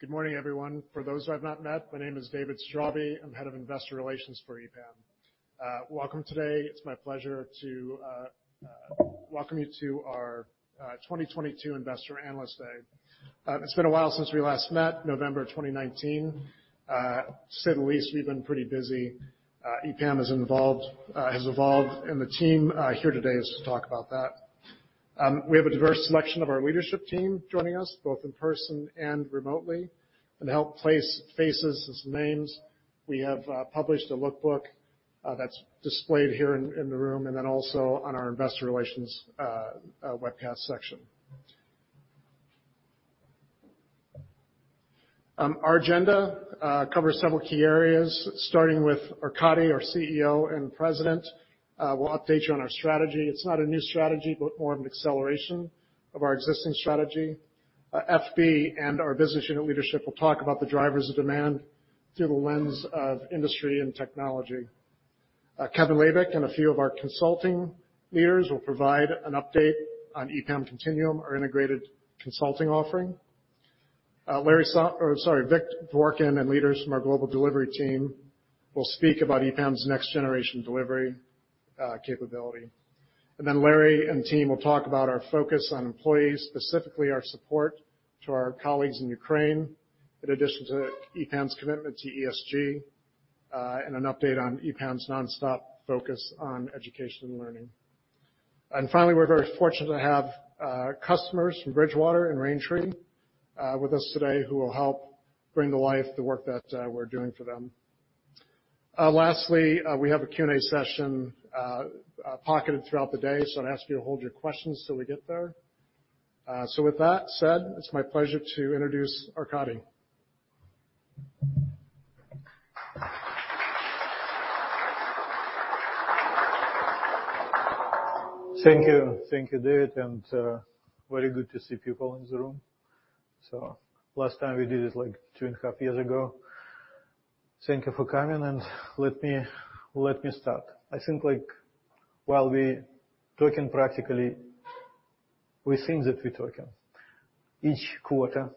Good morning, everyone. For those who I've not met, my name is David Straube. I'm Head of Investor Relations for EPAM. Welcome today. It's my pleasure to welcome you to our 2022 Investor Analyst Day. It's been a while since we last met, November 2019. To say the least, we've been pretty busy. EPAM has evolved, and the team here today is to talk about that. We have a diverse selection of our leadership team joining us both in person and remotely. To help place faces with names, we have published a look book that's displayed here in the room and then also on our investor relations webcast section. Our agenda covers several key areas, starting with Arkadiy, our CEO and President, will update you on our strategy. It's not a new strategy, but more of an acceleration of our existing strategy. Epi and our business unit leadership will talk about the drivers of demand through the lens of industry and technology. Kevin Labick and a few of our consulting leaders will provide an update on EPAM Continuum, our integrated consulting offering. Victor Dvorkin and leaders from our global delivery team will speak about EPAM's next generation delivery capability. Larry and team will talk about our focus on employees, specifically our support to our colleagues in Ukraine, in addition to EPAM's commitment to ESG, and an update on EPAM's nonstop focus on education and learning. Finally, we're very fortunate to have customers from Bridgewater and Raintree with us today who will help bring to life the work that we're doing for them. Lastly, we have a Q&A session pocketed throughout the day, so I'd ask you to hold your questions till we get there. With that said, it's my pleasure to introduce Arkadiy. Thank you. Thank you, David, and very good to see people in the room. Last time we did it like two and a half years ago. Thank you for coming, and let me start. I think like while we talking practically, we think that we're talking each quarter,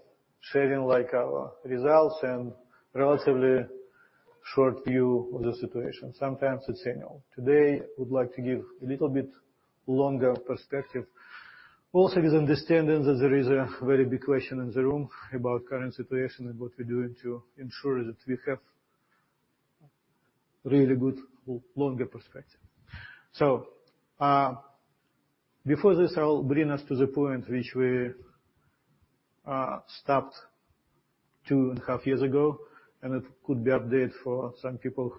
sharing like our results and relatively short view of the situation. Sometimes it's annual. Today, I would like to give a little bit longer perspective. Also with understanding that there is a very big question in the room about current situation and what we're doing to ensure that we have really good longer perspective. Before this, I'll bring us to the point which we stopped two and a half years ago, and it could be update for some people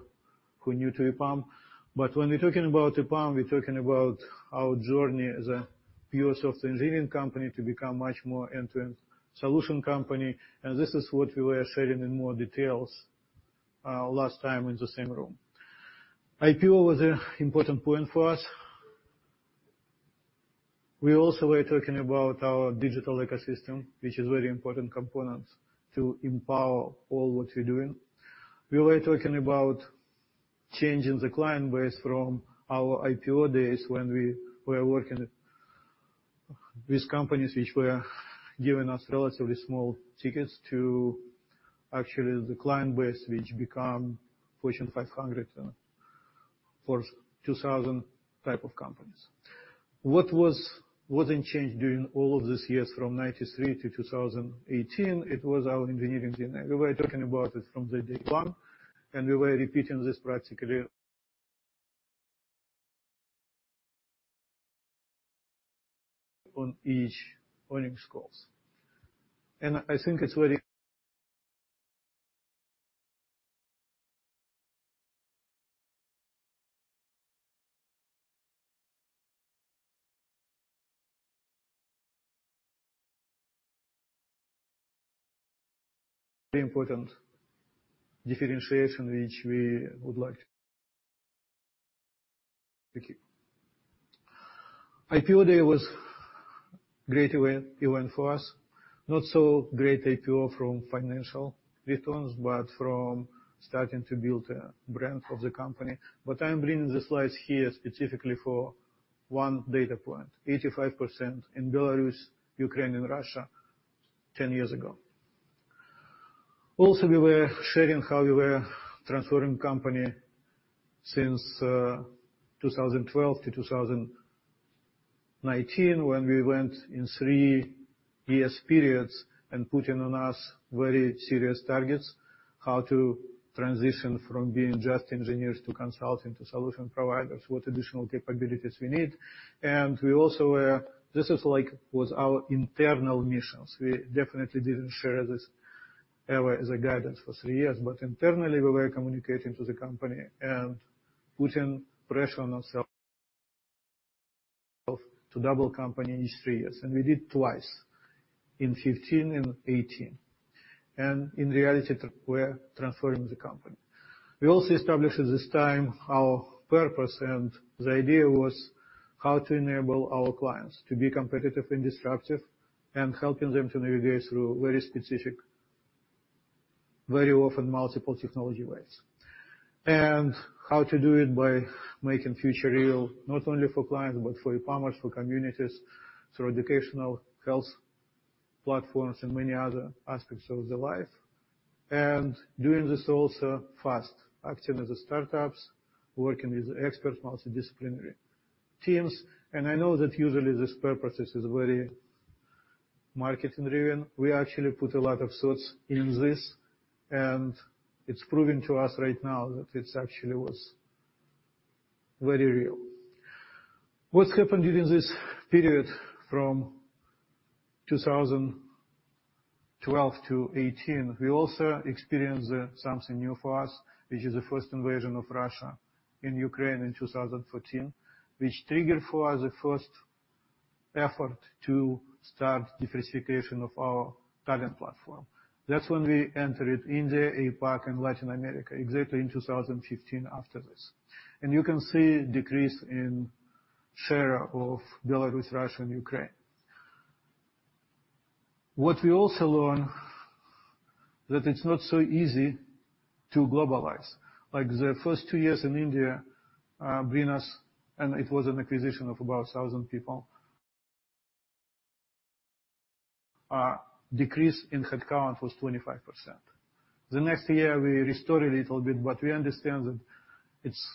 who are new to EPAM. When we're talking about EPAM, we're talking about our journey as a pure software engineering company to become much more end-to-end solution company. This is what we were sharing in more details last time in the same room. IPO was an important point for us. We also were talking about our digital ecosystem, which is very important components to empower all what we're doing. We were talking about changing the client base from our IPO days when we were working with companies which were giving us relatively small tickets to actually the client base which become Fortune 500 for 2000 type of companies. What wasn't changed during all of these years from 1993 to 2018, it was our engineering DNA. We were talking about it from day one, and we were repeating this practically on each earnings calls. I think it's very important differentiation, which we would like to keep. IPO day was great event for us. Not so great IPO from financial returns, but from starting to build a brand for the company. I'm bringing the slides here specifically for one data point, 85% in Belarus, Ukraine, and Russia 10 years ago. Also, we were sharing how we were transforming company since 2012 to 2019 when we went in three-year periods and putting on us very serious targets, how to transition from being just engineers to consulting to solution providers, what additional capabilities we need. This is like was our internal missions. We definitely didn't share this ever as a guidance for three years, but internally, we were communicating to the company and putting pressure on ourselves to double company in just three years. We did twice in 2015 and 2018. In reality, we're transforming the company. We also established at this time our purpose, and the idea was how to enable our clients to be competitive and disruptive and helping them to navigate through very specific. Very often multiple technology ways. How to do it by making future real, not only for clients, but for e-commerce, for communities, through educational health platforms, and many other aspects of their life. Doing this also fast, acting as a startups, working with expert multidisciplinary teams. I know that usually this purpose is very market-driven. We actually put a lot of thoughts in this, and it's proving to us right now that it's actually was very real. What's happened during this period from 2012 to 2018, we also experienced something new for us, which is the first Russian invasion of Ukraine in 2014, which triggered for us the first effort to start diversification of our talent platform. That's when we entered India, APAC, and Latin America, exactly in 2015 after this. You can see decrease in share of Belarus, Russia, and Ukraine. What we also learn that it's not so easy to globalize. Like the first two years in India, bring us, and it was an acquisition of about 1,000 people. Decrease in headcount was 25%. The next year we restored a little bit, but we understand that it's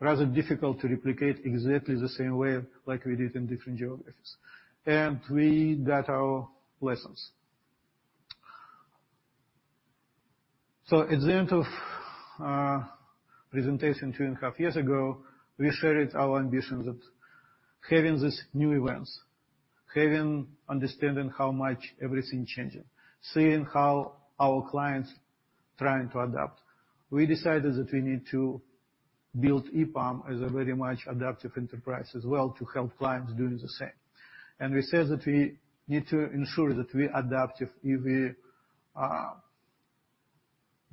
rather difficult to replicate exactly the same way like we did in different geographies. We got our lessons. At the end of presentation two and a half years ago, we shared our ambitions that having these new events, having understanding how much everything changing, seeing how our clients trying to adapt, we decided that we need to build EPAM as a very much adaptive enterprise as well to help clients doing the same. We said that we need to ensure that we adaptive if we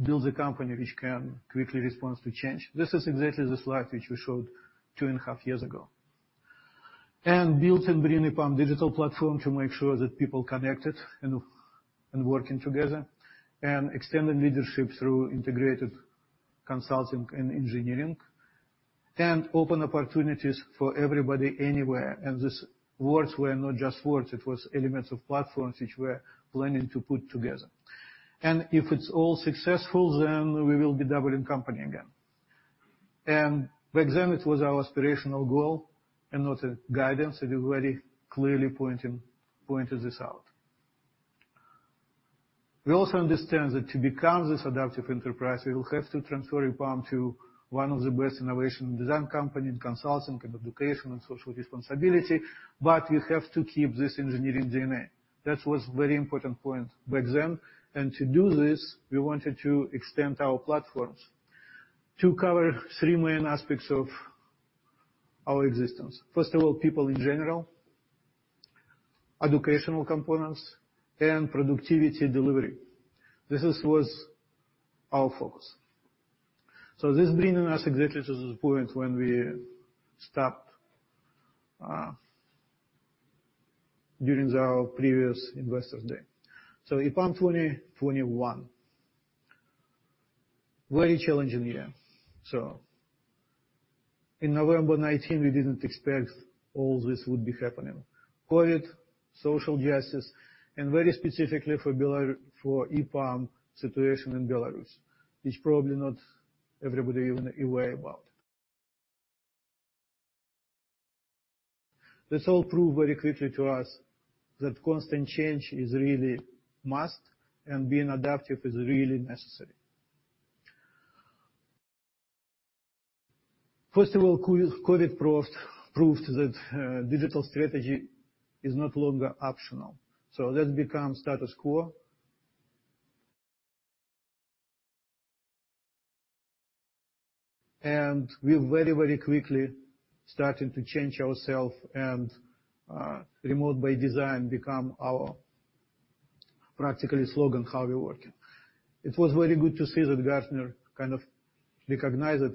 build a company which can quickly responds to change. This is exactly the slide which we showed two and a half years ago. Built and bring EPAM digital platform to make sure that people connected and working together, and extending leadership through integrated consulting and engineering, and open opportunities for everybody anywhere. These words were not just words, it was elements of platforms which we're planning to put together. If it's all successful, then we will be doubling company again. Back then it was our aspirational goal and not a guidance, it is very clearly pointing, pointed this out. We also understand that to become this adaptive enterprise, we will have to transform EPAM to one of the best innovation design company in consulting, and education, and social responsibility, but you have to keep this engineering DNA. That was very important point back then. To do this, we wanted to extend our platforms to cover three main aspects of our existence. First of all, people in general, educational components, and productivity delivery. This was our focus. This bringing us exactly to the point when we stopped during our previous Investors' Day. EPAM 2021. Very challenging year. In November 2019, we didn't expect all this would be happening. COVID, social justice, and very specifically for EPAM, situation in Belarus, which probably not everybody even aware about. This all proved very quickly to us that constant change is really must, and being adaptive is really necessary. First of all, COVID proved that digital strategy is no longer optional. That become status quo. We very, very quickly starting to change ourself and remote by design become our practically slogan, how we working. It was very good to see that Gartner kind of recognized it,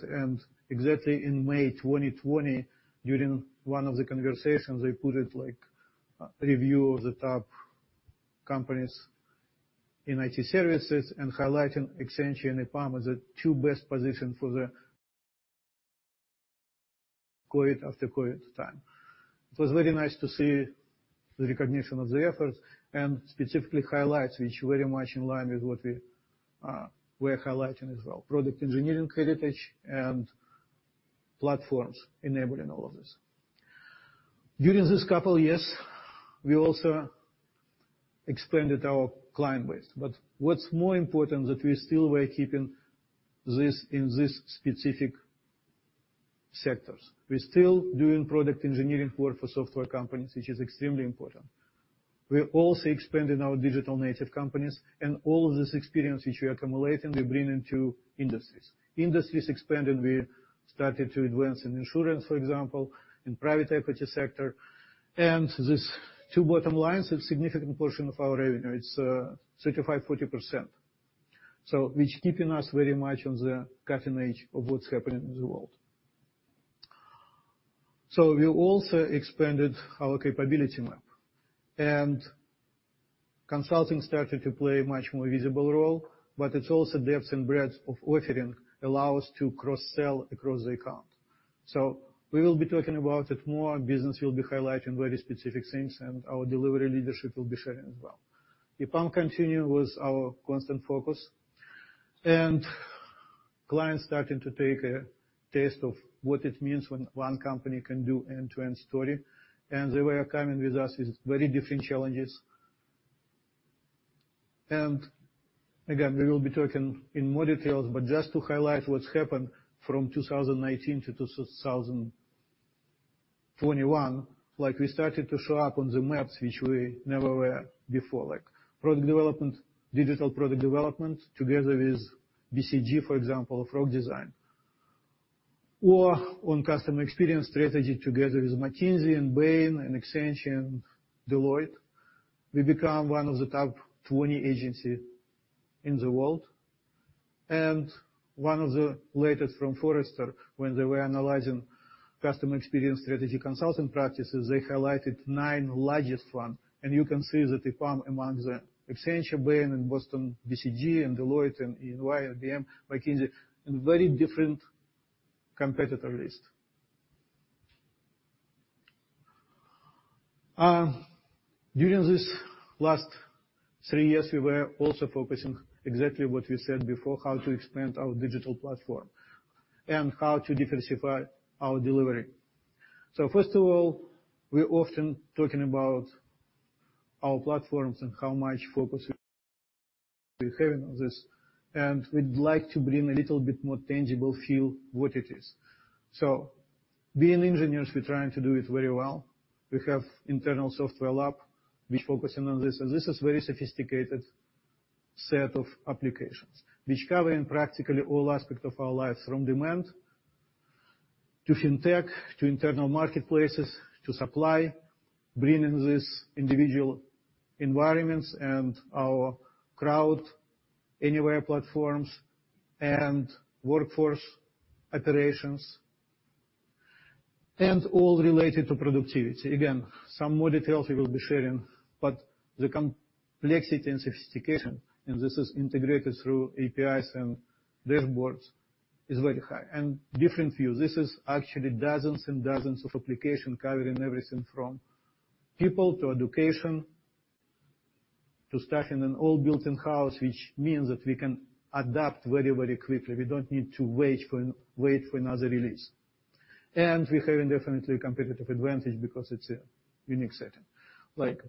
and exactly in May 2020 during one of the conversations, they put it like, review of the top companies in IT services and highlighting Accenture and EPAM as the two best positioned for the COVID after COVID time. It was very nice to see the recognition of the efforts and specifically highlights, which very much in line with what we're highlighting as well, product engineering heritage and platforms enabling all of this. During this couple years, we also expanded our client base, but what's more important that we still were keeping this in these specific sectors. We're still doing product engineering work for software companies, which is extremely important. We're also expanding our digital-native companies and all of this experience which we're accumulating, we bring into industries. Industries expanded, we started to advance in insurance, for example, in private equity sector. These two bottom lines is significant portion of our revenue. It's 35%-40%. Which keeping us very much on the cutting edge of what's happening in the world. We also expanded our capability map and consulting started to play a much more visible role, but it's also depth and breadth of offering allow us to cross-sell across the account. We will be talking about it more. Business will be highlighting very specific things, and our delivery leadership will be sharing as well. EPAM Continuum with our constant focus and clients starting to take a taste of what it means when one company can do end-to-end story. They were coming with us with very different challenges. Again, we will be talking in more details, but just to highlight what's happened from 2018 to 2021, like, we started to show up on the maps, which we never were before. Like product development, digital product development together with BCG, for example, frog design or on customer experience strategy together with McKinsey and Bain and Accenture and Deloitte. We become one of the top 20 agency in the world. One of the latest from Forrester when they were analyzing customer experience strategy consulting practices, they highlighted nine largest one. You can see that EPAM among the Accenture, Bain, BCG and Deloitte and EY, IBM, McKinsey in very different competitor list. During this last three years, we were also focusing exactly what we said before, how to expand our digital platform and how to diversify our delivery. First of all, we're often talking about our platforms and how much focus we're having on this, and we'd like to bring a little bit more tangible feel what it is. Being engineers, we're trying to do it very well. We have internal software lab. We're focusing on this, and this is very sophisticated set of applications which cover in practically all aspects of our lives, from demand to fintech to internal marketplaces to supply, bringing this individual environments and our crowd anywhere platforms and workforce operations and all related to productivity. Again, some more details we will be sharing, but the complexity and sophistication, and this is integrated through APIs and dashboards, is very high. Different view. This is actually dozens and dozens of applications covering everything from people to education to staffing and all built in-house, which means that we can adapt very, very quickly. We don't need to wait for another release. We're having definitely a competitive advantage because it's a unique setting. Like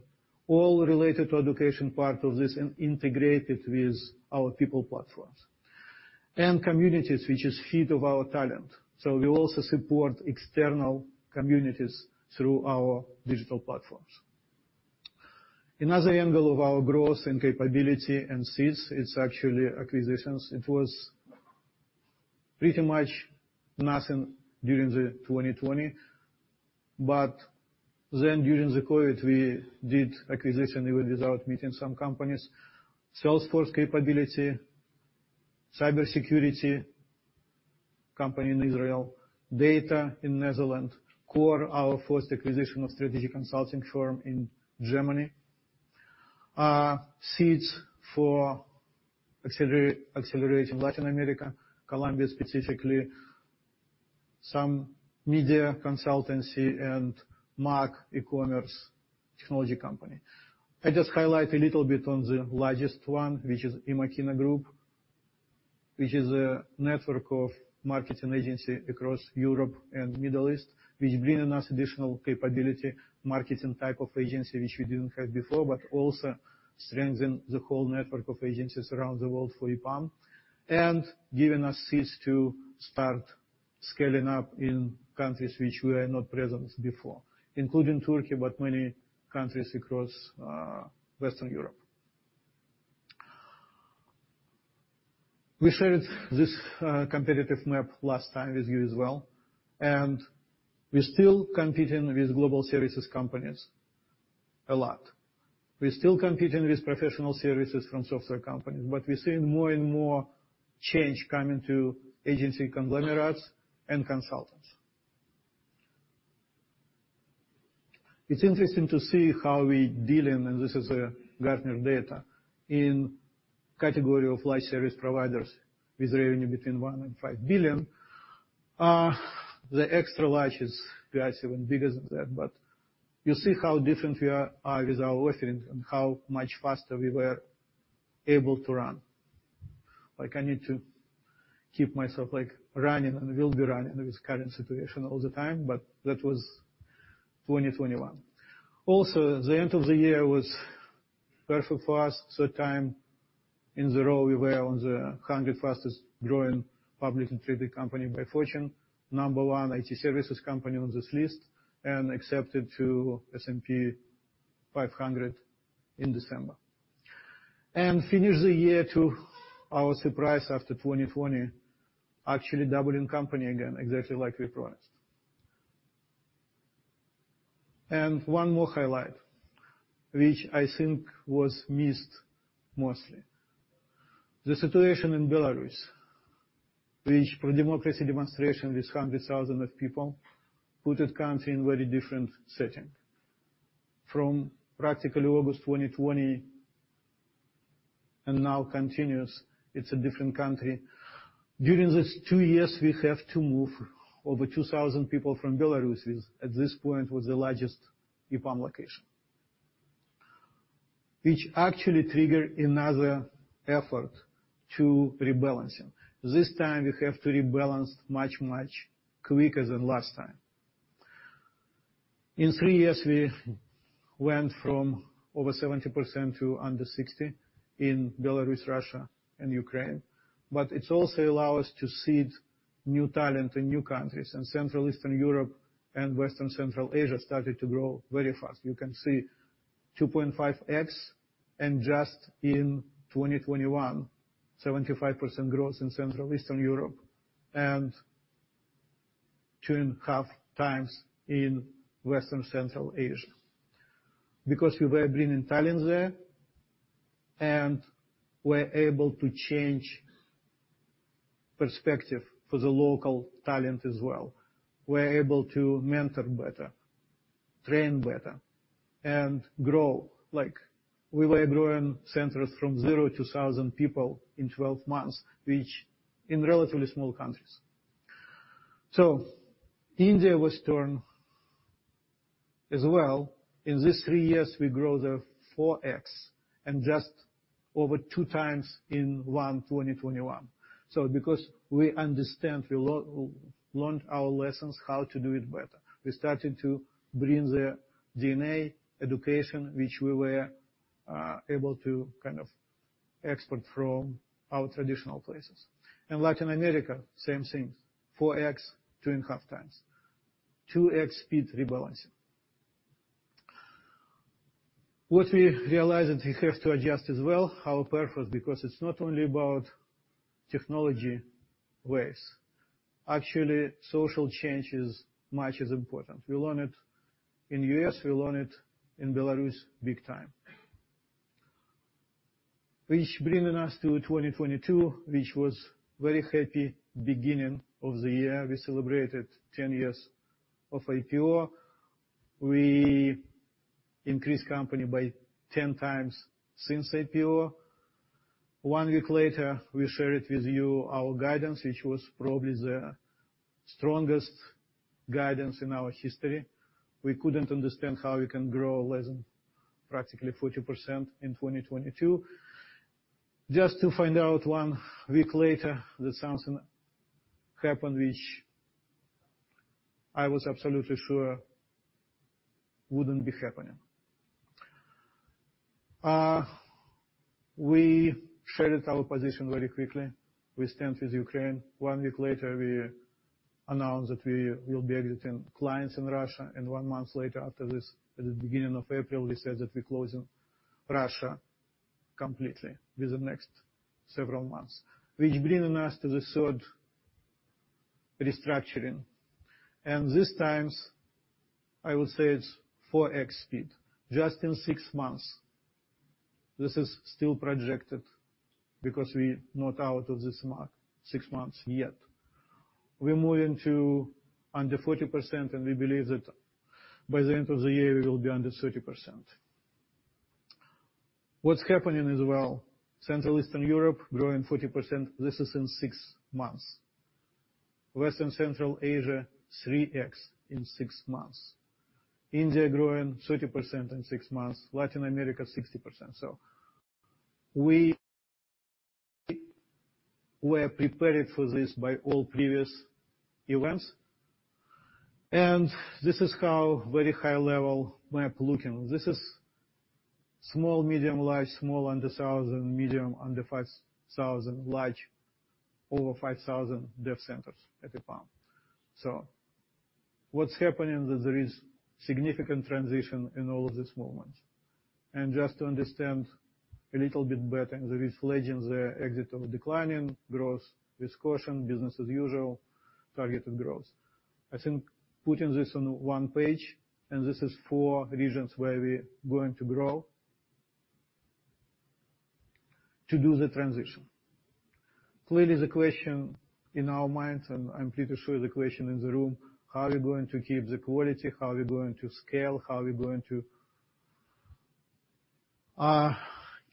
all related to the education part of this and integrated with our people platforms. Communities which is the feed of our talent. We also support external communities through our digital platforms. Another angle of our growth and capability and these is actually acquisitions. It was pretty much nothing during 2020, but then during COVID, we did acquisitions even without meeting some companies. Salesforce capability, cybersecurity company in Israel, Data in Netherlands, Core, our first acquisition of strategy consulting firm in Germany, seeds for accelerate, accelerating Latin America, Colombia specifically, some media consultancy and marketing e-commerce technology company. I just highlight a little bit on the largest one, which is Emakina Group, which is a network of marketing agency across Europe and Middle East, which bringing us additional capability, marketing type of agency which we didn't have before, but also strengthen the whole network of agencies around the world for EPAM and giving us seeds to start scaling up in countries which we are not present before, including Turkey, but many countries across Western Europe. We shared this competitive map last time with you as well, and we're still competing with global services companies a lot. We're still competing with professional services from software companies, but we're seeing more and more change coming to agency conglomerates and consultants. It's interesting to see how we're dealing, and this is a Gartner data in category of live service providers with revenue between $1 billion and $5 billion. The extra large is PwC, even bigger than that. You see how different we are with our offerings and how much faster we were able to run. Like, I need to keep myself, like, running and we'll be running with current situation all the time, but that was 2021. Also, the end of the year was very fast. Third time in a row we were on the 100 fastest growing public and private company by Fortune. Number one IT services company on this list and accepted to S&P 500 in December. We finished the year, to our surprise, after 2020 actually doubling company again, exactly like we promised. One more highlight, which I think was missed mostly. The situation in Belarus, which pro-democracy demonstration with 100,000 of people put the country in very different setting. From practically August 2020 and now continues, it's a different country. During these two years, we have to move over 2,000 people from Belarus, which at this point was the largest EPAM location. Which actually trigger another effort to rebalancing. This time we have to rebalance much, much quicker than last time. In three years, we went from over 70% to under 60% in Belarus, Russia, and Ukraine, but it's also allow us to seed new talent in new countries. Central Eastern Europe and Western Central Asia started to grow very fast. You can see 2.5x and just in 2021, 75% growth in Central Eastern Europe and 2.5 times in Western Central Asia. Because we were bringing talent there, and we're able to change perspective for the local talent as well. We're able to mentor better, train better, and grow. Like we were growing centers from zero to 1,000 people in 12 months, which in relatively small countries. India was turn as well. In these three years, we grow the 4x and just over two times in 2021. Because we understand, we learned our lessons how to do it better, we started to bring the DNA education, which we were able to kind of export from our traditional places. In Latin America, same thing, 4x, 2.5 times. 2x speed rebalancing. What we realized that we have to adjust as well, how purpose, because it's not only about technology ways. Actually, social change is much as important. We learn it in U.S., we learn it in Belarus big time. Which bringing us to 2022, which was very happy beginning of the year. We celebrated 10 years of IPO. We increased company by 10 times since IPO. One week later, we share it with you our guidance, which was probably the strongest guidance in our history. We couldn't understand how we can grow less than practically 40% in 2022. Just to find out one week later that something happened, which I was absolutely sure wouldn't be happening. We shared our position very quickly. We stand with Ukraine. One week later, we announced that we will be exiting clients in Russia, and one month later after this, at the beginning of April, we said that we're closing Russia completely with the next several months. Bringing us to the third restructuring. This time, I will say it's 4x speed. Just in six months, this is still projected because we're not out of this mark six months yet. We're moving to under 40%, and we believe that by the end of the year, we will be under 30%. What's happening as well, Central and Eastern Europe growing 40%. This is in six months. Western Central Asia, 3x in six months. India growing 30% in six months. Latin America, 60%. We were prepared for this by all previous events. This is how very high-level map looking. This is small, medium, large, small under 1,000, medium under 5,000, large over 5,000 dev centers at EPAM. What's happening is there is significant transition in all of these movements. Just to understand a little bit better, there is legends there, exit of declining growth, risk caution, business as usual, targeted growth. I think putting this on one page, and this is 4 regions where we're going to grow to do the transition. Clearly, the question in our minds, and I'm pretty sure the question in the room, how we're going to keep the quality, how we're going to scale, how we're going to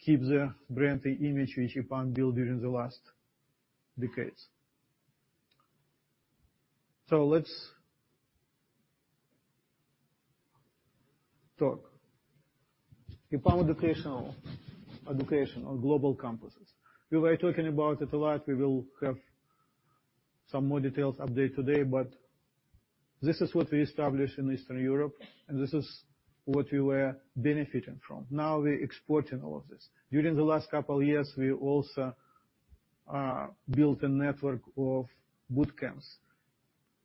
keep the brand, the image which EPAM built during the last decades. Let's talk. EPAM Global Campus. We were talking about it a lot. We will have some more details update today, but this is what we established in Eastern Europe, and this is what we were benefiting from. Now we're exporting all of this. During the last couple years, we also built a network of boot camps.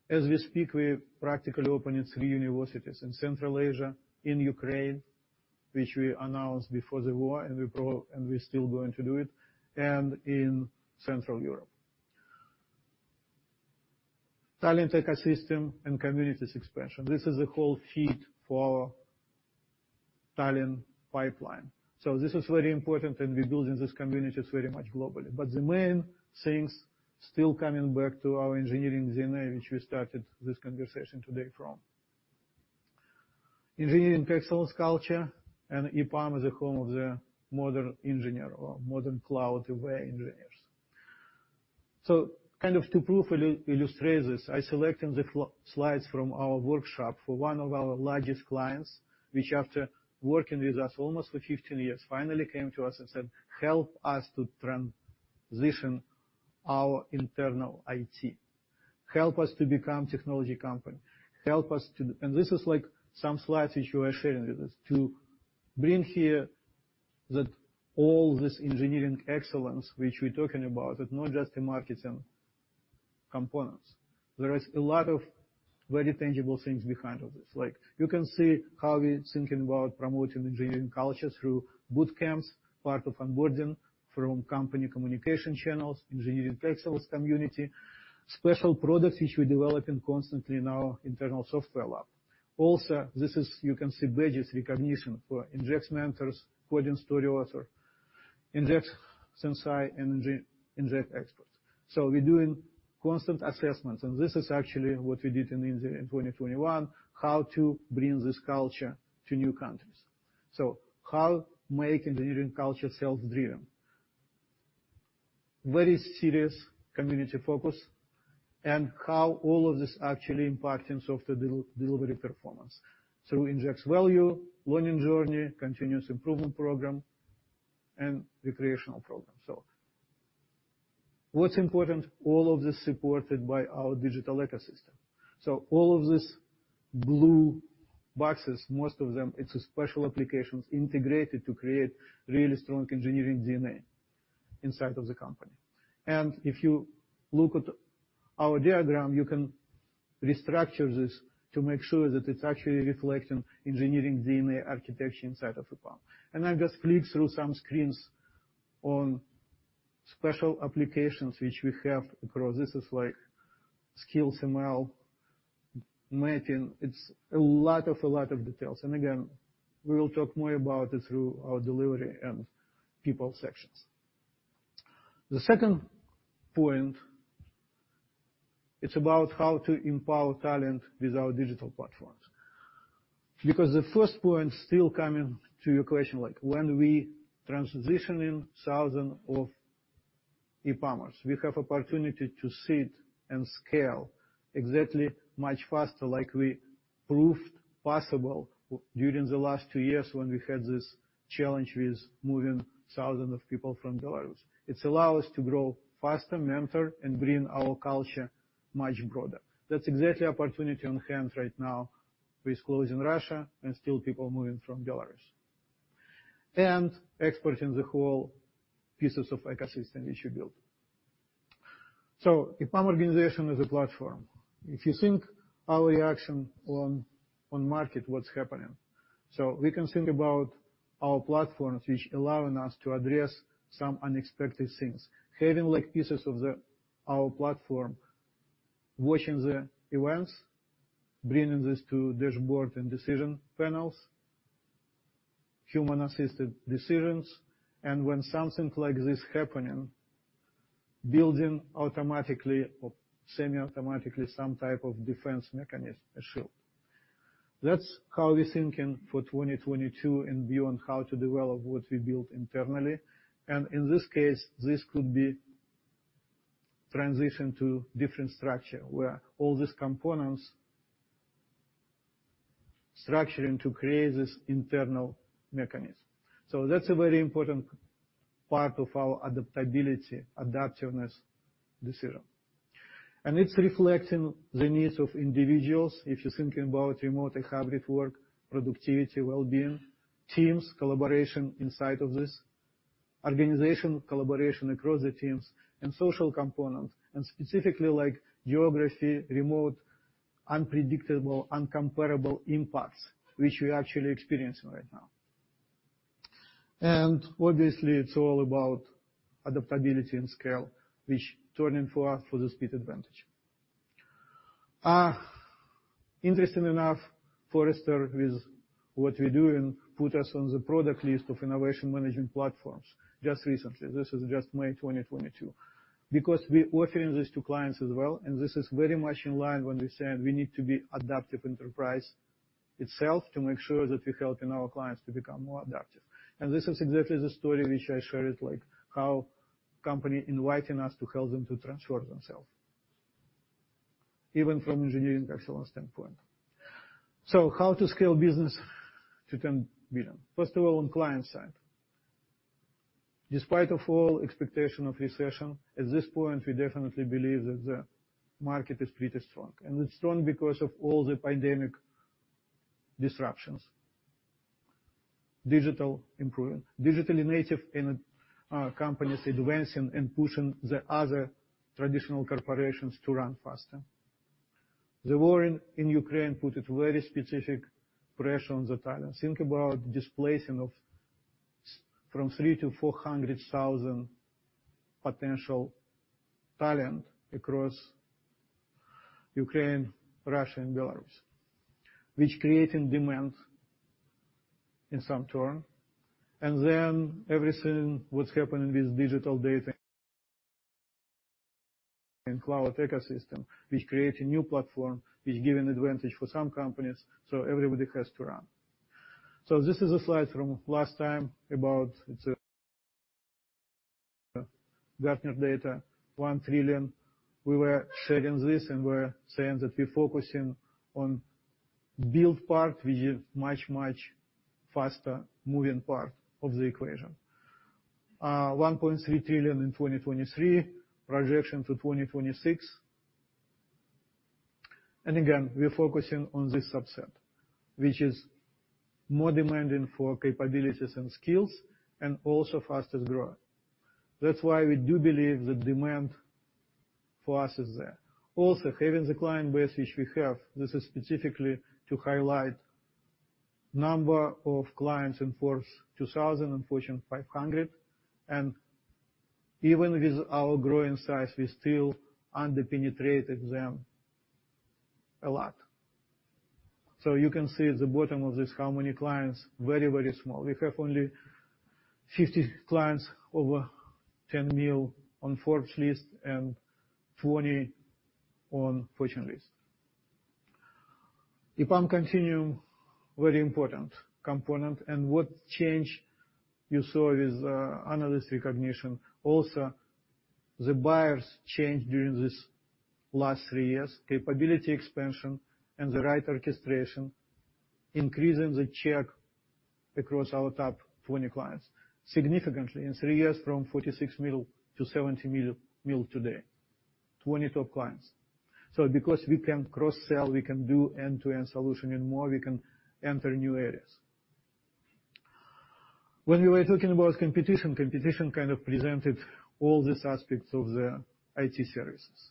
As we speak, we've practically opened three universities in Central Asia, in Ukraine, which we announced before the war, and we're still going to do it, and in Central Europe. Talent ecosystem and communities expansion. This is a whole feed for talent pipeline. This is very important, and we building these communities very much globally. The main things still coming back to our engineering DNA, which we started this conversation today from. Engineering excellence culture and EPAM is the home of the modern engineer or modern cloud-aware engineers. Kind of to prove, illustrate this, I selected the slides from our workshop for one of our largest clients, which after working with us almost for 15 years, finally came to us and said, "Help us to transition our internal IT. Help us to become technology company. Help us to..." This is like some slides which we are sharing with you to bring here that all this engineering excellence which we're talking about is not just the marketing components. There is a lot of very tangible things behind all this. Like, you can see how we're thinking about promoting engineering culture through boot camps, part of onboarding from company communication channels, engineering excellence community. Special products which we're developing constantly in our internal software lab. Also, this is. You can see badges recognition for EngX mentors, coding story author, EngX sensei, EngX experts. We're doing constant assessments, and this is actually what we did in 2021, how to bring this culture to new countries. How make engineering culture self-driven. Very serious community focus, and how all of this actually impacting software delivery performance through EngX Value, Learning Journey, Continuous Improvement program, and recreational program. What's important, all of this supported by our digital ecosystem. All of these blue boxes, most of them, it's special applications integrated to create really strong engineering DNA inside of the company. If you look at our diagram, you can restructure this to make sure that it's actually reflecting engineering DNA architecture inside of EPAM. I just flip through some screens on special applications which we have across. This is like skills ML matching. It's a lot of details. Again, we will talk more about it through our delivery and people sections. The second point, it's about how to empower talent with our digital platforms. Because the first point still coming to your question, like, when we transitioning thousand of EPAMers, we have opportunity to sit and scale exactly much faster, like we proved possible during the last two years when we had this challenge with moving thousands of people from Belarus. It allow us to grow faster, mentor, and bring our culture much broader. That's exactly opportunity on hand right now with closing Russia and still people moving from Belarus. Exporting the whole pieces of ecosystem which we built. EPAM organization is a platform. If you think our reaction on market, what's happening. We can think about our platforms which allowing us to address some unexpected things. Having like pieces of the our platform, watching the events, bringing this to dashboard and decision panels, human-assisted decisions. When something like this happening, building automatically or semi-automatically some type of defense mechanism. That's how we're thinking for 2022 and beyond, how to develop what we built internally. In this case, this could be transition to different structure where all these components structuring to create this internal mechanism. That's a very important part of our adaptability, adaptiveness decision. It's reflecting the needs of individuals. If you're thinking about remote and hybrid work, productivity, well-being, teams, collaboration inside of this organization collaboration across the teams and social components, and specifically like geography, remote, unpredictable, incomparable impacts which we're actually experiencing right now. Obviously, it's all about adaptability and scale, which turning for the speed advantage. Interesting enough, Forrester, with what we're doing, put us on the product list of innovation management platforms just recently. This is just May 2022. Because we're offering this to clients as well, and this is very much in line when we say we need to be adaptive enterprise itself to make sure that we're helping our clients to become more adaptive. This is exactly the story which I shared, like how company inviting us to help them to transform themselves, even from engineering excellence standpoint. How to scale business to 10 billion. First of all, on client side. Despite of all expectation of recession, at this point, we definitely believe that the market is pretty strong, and it's strong because of all the pandemic disruptions. Digital improving. Digitally native and companies advancing and pushing the other traditional corporations to run faster. The war in Ukraine put a very specific pressure on the talent. Think about displacing from 300,000 to 400,000 potential talent across Ukraine, Russia, and Belarus, which creating demand in some turn. Everything, what's happening with digital data and cloud ecosystem, which create a new platform, which give an advantage for some companies, so everybody has to run. This is a slide from last time about the Gartner data, $1 trillion. We were sharing this and we're saying that we're focusing on build part which is much, much faster moving part of the equation. $1.3 trillion in 2023, projection to 2026. Again, we're focusing on this subset, which is more demanding for capabilities and skills, and also fastest growth. That's why we do believe the demand for us is there. Also, having the client base which we have, this is specifically to highlight number of clients in Forbes Global 2000 and Fortune 500. Even with our growing size, we still under-penetrated them a lot. You can see at the bottom of this, how many clients, very, very small. We have only 50 clients over $10 million on Forbes list and 20 on Fortune list. EPAM Continuum, very important component. What change you saw with analyst recognition. Also, the buyers changed during this last three years. Capability expansion and the right orchestration, increasing the check across our top 20 clients. Significantly in three years from $46 million to $70 million today, 20 top clients. Because we can cross-sell, we can do end-to-end solution and more, we can enter new areas. When we were talking about competition kind of presented all these aspects of the IT services.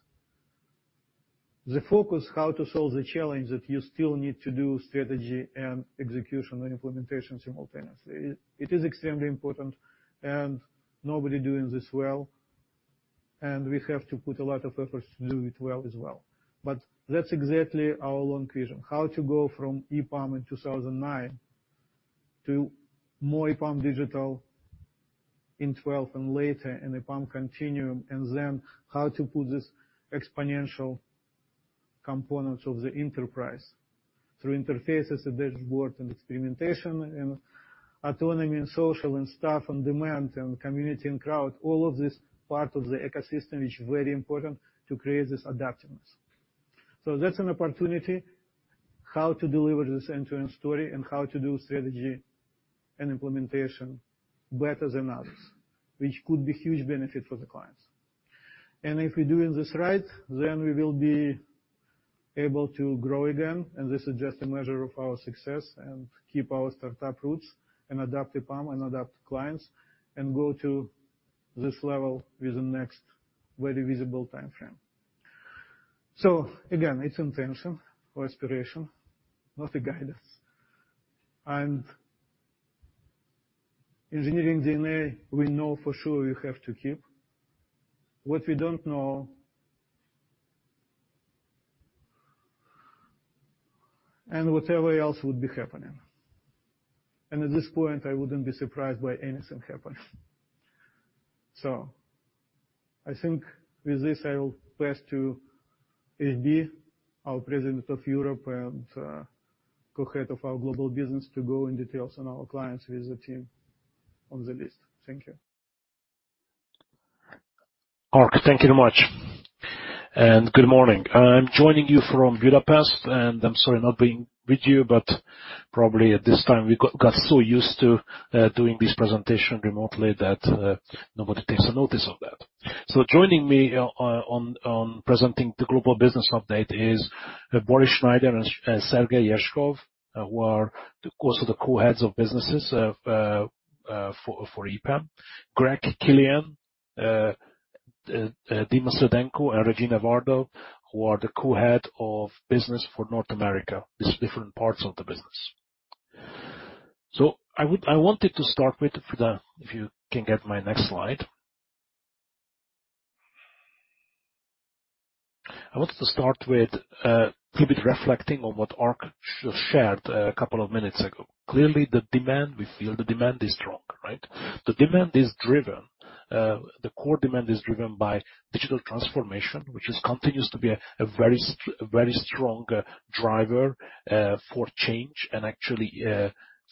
The focus how to solve the challenge that you still need to do strategy and execution and implementation simultaneously. It is extremely important and nobody doing this well, and we have to put a lot of efforts to do it well as well. That's exactly our long vision, how to go from EPAM in 2009 to more EPAM Digital in 2012 and later in EPAM Continuum, and then how to put this exponential components of the enterprise through interfaces, dashboards, and experimentation and autonomy and social and staff and demand and community and crowd. All of this part of the ecosystem is very important to create this adaptiveness. That's an opportunity how to deliver this end-to-end story and how to do strategy and implementation better than others, which could be huge benefit for the clients. If we're doing this right, then we will be able to grow again, and this is just a measure of our success and keep our startup roots and adapt EPAM and adapt clients and go to this level with the next very visible timeframe. Again, it's intention or aspiration, not a guidance. Engineering DNA, we know for sure we have to keep. What we don't know and whatever else would be happening. At this point, I wouldn't be surprised by anything happening. I think with this, I will pass to Fejes, our president of Europe and co-head of our global business to go into details on our clients with the team on the list. Thank you. Ark, thank you very much. Good morning. I'm joining you from Budapest, and I'm sorry not being with you, but probably at this time, we got so used to doing this presentation remotely that nobody takes a notice of that. Joining me on presenting the global business update is Boris Shnayder and Sergey Yezhkov, who are also the co-heads of businesses for EPAM. Greg Killian, Dmytro Seredenko, and Regina Viadro, who are the co-head of business for North America. These different parts of the business. If you can get my next slide. I wanted to start with a little bit reflecting on what Ark just shared a couple of minutes ago. Clearly, the demand, we feel the demand is strong, right? The demand is driven, the core demand is driven by digital transformation, which continues to be a very strong driver for change and actually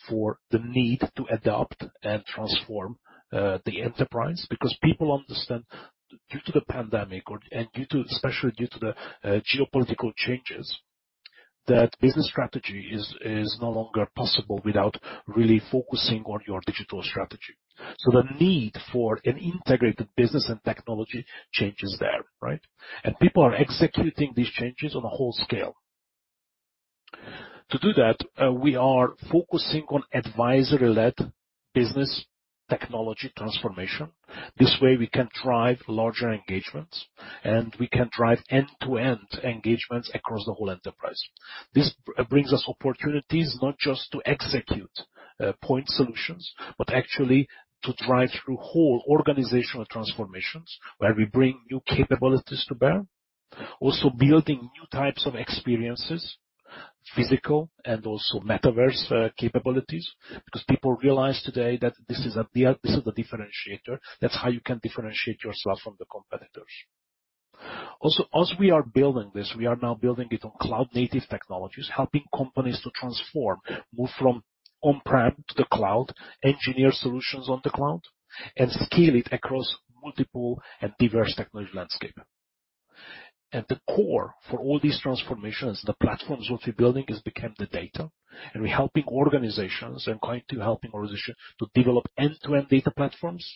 for the need to adapt and transform the enterprise. People understand due to the pandemic and, especially due to the geopolitical changes, that business strategy is no longer possible without really focusing on your digital strategy. The need for an integrated business and technology change is there, right? People are executing these changes on a wholesale scale. To do that, we are focusing on advisory-led business technology transformation. This way we can drive larger engagements, and we can drive end-to-end engagements across the whole enterprise. This brings us opportunities not just to execute point solutions, but actually to drive through whole organizational transformations where we bring new capabilities to bear. Also building new types of experiences, physical and also metaverse capabilities, because people realize today that this is a differentiator. That's how you can differentiate yourself from the competitors. Also, as we are building this, we are now building it on cloud-native technologies, helping companies to transform, move from on-prem to the cloud, engineer solutions on the cloud, and scale it across multiple and diverse technology landscape. At the core for all these transformations, the platforms which we're building has become the data, and we're helping organizations and going to helping organizations to develop end-to-end data platforms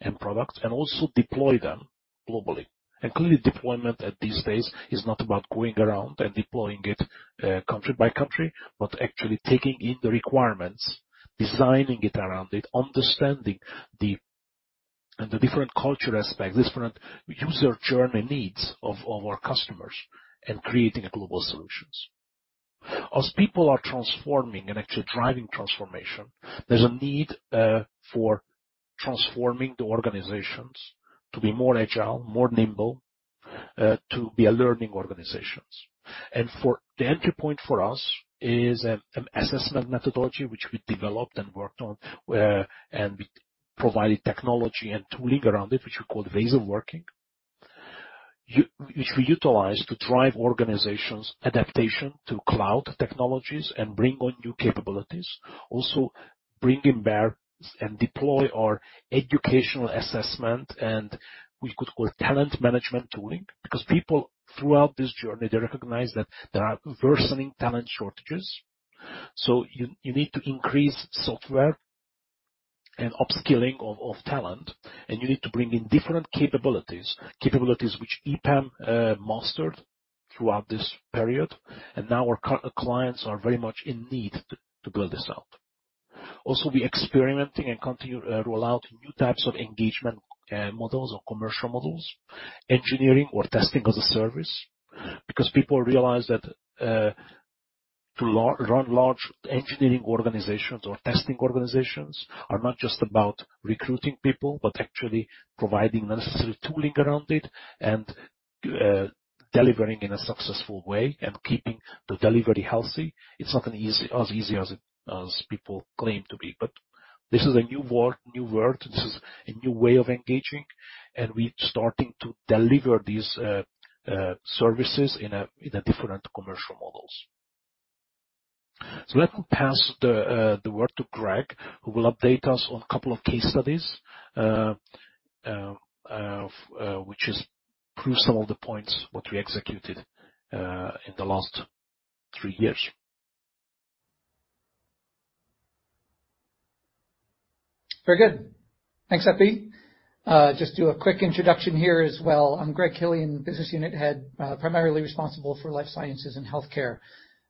and products and also deploy them globally. Clearly, deployment these days is not about going around and deploying it country by country, but actually taking in the requirements, designing it around it, understanding and the different culture aspects, different user journey needs of our customers and creating a global solutions. As people are transforming and actually driving transformation, there's a need for transforming the organizations to be more agile, more nimble to be a learning organizations. The entry point for us is an assessment methodology which we developed and worked on, and we provided technology and tooling around it, which we call ways of working, which we utilize to drive organizations adaptation to cloud technologies and bring on new capabilities. Bring in Bain and deploy our educational assessment, and we could call talent management tooling, because people throughout this journey, they recognize that there are worsening talent shortages. You need to increase in software and upskilling of talent, and you need to bring in different capabilities which EPAM mastered throughout this period. Now our clients are very much in need to build this out. Also, we're experimenting and continuing to roll out new types of engagement models or commercial models, engineering or testing as a service. Because people realize that to run large engineering organizations or testing organizations are not just about recruiting people, but actually providing the necessary tooling around it and delivering in a successful way and keeping the delivery healthy. It's not gonna be as easy as people claim to be. This is a new world. This is a new way of engaging, and we're starting to deliver these services in a different commercial models. Let me pass the word to Greg, who will update us on a couple of case studies of which just proves some of the points what we executed in the last three years. Very good. Thanks, Epi. Just do a quick introduction here as well. I'm Greg Killian, business unit head, primarily responsible for life sciences and healthcare.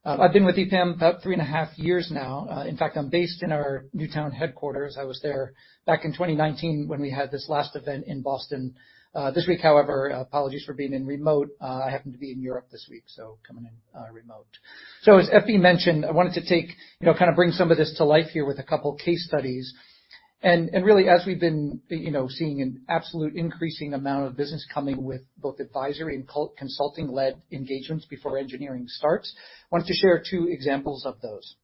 I've been with EPAM about three and a half years now. In fact, I'm based in our Newtown headquarters. I was there back in 2019 when we had this last event in Boston. This week, however, apologies for being in remote. I happen to be in Europe this week, so coming in remote. As Epi mentioned, I wanted to take, you know, kind of bring some of this to life here with a couple of case studies. Really as we've been, you know, seeing an absolute increasing amount of business coming with both advisory and consulting-led engagements before engineering starts, wanted to share two examples of those.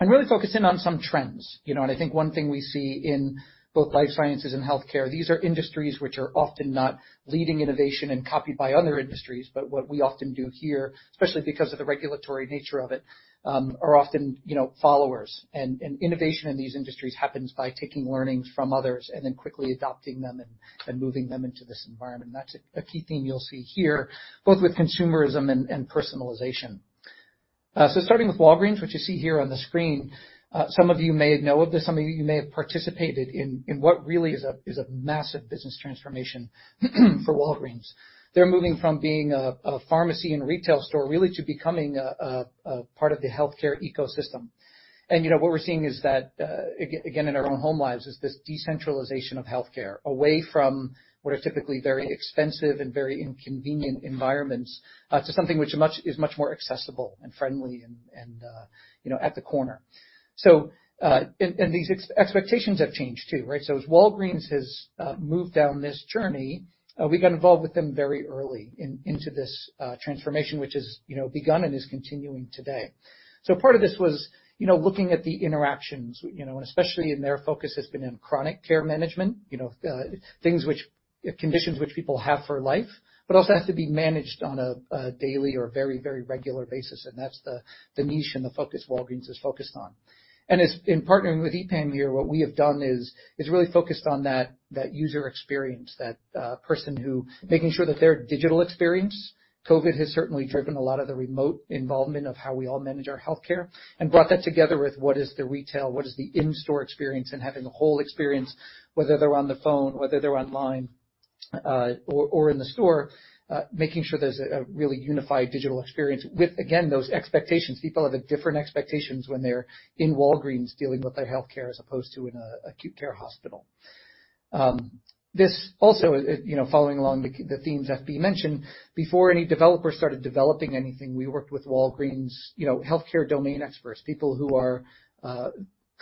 Really focus in on some trends, you know. I think one thing we see in both life sciences and healthcare, these are industries which are often not leading innovation and copied by other industries, but what we often do here, especially because of the regulatory nature of it, are often, you know, followers. Innovation in these industries happens by taking learnings from others and then quickly adopting them and moving them into this environment. That's a key theme you'll see here, both with consumerism and personalization. Starting with Walgreens, which you see here on the screen, some of you may know of this, some of you may have participated in what really is a massive business transformation for Walgreens. They're moving from being a pharmacy and retail store really to becoming a part of the healthcare ecosystem. You know, what we're seeing is that in our own home lives, is this decentralization of healthcare away from what are typically very expensive and very inconvenient environments to something which is much more accessible and friendly and you know, at the corner. These expectations have changed too, right? As Walgreens has moved down this journey, we got involved with them very early into this transformation, which has you know, begun and is continuing today. Part of this was you know, looking at the interactions you know, and especially in their focus has been in chronic care management. You know, things which Conditions which people have for life, but also have to be managed on a daily or very regular basis, and that's the niche and the focus Walgreens is focused on. As in partnering with EPAM here, what we have done is really focused on that user experience, making sure that their digital experience. COVID has certainly driven a lot of the remote involvement of how we all manage our healthcare and brought that together with what is the retail, what is the in-store experience and having the whole experience, whether they're on the phone, whether they're online, or in the store, making sure there's a really unified digital experience with, again, those expectations. People have different expectations when they're in Walgreens dealing with their healthcare as opposed to in an acute care hospital. This also, you know, following along the themes Epi mentioned, before any developers started developing anything, we worked with Walgreens, you know, healthcare domain experts, people who are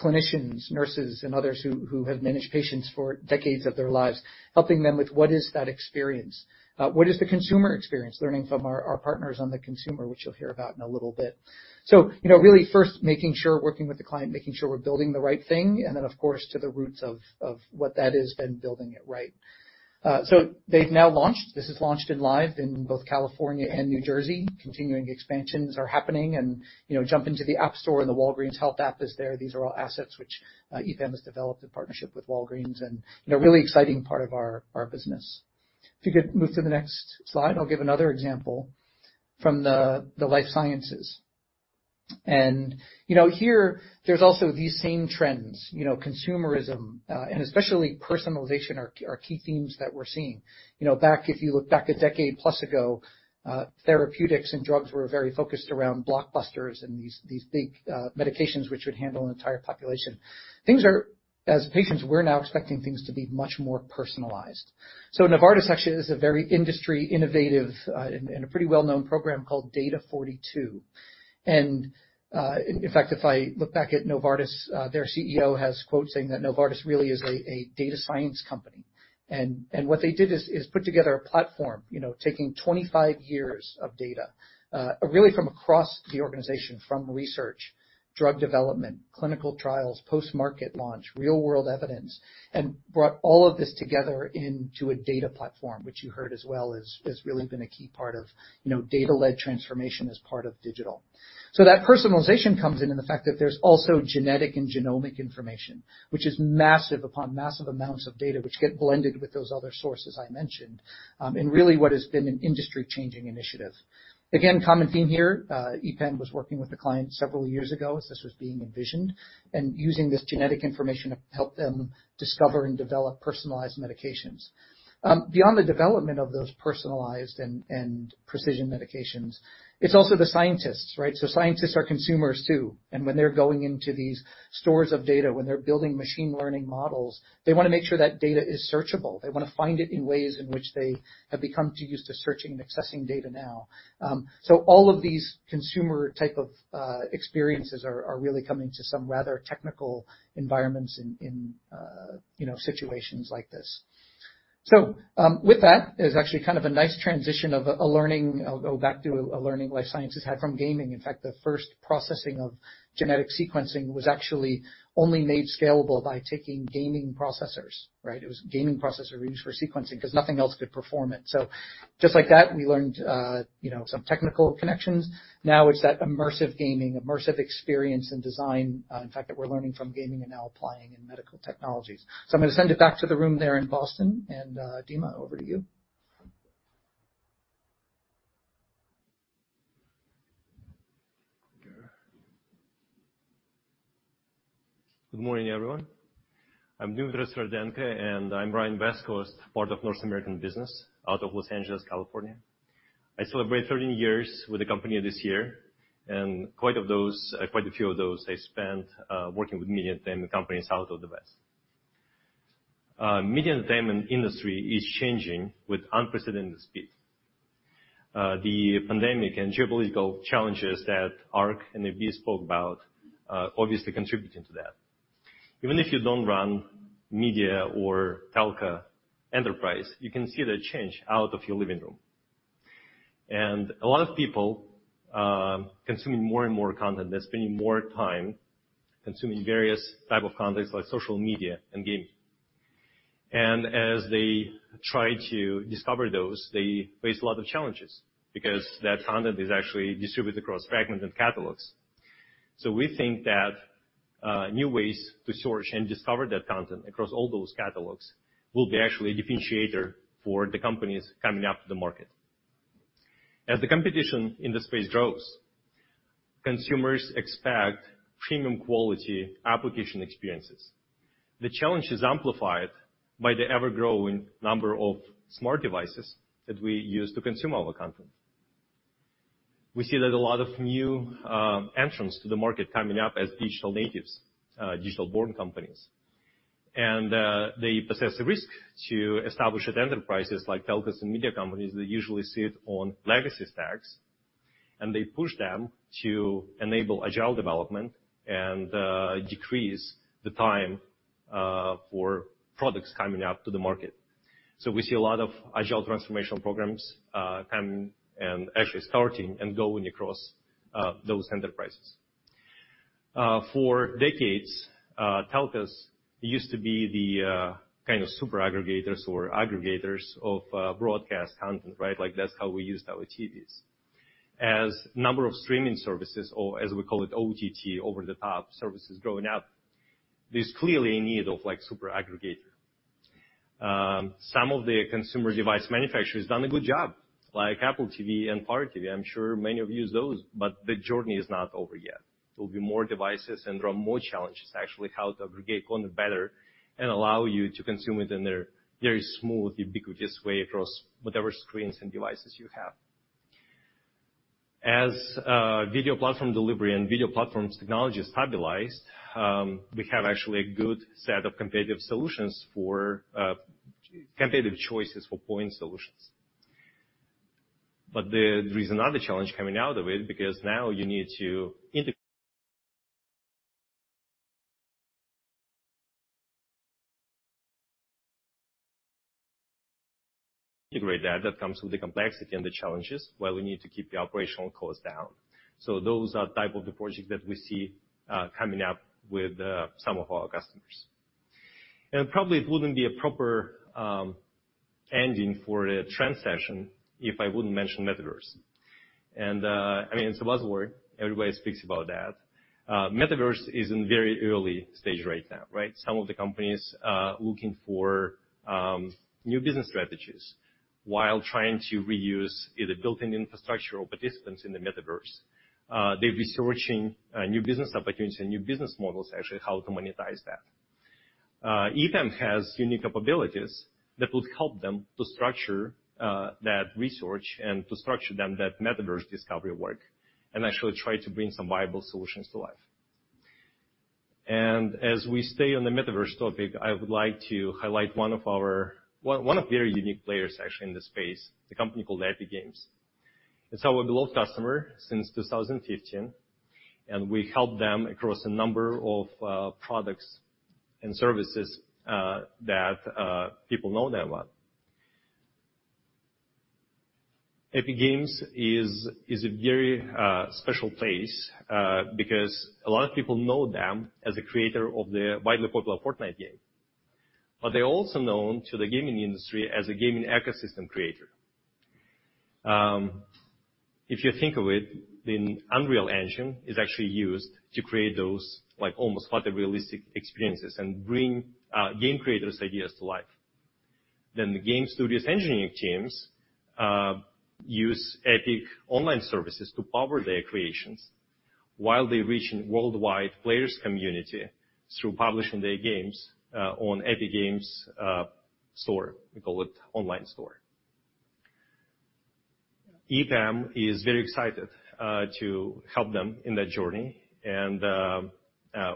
clinicians, nurses, and others who have managed patients for decades of their lives, helping them with what is that experience. What is the consumer experience? Learning from our partners on the consumer, which you'll hear about in a little bit. You know, really first making sure, working with the client, making sure we're building the right thing, and then of course, to the roots of what that is, then building it right. They've now launched. This has launched live in both California and New Jersey. Continuing expansions are happening and, you know, jump into the App Store and the Walgreens Health App is there. These are all assets which EPAM has developed in partnership with Walgreens, and you know, a really exciting part of our business. If you could move to the next slide, I'll give another example from the life sciences. You know, here, there's also these same trends, you know, consumerism and especially personalization are key themes that we're seeing. You know, back. If you look back a decade plus ago, therapeutics and drugs were very focused around blockbusters and these big medications which would handle an entire population. Things are. As patients, we're now expecting things to be much more personalized. Novartis actually has a very industry innovative and a pretty well-known program called Data42. In fact, if I look back at Novartis, their CEO has quotes saying that Novartis really is a data science company. What they did is put together a platform, you know, taking 25 years of data, really from across the organization, from research, drug development, clinical trials, post-market launch, real-world evidence, and brought all of this together into a data platform, which you heard as well has really been a key part of, you know, data-led transformation as part of digital. That personalization comes in in the fact that there's also genetic and genomic information, which is massive upon massive amounts of data which get blended with those other sources I mentioned, and really what has been an industry-changing initiative. Again, common theme here, EPAM was working with the client several years ago as this was being envisioned, and using this genetic information to help them discover and develop personalized medications. Beyond the development of those personalized and precision medications, it's also the scientists, right? Scientists are consumers too, and when they're going into these stores of data, when they're building machine learning models, they wanna make sure that data is searchable. They wanna find it in ways in which they have become too used to searching and accessing data now. All of these consumer type of experiences are really coming to some rather technical environments in you know situations like this. With that is actually kind of a nice transition of a learning. I'll go back to a learning life sciences had from gaming. In fact, the first processing of genetic sequencing was actually only made scalable by taking gaming processors, right? It was gaming processor used for sequencing 'cause nothing else could perform it. Just like that, we learned, you know, some technical connections. Now it's that immersive gaming, immersive experience and design, in fact, that we're learning from gaming and now applying in medical technologies. I'm gonna send it back to the room there in Boston, and, Dima, over to you. Good morning, everyone. I'm Dmytro Seredenko, [in the U.S. West Coast], part of North American business out of Los Angeles, California. I celebrate 13 years with the company this year, and quite a few of those I spent working with media team and companies out of the west. Media entertainment industry is changing with unprecedented speed. The pandemic and geopolitical challenges that Ark and AB spoke about obviously contributing to that. Even if you don't run media or telco enterprise, you can see the change out of your living room. A lot of people consuming more and more content. They're spending more time consuming various type of contents like social media and gaming. As they try to discover those, they face a lot of challenges because that content is actually distributed across fragmented catalogs. We think that new ways to search and discover that content across all those catalogs will be actually a differentiator for the companies coming up to the market. As the competition in the space grows, consumers expect premium quality application experiences. The challenge is amplified by the ever-growing number of smart devices that we use to consume our content. We see that a lot of new entrants to the market coming up as digital natives, digital-born companies. They possess a risk to established enterprises like telcos and media companies that usually sit on legacy stacks, and they push them to enable agile development and decrease the time for products coming out to the market. We see a lot of agile transformational programs coming and actually starting and going across those enterprises. For decades, telcos used to be the kind of super aggregators or aggregators of broadcast content, right? Like that's how we used our TVs. As number of streaming services or as we call it OTT, over-the-top services growing up, there's clearly a need of like super aggregator. Some of the consumer device manufacturers done a good job. Like Apple TV and Roku, I'm sure many of you use those, but the journey is not over yet. There will be more devices and there are more challenges actually how to aggregate content better and allow you to consume it in a very smooth, ubiquitous way across whatever screens and devices you have. As video platform delivery and video platforms technology is stabilized, we have actually a good set of competitive solutions for competitive choices for point solutions. There is another challenge coming out of it because now you need to integrate that. That comes with the complexity and the challenges while we need to keep the operational costs down. Those are type of the projects that we see coming up with some of our customers. Probably it wouldn't be a proper ending for a trend session if I wouldn't mention Metaverse. I mean, it's a buzzword. Everybody speaks about that. Metaverse is in very early stage right now, right? Some of the companies looking for new business strategies while trying to reuse either built-in infrastructure or participants in the Metaverse. They're researching new business opportunities and new business models, actually how to monetize that. EPAM has unique capabilities that would help them to structure that research and to structure that Metaverse discovery work, and actually try to bring some viable solutions to life. As we stay on the Metaverse topic, I would like to highlight one of our one of the very unique players actually in this space, the company called Epic Games. It's our beloved customer since 2015, and we help them across a number of products and services that people know them well. Epic Games is a very special place because a lot of people know them as the creator of the widely popular Fortnite game. They're also known to the gaming industry as a gaming ecosystem creator. If you think of it, the Unreal Engine is actually used to create those like almost photorealistic experiences and bring game creators' ideas to life. The game studios engineering teams use Epic Online Services to power their creations while they reach worldwide players community through publishing their games on Epic Games Store. We call it online store. EPAM is very excited to help them in that journey and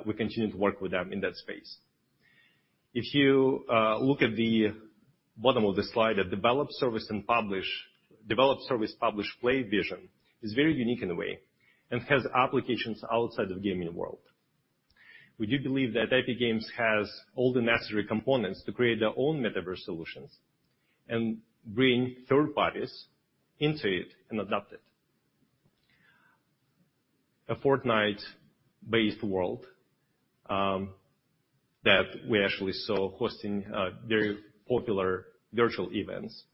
we continue to work with them in that space. If you look at the bottom of the slide, develop, service, publish, play vision is very unique in a way and has applications outside of gaming world. We do believe that Epic Games has all the necessary components to create their own Metaverse solutions and bring third parties into it and adopt it. A Fortnite-based world that we actually saw hosting very popular virtual events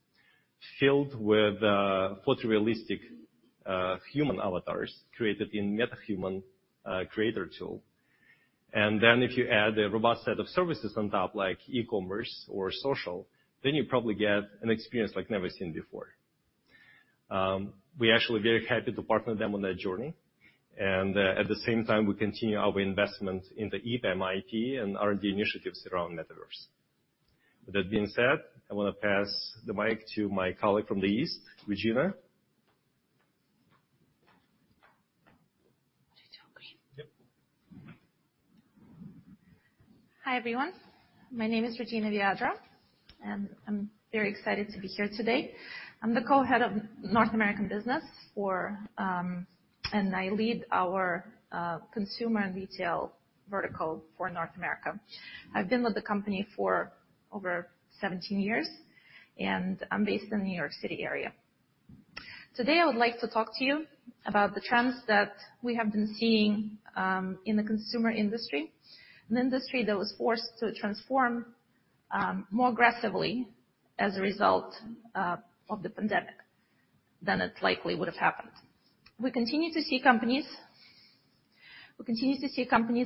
filled with photorealistic human avatars created in MetaHuman Creator tool. Then if you add a robust set of services on top like e-commerce or social, then you probably get an experience like never seen before. We actually very happy to partner them on that journey. At the same time, we continue our investment in the EPAM IT and R&D initiatives around Metaverse. With that being said, I wanna pass the mic to my colleague from the east, Regina. Do you talk here? Yep. Hi, everyone. My name is Regina Viadro, and I'm very excited to be here today. I'm the co-head of North American business for, and I lead our, consumer and retail vertical for North America. I've been with the company for over 17 years, and I'm based in New York City area. Today, I would like to talk to you about the trends that we have been seeing, in the consumer industry. An industry that was forced to transform, more aggressively as a result, of the pandemic than it likely would have happened. We continue to see companies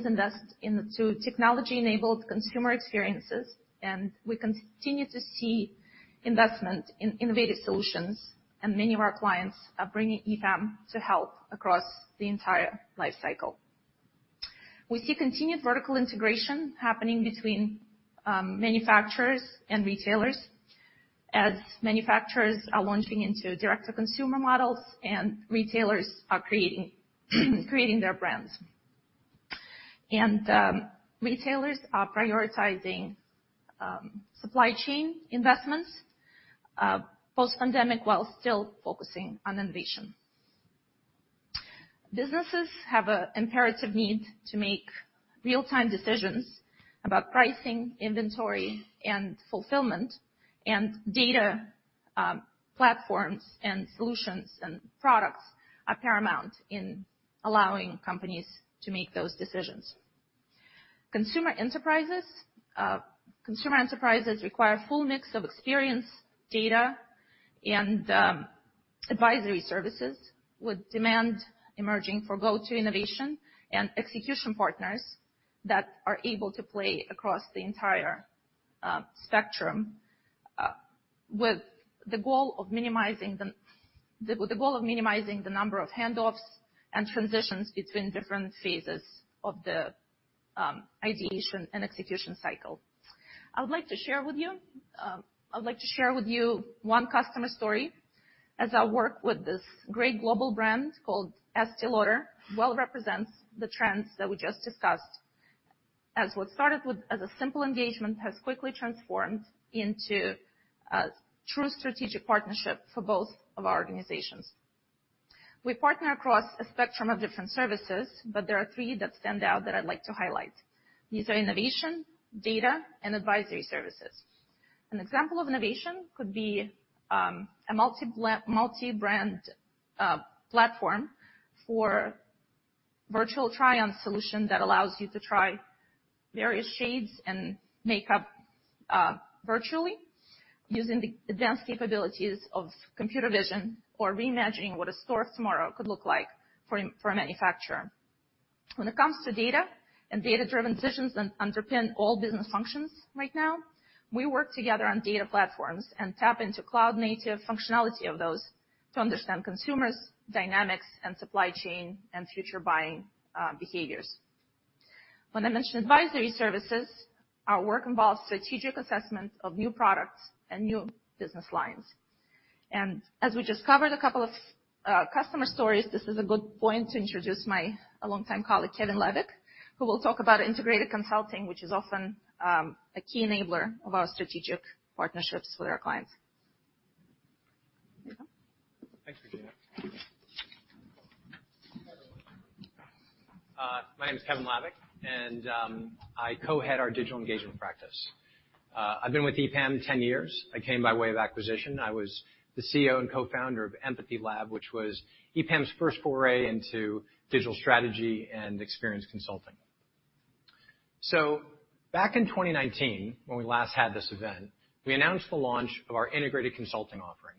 invest into technology-enabled consumer experiences, and we continue to see investment in innovative solutions, and many of our clients are bringing EPAM to help across the entire life cycle. We see continued vertical integration happening between manufacturers and retailers as manufacturers are launching into direct-to-consumer models and retailers are creating their brands. Retailers are prioritizing supply chain investments post-pandemic while still focusing on innovation. Businesses have an imperative need to make real-time decisions about pricing, inventory and fulfillment and data platforms and solutions and products are paramount in allowing companies to make those decisions. Consumer enterprises require a full mix of experience, data, and advisory services with demand emerging for go-to innovation and execution partners that are able to play across the entire spectrum with the goal of minimizing the number of handoffs and transitions between different phases of the ideation and execution cycle. I would like to share with you one customer story as I work with this great global brand called Estée Lauder well represents the trends that we just discussed, as what started with a simple engagement has quickly transformed into a true strategic partnership for both of our organizations. We partner across a spectrum of different services, but there are three that stand out that I'd like to highlight. These are innovation, data, and advisory services. An example of innovation could be a multi-brand platform for virtual try-on solution that allows you to try various shades and makeup virtually using the advanced capabilities of computer vision or reimagining what a store of tomorrow could look like for a manufacturer. When it comes to data and data-driven decisions and underpin all business functions right now, we work together on data platforms and tap into cloud-native functionality of those to understand consumers, dynamics, and supply chain and future buying behaviors. When I mention advisory services, our work involves strategic assessment of new products and new business lines. As we just covered a couple of customer stories, this is a good point to introduce my longtime colleague, Kevin Labick, who will talk about integrated consulting, which is often a key enabler of our strategic partnerships with our clients. Kevin? Thanks, Regina. My name is Kevin Labick, and I co-head our digital engagement practice. I've been with EPAM 10 years. I came by way of acquisition. I was the CEO and co-founder of Empathy Lab, which was EPAM's first foray into digital strategy and experience consulting. Back in 2019, when we last had this event, we announced the launch of our integrated consulting offering,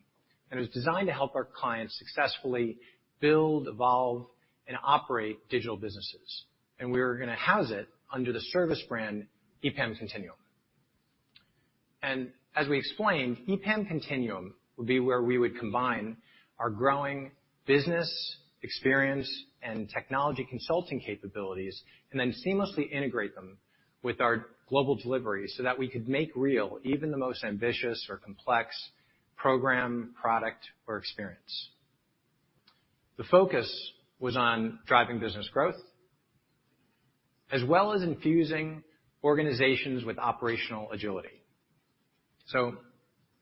and it was designed to help our clients successfully build, evolve, and operate digital businesses. We're gonna house it under the service brand, EPAM Continuum. As we explained, EPAM Continuum would be where we would combine our growing business experience and technology consulting capabilities and then seamlessly integrate them with our global delivery so that we could make real even the most ambitious or complex program, product or experience. The focus was on driving business growth as well as infusing organizations with operational agility.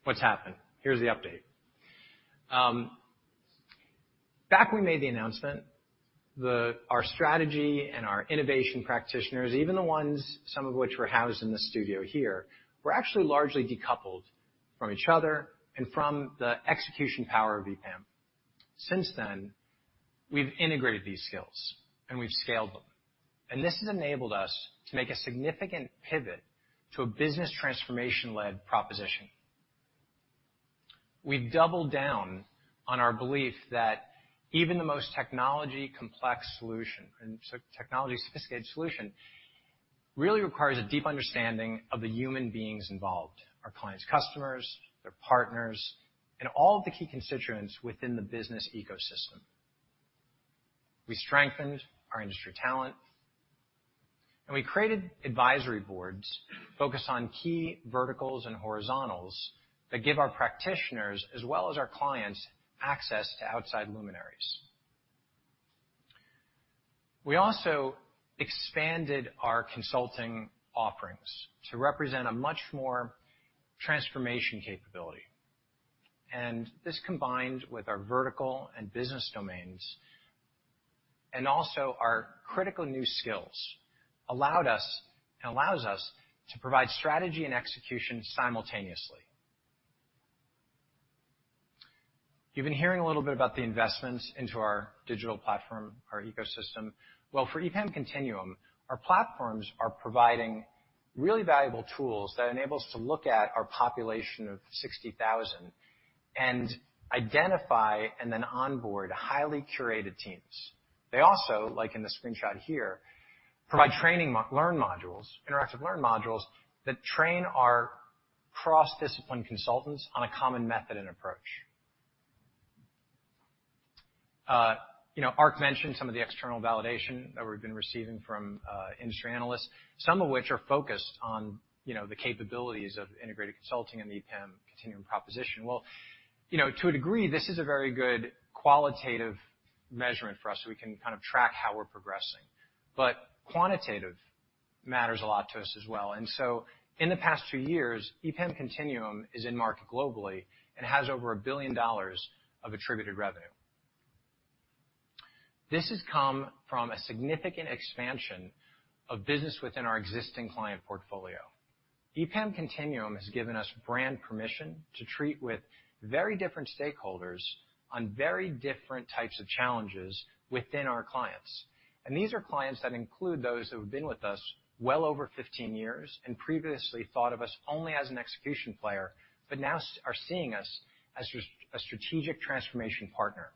What's happened? Here's the update. Back when we made the announcement, our strategy and our innovation practitioners, even the ones, some of which were housed in the studio here, were actually largely decoupled from each other and from the execution power of EPAM. Since then, we've integrated these skills, and we've scaled them. This has enabled us to make a significant pivot to a business transformation-led proposition. We've doubled down on our belief that even the most technology complex solution and technology-sophisticated solution really requires a deep understanding of the human beings involved, our clients' customers, their partners, and all of the key constituents within the business ecosystem. We strengthened our industry talent, and we created advisory boards focused on key verticals and horizontals that give our practitioners as well as our clients access to outside luminaries. We also expanded our consulting offerings to represent a much more transformational capability, and this combined with our vertical and business domains and also our critical new skills, allowed us and allows us to provide strategy and execution simultaneously. You've been hearing a little bit about the investments into our digital platform, our ecosystem. Well, for EPAM Continuum, our platforms are providing really valuable tools that enables to look at our population of 60,000 and identify and then onboard highly curated teams. They also, like in the screenshot here, provide training learning modules, interactive learning modules that train our cross-discipline consultants on a common method and approach. You know, Ark mentioned some of the external validation that we've been receiving from industry analysts, some of which are focused on, you know, the capabilities of integrated consulting and the EPAM Continuum proposition. Well, you know, to a degree, this is a very good qualitative measurement for us, so we can kind of track how we're progressing. Quantitative matters a lot to us as well. In the past two years, EPAM Continuum is in market globally and has over $1 billion of attributed revenue. This has come from a significant expansion of business within our existing client portfolio. EPAM Continuum has given us brand permission to treat with very different stakeholders on very different types of challenges within our clients. These are clients that include those who have been with us well over 15 years and previously thought of us only as an execution player, but now are seeing us as a strategic transformation partner.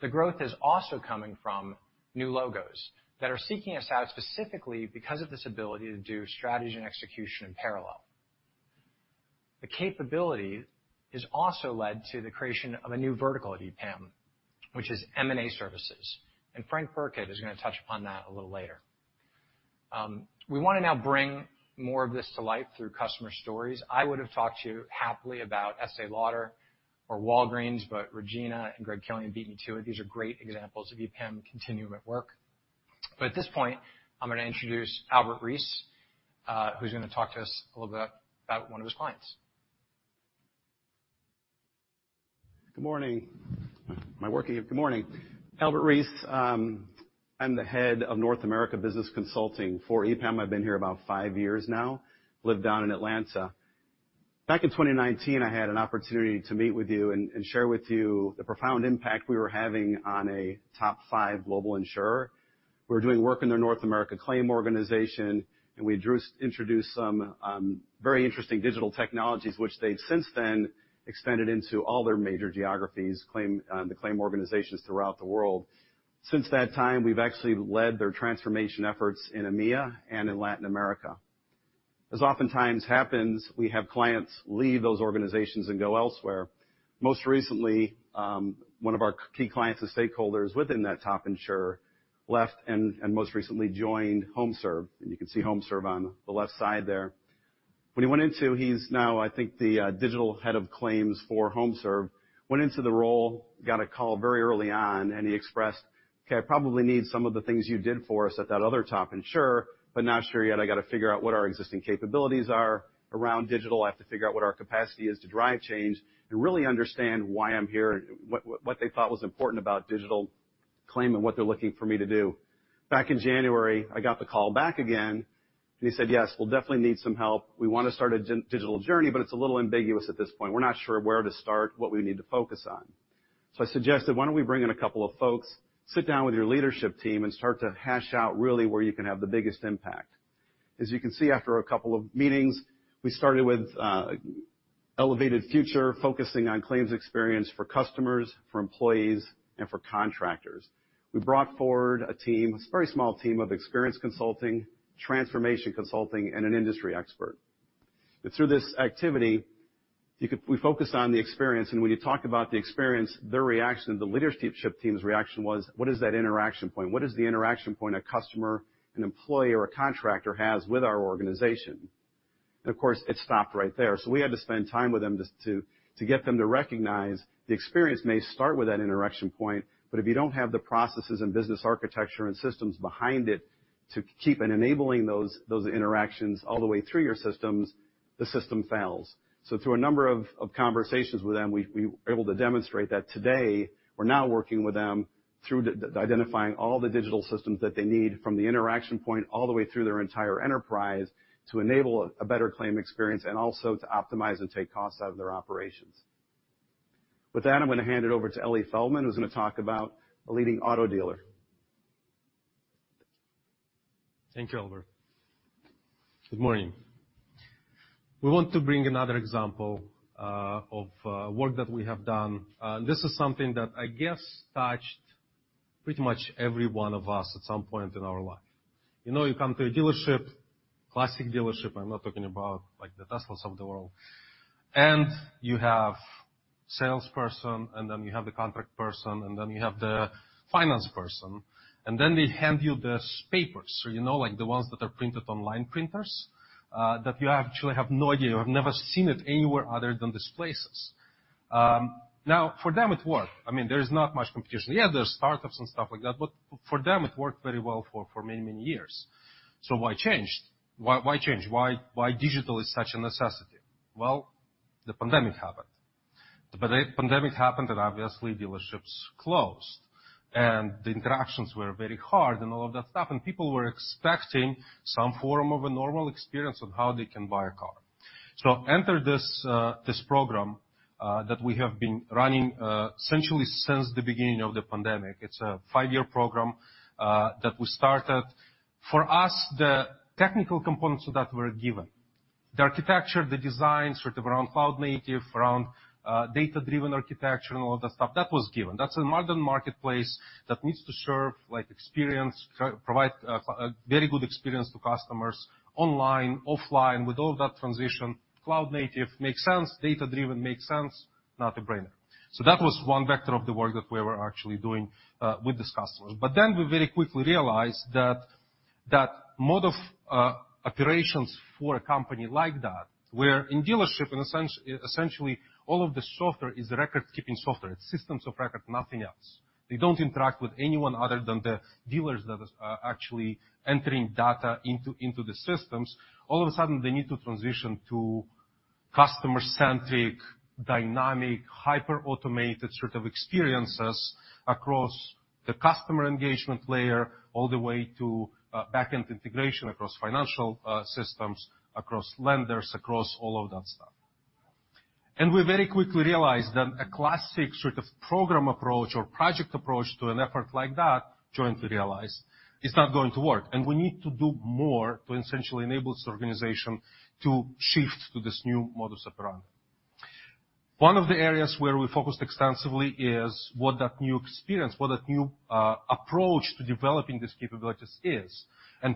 The growth is also coming from new logos that are seeking us out specifically because of this ability to do strategy and execution in parallel. The capability has also led to the creation of a new vertical at EPAM, which is M&A services, and Frank Burkitt is gonna touch upon that a little later. We wanna now bring more of this to life through customer stories. I would have talked to you happily about Estée Lauder or Walgreens, but Regina and Greg Killian beat me to it. These are great examples of EPAM Continuum at work. At this point, I'm gonna introduce Albert Rees, who's gonna talk to us a little bit about one of his clients. Good morning. Am I working? Good morning. Albert Rees, I'm the head of North America Business Consulting for EPAM. I've been here about five years now. Live down in Atlanta. Back in 2019, I had an opportunity to meet with you and share with you the profound impact we were having on a top five global insurer. We were doing work in their North America claim organization, and we introduced some very interesting digital technologies which they've since then expanded into all their major geographies, claim, the claim organizations throughout the world. Since that time, we've actually led their transformation efforts in EMEA and in Latin America. As oftentimes happens, we have clients leave those organizations and go elsewhere. Most recently, one of our key clients and stakeholders within that top insurer left and most recently joined HomeServe, and you can see HomeServe on the left side there. He's now, I think, the digital head of claims for HomeServe. He went into the role, got a call very early on, and he expressed, "Okay, I probably need some of the things you did for us at that other top insurer, but not sure yet. I gotta figure out what our existing capabilities are around digital. I have to figure out what our capacity is to drive change and really understand why I'm here, what they thought was important about digital claim and what they're looking for me to do." Back in January, I got the call back again, and he said, "Yes, we'll definitely need some help. We wanna start a digital journey, but it's a little ambiguous at this point. We're not sure where to start, what we need to focus on." I suggested, "Why don't we bring in a couple of folks, sit down with your leadership team, and start to hash out really where you can have the biggest impact?" As you can see, after a couple of meetings, we started with elevated future, focusing on claims experience for customers, for employees, and for contractors. We brought forward a team, a very small team of experience consulting, transformation consulting, and an industry expert. Through this activity, we focused on the experience, and when you talk about the experience, their reaction, the leadership team's reaction was, "What is that interaction point? What is the interaction point a customer, an employee, or a contractor has with our organization?" Of course, it stopped right there. We had to spend time with them just to get them to recognize the experience may start with that interaction point, but if you don't have the processes and business architecture and systems behind it to keep enabling those interactions all the way through your systems, the system fails. Through a number of conversations with them, we were able to demonstrate that today we're now working with them through identifying all the digital systems that they need from the interaction point all the way through their entire enterprise to enable a better claim experience and also to optimize and take costs out of their operations. With that, I'm gonna hand it over to Eli Feldman, who's gonna talk about a leading auto dealer. Thank you, Albert. Good morning. We want to bring another example of work that we have done, and this is something that I guess touched pretty much every one of us at some point in our life. You know, you come to a dealership, classic dealership. I'm not talking about like the Teslas of the world, and you have salesperson, and then you have the contract person, and then you have the finance person, and then they hand you these papers, so you know, like the ones that are printed on line printers that you actually have no idea. You have never seen it anywhere other than these places. Now, for them it worked. I mean, there is not much competition. Yeah, there's startups and stuff like that, but for them, it worked very well for many, many years. Why change? Why change? Why digital is such a necessity? Well, the pandemic happened. The pandemic happened, and obviously dealerships closed, and the interactions were very hard and all of that stuff, and people were expecting some form of a normal experience on how they can buy a car. Enter this program that we have been running essentially since the beginning of the pandemic. It's a five-year program that we started. For us, the technical components of that were a given. The architecture, the design, sort of around cloud native, around data-driven architecture and all of that stuff, that was given. That's a modern marketplace that needs to serve like experience, provide a very good experience to customers online, offline. With all of that transition, cloud native makes sense, data-driven makes sense, no-brainer. That was one vector of the work that we were actually doing with this customer. We very quickly realized that that mode of operations for a company like that, where in dealership essentially all of the software is record-keeping software. It's systems of record, nothing else. They don't interact with anyone other than the dealers that are actually entering data into the systems. All of a sudden, they need to transition to customer-centric, dynamic, hyper-automated sort of experiences across the customer engagement layer all the way to backend integration across financial systems, across lenders, across all of that stuff. We very quickly realized that a classic sort of program approach or project approach to an effort like that, jointly realized, is not going to work, and we need to do more to essentially enable this organization to shift to this new modus operandi. One of the areas where we focused extensively is what that new experience, what that new, approach to developing these capabilities is.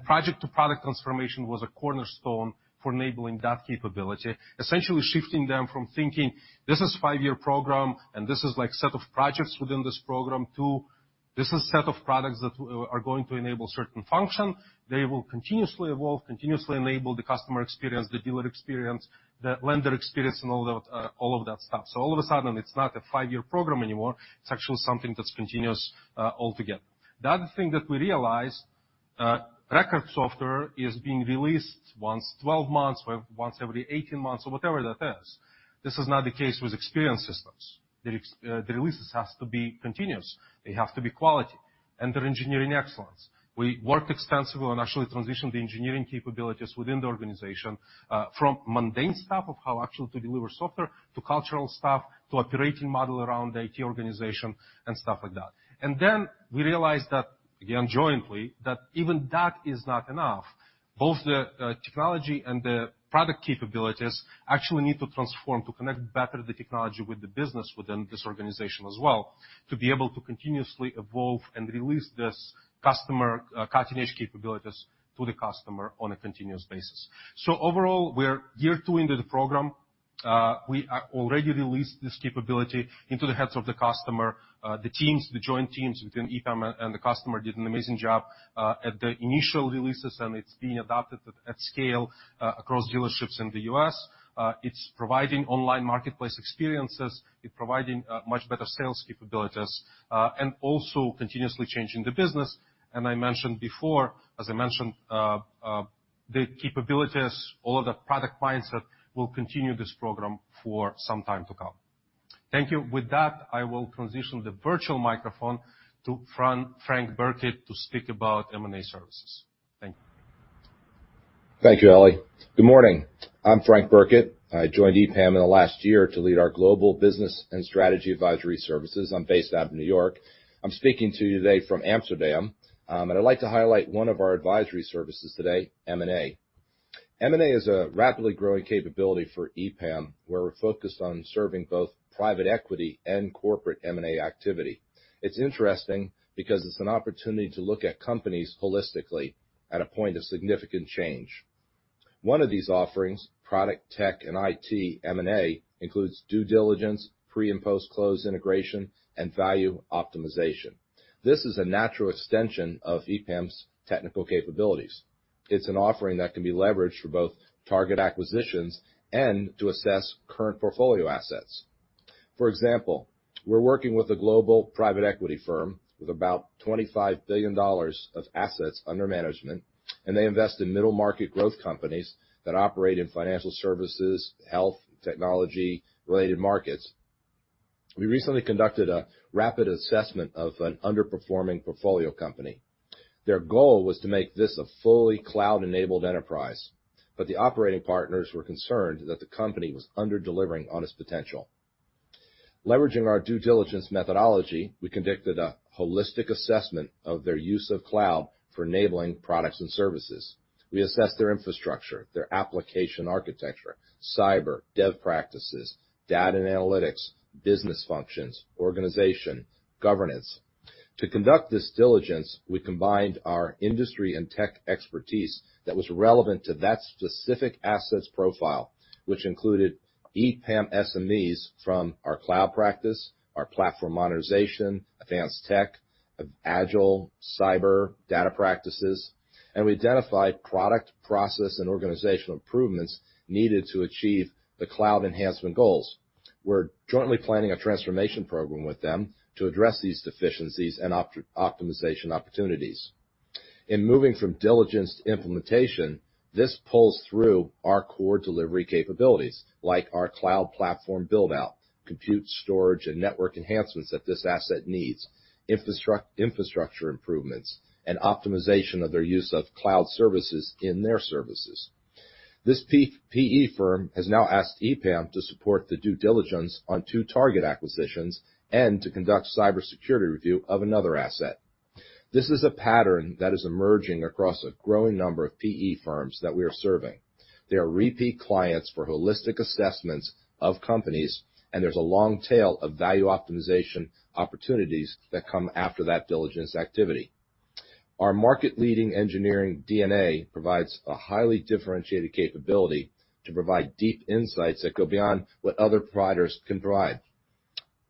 Project to product transformation was a cornerstone for enabling that capability, essentially shifting them from thinking this is five-year program and this is like set of projects within this program, to this is set of products that are going to enable certain function. They will continuously evolve, continuously enable the customer experience, the dealer experience, the lender experience and all that, all of that stuff. All of a sudden, it's not a five-year program anymore, it's actually something that's continuous, altogether. The other thing that we realized, record software is being released once 12 months, once every 18 months or whatever that is. This is not the case with experience systems. The experience releases have to be continuous, they have to be quality, and they require Engineering Excellence. We worked extensively on actually transitioning the engineering capabilities within the organization, from mundane stuff of how actually to deliver software to cultural stuff, to operating model around the IT organization and stuff like that. We realized that, again, jointly, that even that is not enough. Both the technology and the product capabilities actually need to transform to connect better the technology with the business within this organization as well, to be able to continuously evolve and release this customer cutting-edge capabilities to the customer on a continuous basis. Overall, we're year two into the program. We are already released this capability into the hands of the customer. The joint teams within EPAM and the customer did an amazing job at the initial releases, and it's being adopted at scale across dealerships in the U.S. It's providing online marketplace experiences, providing much better sales capabilities, and also continuously changing the business. As I mentioned before, the capabilities, all of the product mindset will continue this program for some time to come. Thank you. With that, I will transition the virtual microphone to Frank Burkitt to speak about M&A services. Thank you. Thank you, Eli. Good morning. I'm Frank Burkitt. I joined EPAM in the last year to lead our global business and strategy advisory services. I'm based out of New York. I'm speaking to you today from Amsterdam, and I'd like to highlight one of our advisory services today, M&A. M&A is a rapidly growing capability for EPAM, where we're focused on serving both private equity and corporate M&A activity. It's interesting because it's an opportunity to look at companies holistically at a point of significant change. One of these offerings, product, tech, and IT M&A, includes due diligence, pre- and post-close integration, and value optimization. This is a natural extension of EPAM's technical capabilities. It's an offering that can be leveraged for both target acquisitions and to assess current portfolio assets. For example, we're working with a global private equity firm with about $25 billion of assets under management, and they invest in middle-market growth companies that operate in financial services, health, technology-related markets. We recently conducted a rapid assessment of an underperforming portfolio company. Their goal was to make this a fully cloud-enabled enterprise, but the operating partners were concerned that the company was under-delivering on its potential. Leveraging our due diligence methodology, we conducted a holistic assessment of their use of cloud for enabling products and services. We assessed their infrastructure, their application architecture, cyber, dev practices, data and analytics, business functions, organization, governance. To conduct this diligence, we combined our industry and tech expertise that was relevant to that specific asset's profile, which included EPAM SMEs from our cloud practice, our platform modernization, advanced tech, agile, cyber, data practices, and we identified product, process, and organizational improvements needed to achieve the cloud enhancement goals. We're jointly planning a transformation program with them to address these deficiencies and optimization opportunities. In moving from diligence to implementation, this pulls through our core delivery capabilities, like our cloud platform build-out, compute, storage, and network enhancements that this asset needs, infrastructure improvements, and optimization of their use of cloud services in their services. This PE firm has now asked EPAM to support the due diligence on two target acquisitions and to conduct cybersecurity review of another asset. This is a pattern that is emerging across a growing number of PE firms that we are serving. They are repeat clients for holistic assessments of companies, and there's a long tail of value optimization opportunities that come after that diligence activity. Our market-leading engineering DNA provides a highly differentiated capability to provide deep insights that go beyond what other providers can provide.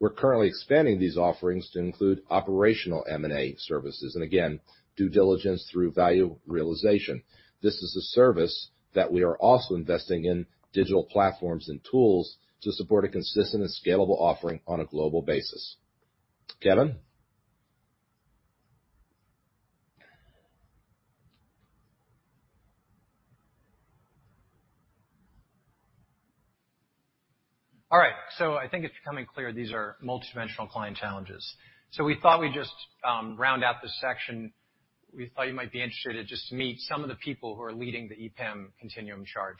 We're currently expanding these offerings to include operational M&A services, and again, due diligence through value realization. This is a service that we are also investing in digital platforms and tools to support a consistent and scalable offering on a global basis. Kevin? All right. I think it's becoming clear these are multidimensional client challenges. We thought we'd just round out this section. We thought you might be interested to just meet some of the people who are leading the EPAM Continuum charge.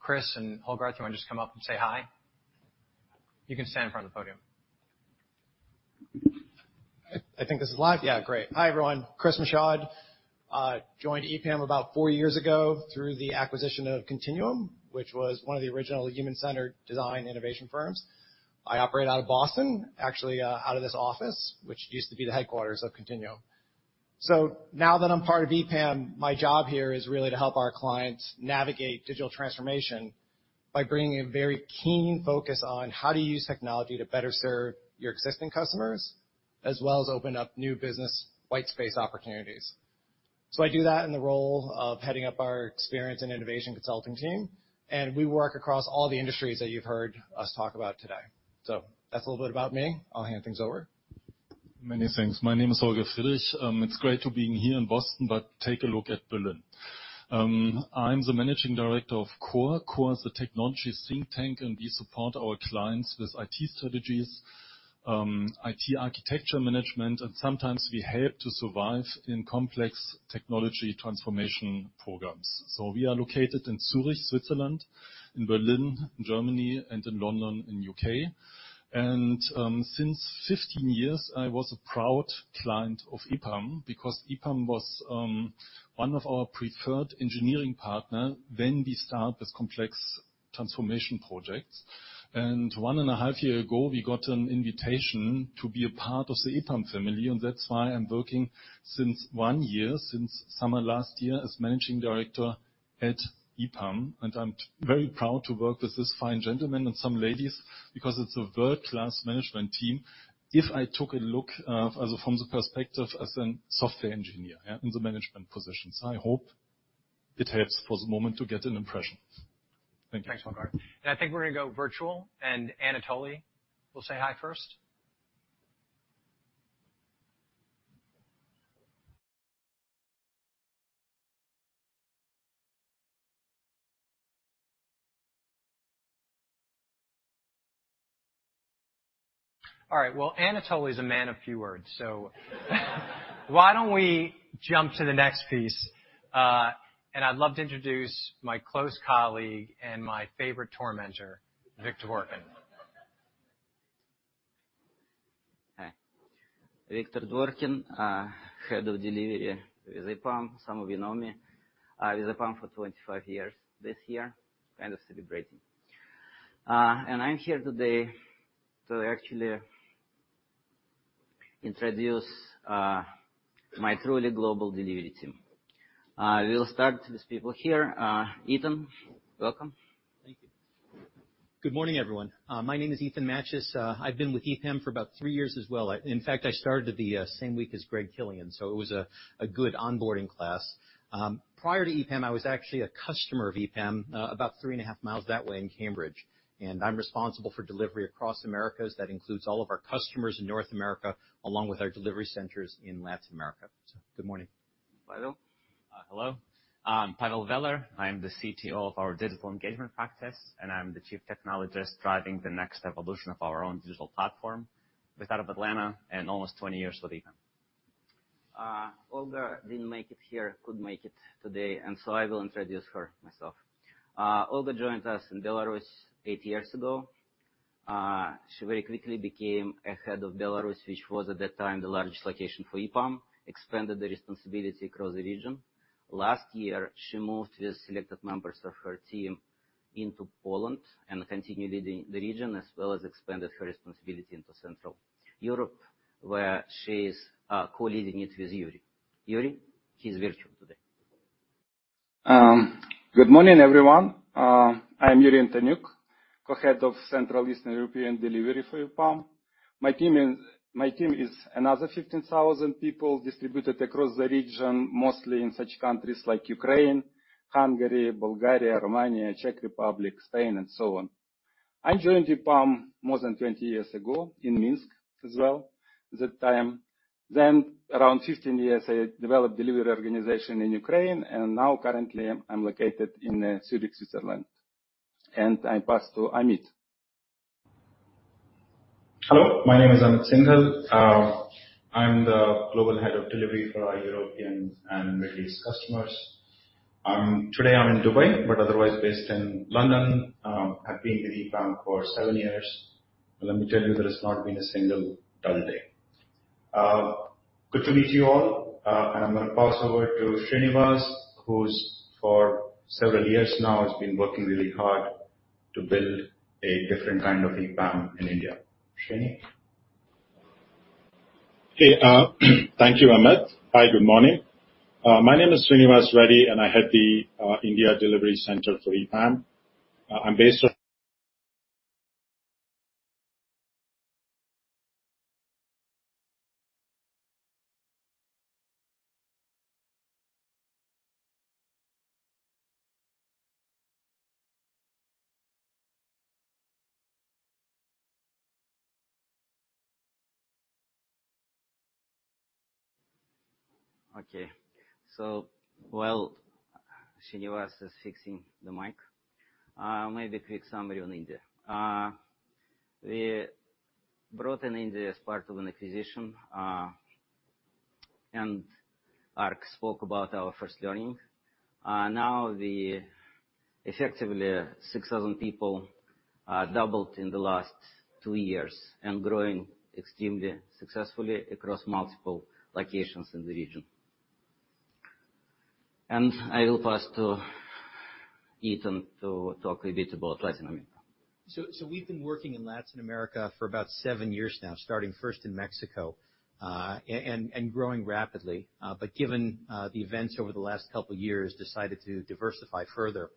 Chris and Holger, do you want to just come up and say hi? You can stand in front of the podium. I think this is live. Yeah. Great. Hi, everyone. Chris Michaud. Joined EPAM about four years ago through the acquisition of Continuum, which was one of the original human-centered design innovation firms. I operate out of Boston, actually, out of this office, which used to be the headquarters of Continuum. Now that I'm part of EPAM, my job here is really to help our clients navigate digital transformation by bringing a very keen focus on how to use technology to better serve your existing customers, as well as open up new business whitespace opportunities. I do that in the role of heading up our experience and innovation consulting team, and we work across all the industries that you've heard us talk about today. That's a little bit about me. I'll hand things over. Many thanks. My name is Holger Friedrich. It's great to be here in Boston, but take a look at Berlin. I'm the managing director of CORE SE. CORE SE is a technology think tank, and we support our clients with IT strategies, IT architecture management, and sometimes we help to survive in complex technology transformation programs. We are located in Zurich, Switzerland, in Berlin, Germany, and in London, U.K. Since 15 years, I was a proud client of EPAM because EPAM was one of our preferred engineering partner when we start this complex transformation project. One and a half year ago, we got an invitation to be a part of the EPAM family, and that's why I'm working since one year, since summer last year, as managing director at EPAM. I'm very proud to work with this fine gentleman and some ladies because it's a world-class management team. If I took a look from the perspective as a software engineer and in the management position. I hope it helps for the moment to get an impression. Thank you. Thanks, Holger. I think we're gonna go virtual, and Anatoly will say hi first. All right. Well, Anatoly is a man of few words, so why don't we jump to the next piece? I'd love to introduce my close colleague and my favorite tormentor, Victor Dvorkin. Hi. Victor Dvorkin, Head of Delivery with EPAM. Some of you know me. I'm with EPAM for 25 years this year, kind of celebrating. I'm here today to actually introduce my truly global delivery team. We'll start with people here. Ethan, welcome. Thank you. Good morning, everyone. My name is Ethan Matyas. I've been with EPAM for about three years as well. In fact, I started the same week as Greg Killian, so it was a good onboarding class. Prior to EPAM, I was actually a customer of EPAM, about three and a half miles that way in Cambridge. I'm responsible for delivery across Americas. That includes all of our customers in North America, along with our delivery centers in Latin America. Good morning. Pavel? Hello. I'm Pavel Veller. I am the CTO of our Digital Engagement Practice, and I'm the chief technologist driving the next evolution of our own digital platform with out of Atlanta and almost 20 years with EPAM. Olga didn't make it here, couldn't make it today, and so I will introduce her myself. Olga joined us in Belarus eight years ago. She very quickly became a head of Belarus, which was at that time the largest location for EPAM, expanded the responsibility across the region. Last year, she moved with selected members of her team into Poland and continued leading the region, as well as expanded her responsibility into Central Europe, where she's co-leading it with Yuriy. Yuriy, he's virtual today. Good morning, everyone. I am Yuriy Antoniuk, co-head of Central Eastern European delivery for EPAM. My team is another 15,000 people distributed across the region, mostly in such countries like Ukraine, Hungary, Bulgaria, Romania, Czech Republic, Spain, and so on. I joined EPAM more than 20 years ago in Minsk as well, at that time. Around 15 years, I developed delivery organization in Ukraine, and now currently I'm located in Zurich, Switzerland. I pass to Amit. Hello. My name is Amit Singhal. I'm the global head of delivery for our European and Middle East customers. Today I'm in Dubai, but otherwise based in London. I've been with EPAM for seven years. Let me tell you, there has not been a single dull day. Good to meet you all. I'm gonna pass over to Srinivas, who's for several years now has been working really hard to build a different kind of EPAM in India. Srini. Okay. Thank you, Amit. Hi, good morning. My name is Srinivas Reddy, and I head the India delivery center for EPAM. I'm based of- Okay. While Srinivas is fixing the mic, maybe quick summary on India. We brought in India as part of an acquisition. Ark spoke about our first learning. Now effectively 6,000 people are doubled in the last two years and growing extremely successfully across multiple locations in the region. I will pass to Ethan to talk a bit about Latin America. We've been working in Latin America for about seven years now, starting first in Mexico, and growing rapidly. Given the events over the last couple of years, decided to diversify further.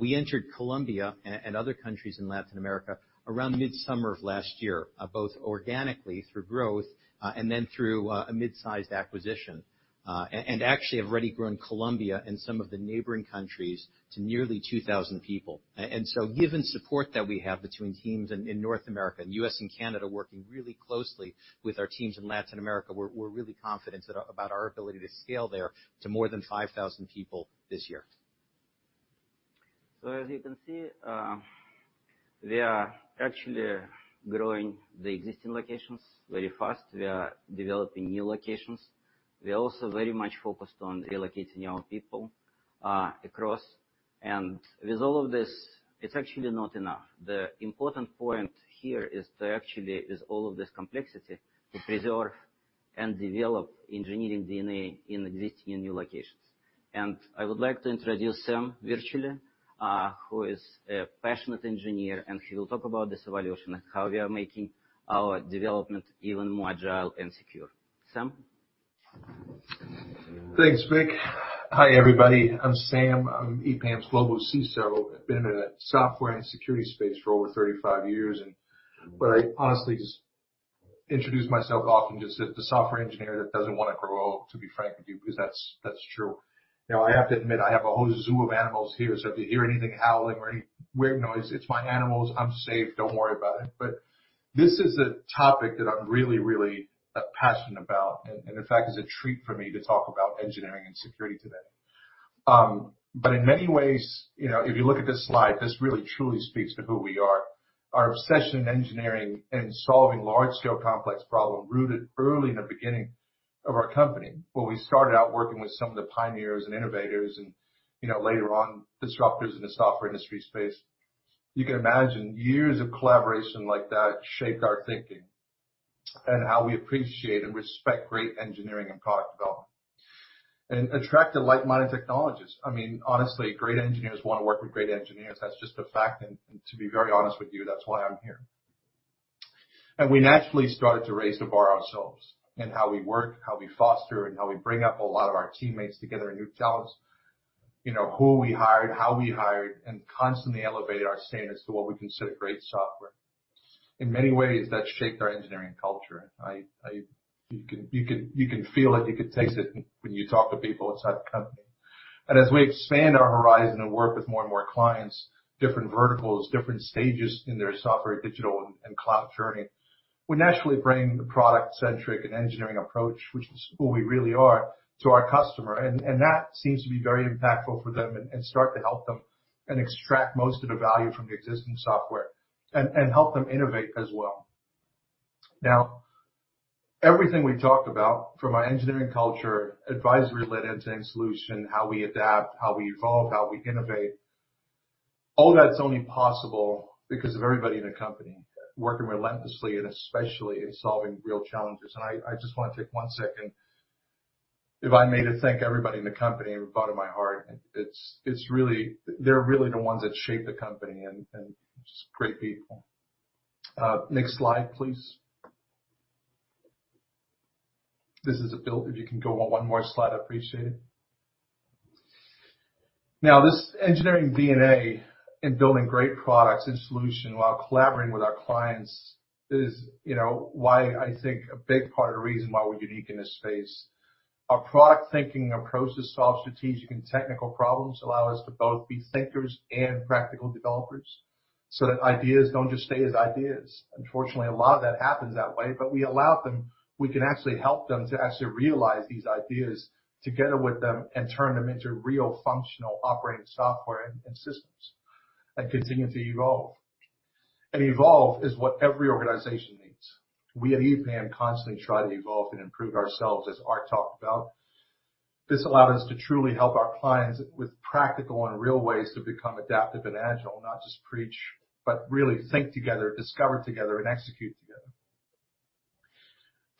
We entered Colombia and other countries in Latin America around mid-summer of last year, both organically through growth, and then through a mid-sized acquisition. Actually have already grown Colombia and some of the neighboring countries to nearly 2,000 people. Given support that we have between teams in North America, and US and Canada working really closely with our teams in Latin America, we're really confident about our ability to scale there to more than 5,000 people this year. As you can see, we are actually growing the existing locations very fast. We are developing new locations. We are also very much focused on relocating our people across. With all of this, it's actually not enough. The important point here is to actually, with all of this complexity, to preserve and develop engineering DNA in existing new locations. I would like to introduce Sam virtually, who is a passionate engineer, and he will talk about this evolution and how we are making our development even more agile and secure. Sam? Thanks, Vic. Hi, everybody. I'm Sam. I'm EPAM's Global CISO. I've been in the software and security space for over 35 years and where I honestly just introduce myself often just as the software engineer that doesn't wanna grow old, to be frank with you, because that's true. Now, I have to admit, I have a whole zoo of animals here, so if you hear anything howling or any weird noise, it's my animals. I'm safe. Don't worry about it. This is a topic that I'm really, really passionate about. In fact, it's a treat for me to talk about engineering and security today. In many ways, you know, if you look at this slide, this really truly speaks to who we are. Our obsession in engineering and solving large scale, complex problem rooted early in the beginning of our company, where we started out working with some of the pioneers and innovators and, you know, later on, disruptors in the software industry space. You can imagine years of collaboration like that shaped our thinking and how we appreciate and respect great engineering and product development. Attract the like-minded technologists. I mean, honestly, great engineers wanna work with great engineers. That's just a fact. To be very honest with you, that's why I'm here. We naturally started to raise the bar ourselves in how we work, how we foster, and how we bring up a lot of our teammates together in new talents. You know, who we hired, how we hired, and constantly elevated our standards to what we consider great software. In many ways, that shaped our engineering culture. You can feel it, you can taste it when you talk to people inside the company. As we expand our horizon and work with more and more clients, different verticals, different stages in their software, digital and cloud journey, we naturally bring the product-centric and engineering approach, which is who we really are, to our customer. That seems to be very impactful for them and start to help them and extract most of the value from the existing software and help them innovate as well. Now, everything we talked about from our engineering culture, advisory-led end-to-end solution, how we adapt, how we evolve, how we innovate, all that's only possible because of everybody in the company working relentlessly and especially in solving real challenges. I just wanna take one second. If I may to thank everybody in the company from the bottom of my heart, it's really. They're really the ones that shape the company and just great people. Next slide, please. This is a build. If you can go on one more slide, I appreciate it. Now, this engineering DNA in building great products and solution while collaborating with our clients is, you know, why I think a big part of the reason why we're unique in this space. Our product thinking approach to solve strategic and technical problems allow us to both be thinkers and practical developers, so that ideas don't just stay as ideas. Unfortunately, a lot of that happens that way, but we allow them, we can actually help them to actually realize these ideas together with them and turn them into real, functional, operating software and systems and continue to evolve. Evolve is what every organization needs. We at EPAM constantly try to evolve and improve ourselves as Ark talked about. This allowed us to truly help our clients with practical and real ways to become adaptive and agile. Not just preach, but really think together, discover together, and execute together.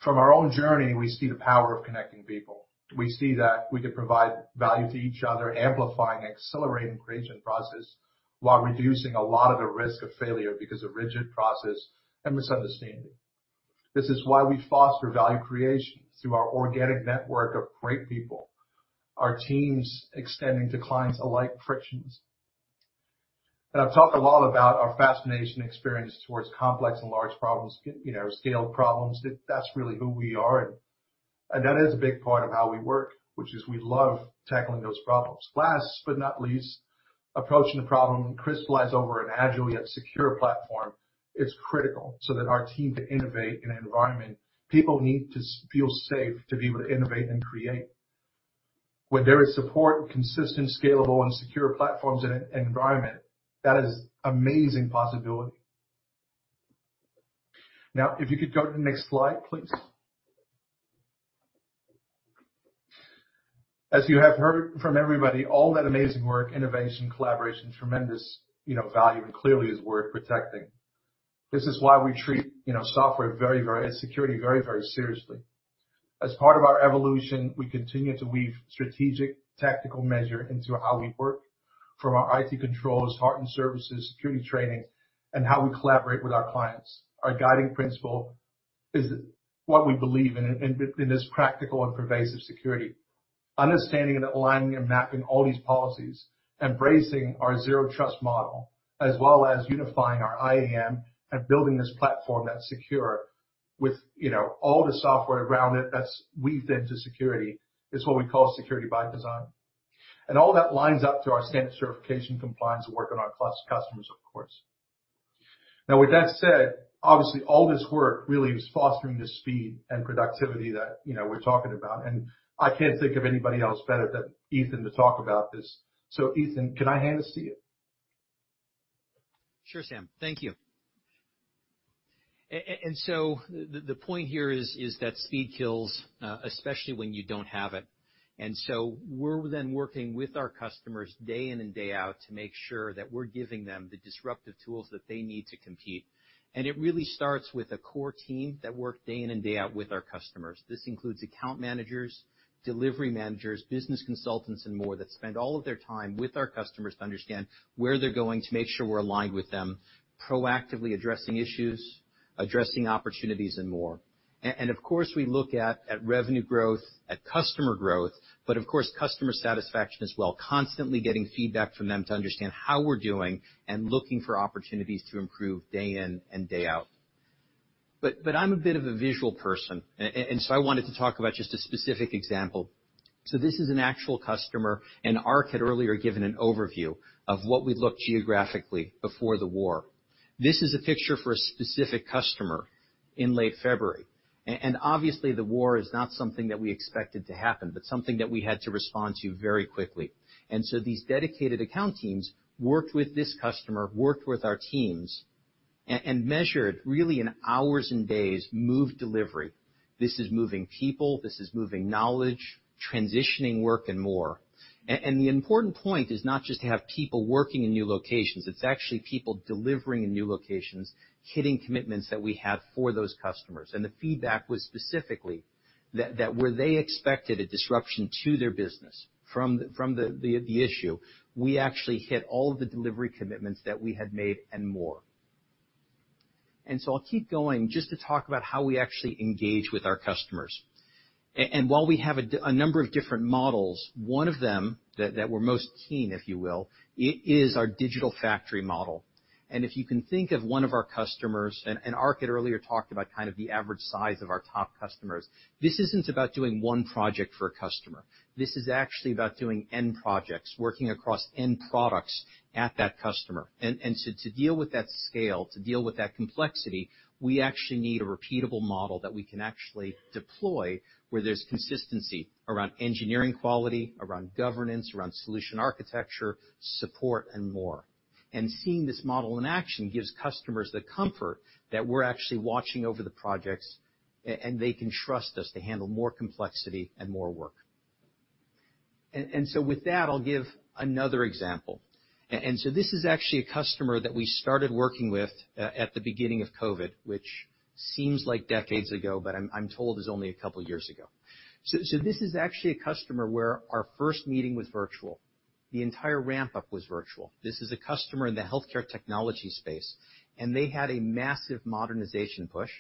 From our own journey, we see the power of connecting people. We see that we can provide value to each other, amplifying and accelerating creation process, while reducing a lot of the risk of failure because of rigid process and misunderstanding. This is why we foster value creation through our organic network of great people. Our teams extending to clients alike frictions. I've talked a lot about our fascinating experience towards complex and large problems, you know, scaled problems. That's really who we are. That is a big part of how we work, which is we love tackling those problems. Last but not least, approaching the problem crystallized over an agile yet secure platform is critical so that our team can innovate in an environment. People need to feel safe to be able to innovate and create. Where there is support, consistent, scalable, and secure platforms in an environment, that is amazing possibility. Now, if you could go to the next slide, please. As you have heard from everybody, all that amazing work, innovation, collaboration, tremendous, you know, value and clearly is worth protecting. This is why we treat, you know, software very, very and security very, very seriously. As part of our evolution, we continue to weave strategic tactical measure into how we work from our IT controls, hardened services, security training, and how we collaborate with our clients. Our guiding principle is what we believe in this practical and pervasive security. Understanding and aligning and mapping all these policies, embracing our zero trust model, as well as unifying our IAM and building this platform that's secure with, you know, all the software around it that's weaved into security is what we call security by design. All that lines up to our standard certification compliance work on our clients, customers, of course. Now, with that said, obviously all this work really is fostering the speed and productivity that, you know, we're talking about, and I can't think of anybody else better than Ethan to talk about this. Ethan, can I hand this to you? Sure, Sam. Thank you. The point here is that speed kills, especially when you don't have it. We're then working with our customers day in and day out to make sure that we're giving them the disruptive tools that they need to compete. It really starts with a core team that work day in and day out with our customers. This includes account managers, delivery managers, business consultants and more that spend all of their time with our customers to understand where they're going to make sure we're aligned with them, proactively addressing issues, addressing opportunities and more. Of course, we look at revenue growth, at customer growth, but of course customer satisfaction as well, constantly getting feedback from them to understand how we're doing and looking for opportunities to improve day in and day out. I'm a bit of a visual person and so I wanted to talk about just a specific example. This is an actual customer, and Ark had earlier given an overview of what we looked geographically before the war. This is a picture for a specific customer in late February. Obviously the war is not something that we expected to happen, but something that we had to respond to very quickly. These dedicated account teams worked with this customer, worked with our teams and measured really in hours and days, moved delivery. This is moving people, this is moving knowledge, transitioning work and more. The important point is not just to have people working in new locations, it's actually people delivering in new locations, hitting commitments that we have for those customers. The feedback was specifically that where they expected a disruption to their business from the issue, we actually hit all of the delivery commitments that we had made and more. I'll keep going just to talk about how we actually engage with our customers. While we have a number of different models, one of them that we're most keen, if you will, is our digital factory model. If you can think of one of our customers, and Ark had earlier talked about kind of the average size of our top customers, this isn't about doing one project for a customer. This is actually about doing N projects, working across N products at that customer. To deal with that scale, to deal with that complexity, we actually need a repeatable model that we can actually deploy where there's consistency around engineering quality, around governance, around solution architecture, support and more. Seeing this model in action gives customers the comfort that we're actually watching over the projects and they can trust us to handle more complexity and more work. With that, I'll give another example. This is actually a customer that we started working with at the beginning of COVID, which seems like decades ago, but I'm told is only a couple years ago. This is actually a customer where our first meeting was virtual. The entire ramp-up was virtual. This is a customer in the healthcare technology space, and they had a massive modernization push.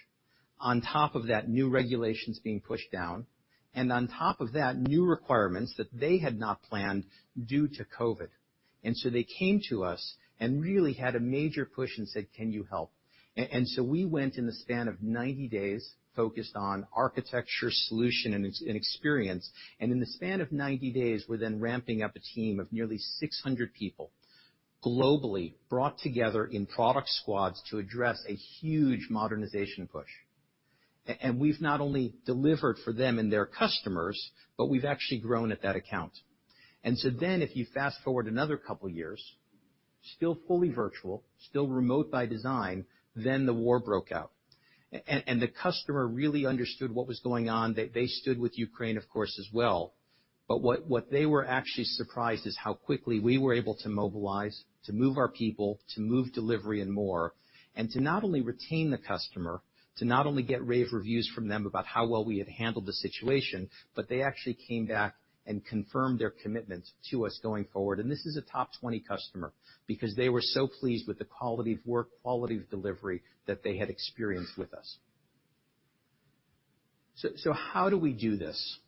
On top of that, new regulations being pushed down. On top of that, new requirements that they had not planned due to COVID. They came to us and really had a major push and said, "Can you help?" We went in the span of 90 days focused on architecture, solution, and UX and experience. In the span of 90 days, we're then ramping up a team of nearly 600 people globally brought together in product squads to address a huge modernization push. We've not only delivered for them and their customers, but we've actually grown at that account. If you fast-forward another couple years, still fully virtual, still remote by design, then the war broke out. The customer really understood what was going on. They stood with Ukraine, of course, as well. They were actually surprised is how quickly we were able to mobilize, to move our people, to move delivery and more, and to not only retain the customer, to not only get rave reviews from them about how well we had handled the situation, but they actually came back and confirmed their commitment to us going forward. This is a top 20 customer because they were so pleased with the quality of work, quality of delivery that they had experienced with us. How do we do this?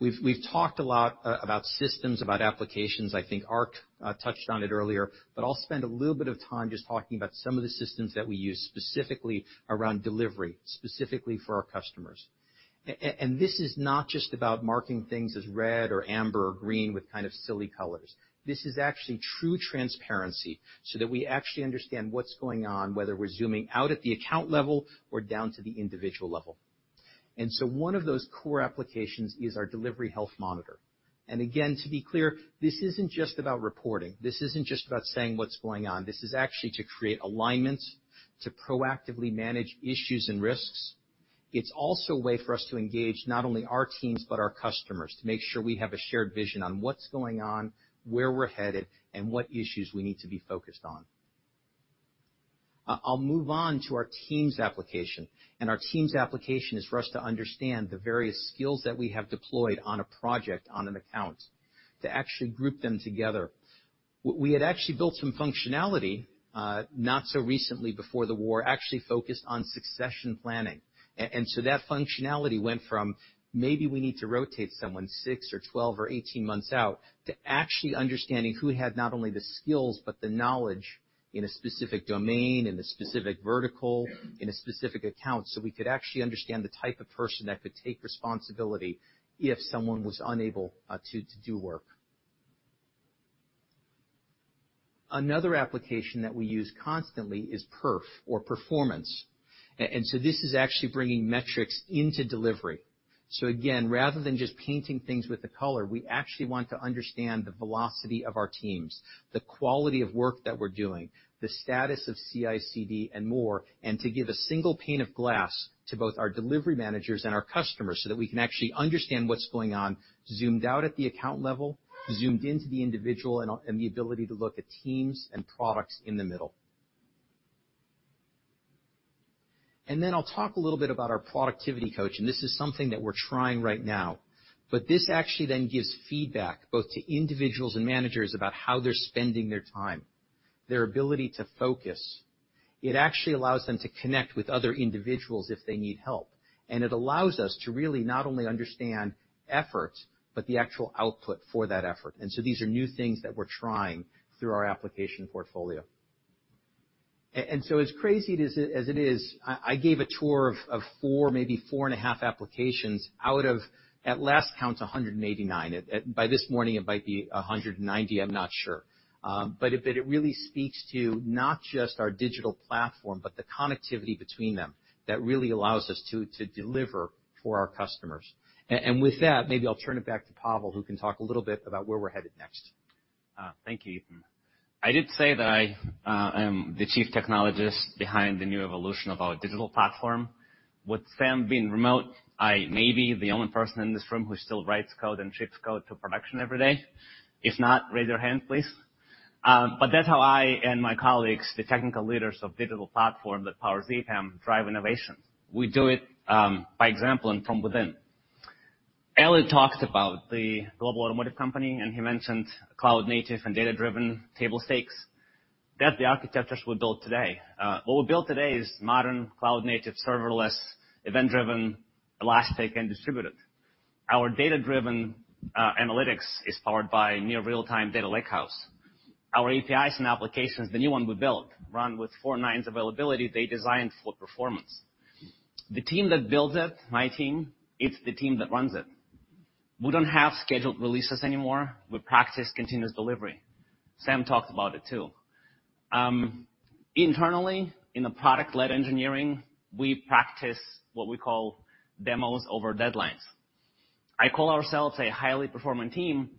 We've talked a lot about systems, about applications. I think Ark touched on it earlier, but I'll spend a little bit of time just talking about some of the systems that we use specifically around delivery, specifically for our customers. This is not just about marking things as red or amber or green with kind of silly colors. This is actually true transparency so that we actually understand what's going on, whether we're zooming out at the account level or down to the individual level. One of those core applications is our delivery health monitor. Again, to be clear, this isn't just about reporting. This isn't just about saying what's going on. This is actually to create alignment, to proactively manage issues and risks. It's also a way for us to engage not only our teams, but our customers, to make sure we have a shared vision on what's going on, where we're headed, and what issues we need to be focused on. I'll move on to our Teams application, and our Teams application is for us to understand the various skills that we have deployed on a project on an account to actually group them together. We had actually built some functionality, not so recently before the war, actually focused on succession planning. That functionality went from maybe we need to rotate someone six or 12 or 18 months out to actually understanding who had not only the skills but the knowledge in a specific domain, in a specific vertical, in a specific account, so we could actually understand the type of person that could take responsibility if someone was unable to do work. Another application that we use constantly is perf or performance. This is actually bringing metrics into delivery. Again, rather than just painting things with the color, we actually want to understand the velocity of our teams, the quality of work that we're doing, the status of CICD and more, and to give a single pane of glass to both our delivery managers and our customers, so that we can actually understand what's going on, zoomed out at the account level, zoomed into the individual, and the ability to look at teams and products in the middle. I'll talk a little bit about our productivity coach, and this is something that we're trying right now. This actually then gives feedback both to individuals and managers about how they're spending their time, their ability to focus. It actually allows them to connect with other individuals if they need help. It allows us to really not only understand effort, but the actual output for that effort. These are new things that we're trying through our application portfolio. As crazy as it is, I gave a tour of four, maybe four and a half applications out of, at last count, 189. By this morning, it might be 190, I'm not sure. But it really speaks to not just our digital platform, but the connectivity between them that really allows us to deliver for our customers. With that, maybe I'll turn it back to Pavel, who can talk a little bit about where we're headed next. Thank you, Ethan. I did say that I am the chief technologist behind the new evolution of our digital platform. With Sam being remote, I may be the only person in this room who still writes code and ships code to production every day. If not, raise your hand, please. That's how I and my colleagues, the technical leaders of digital platform that powers EPAM, drive innovation. We do it by example and from within. Eli talked about the global automotive company, and he mentioned cloud-native and data-driven table stakes. That's the architectures we build today. What we build today is modern, cloud-native, serverless, event-driven, elastic, and distributed. Our data-driven analytics is powered by near real-time data lake house. Our APIs and applications, the new one we built, run with four nines availability. They designed for performance. The team that builds it, my team, it's the team that runs it. We don't have scheduled releases anymore. We practice continuous delivery. Sam talked about it too. Internally, in the product-led engineering, we practice what we call demos over deadlines. I call ourselves a highly performing team,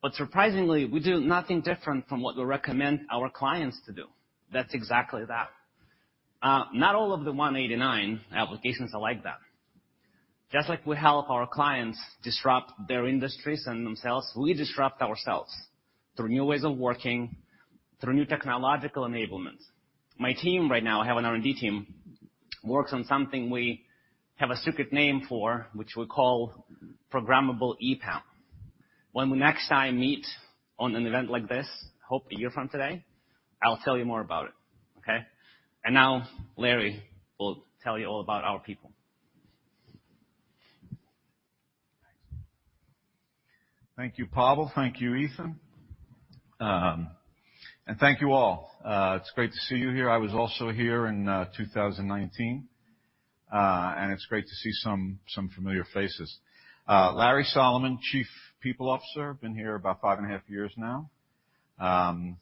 but surprisingly, we do nothing different from what we recommend our clients to do. That's exactly that. Not all of the 189 applications are like that. Just like we help our clients disrupt their industries and themselves, we disrupt ourselves through new ways of working, through new technological enablement. My team right now, I have an R&D team, works on something we have a secret name for, which we call programmable EPAM. When we next time meet on an event like this, hope a year from today, I'll tell you more about it. Okay? Now Larry Solomon will tell you all about our people. Thank you, Pavel. Thank you, Ethan. And thank you all. It's great to see you here. I was also here in 2019, and it's great to see some familiar faces. Larry Solomon, Chief People Officer. Been here about five and a half years now, and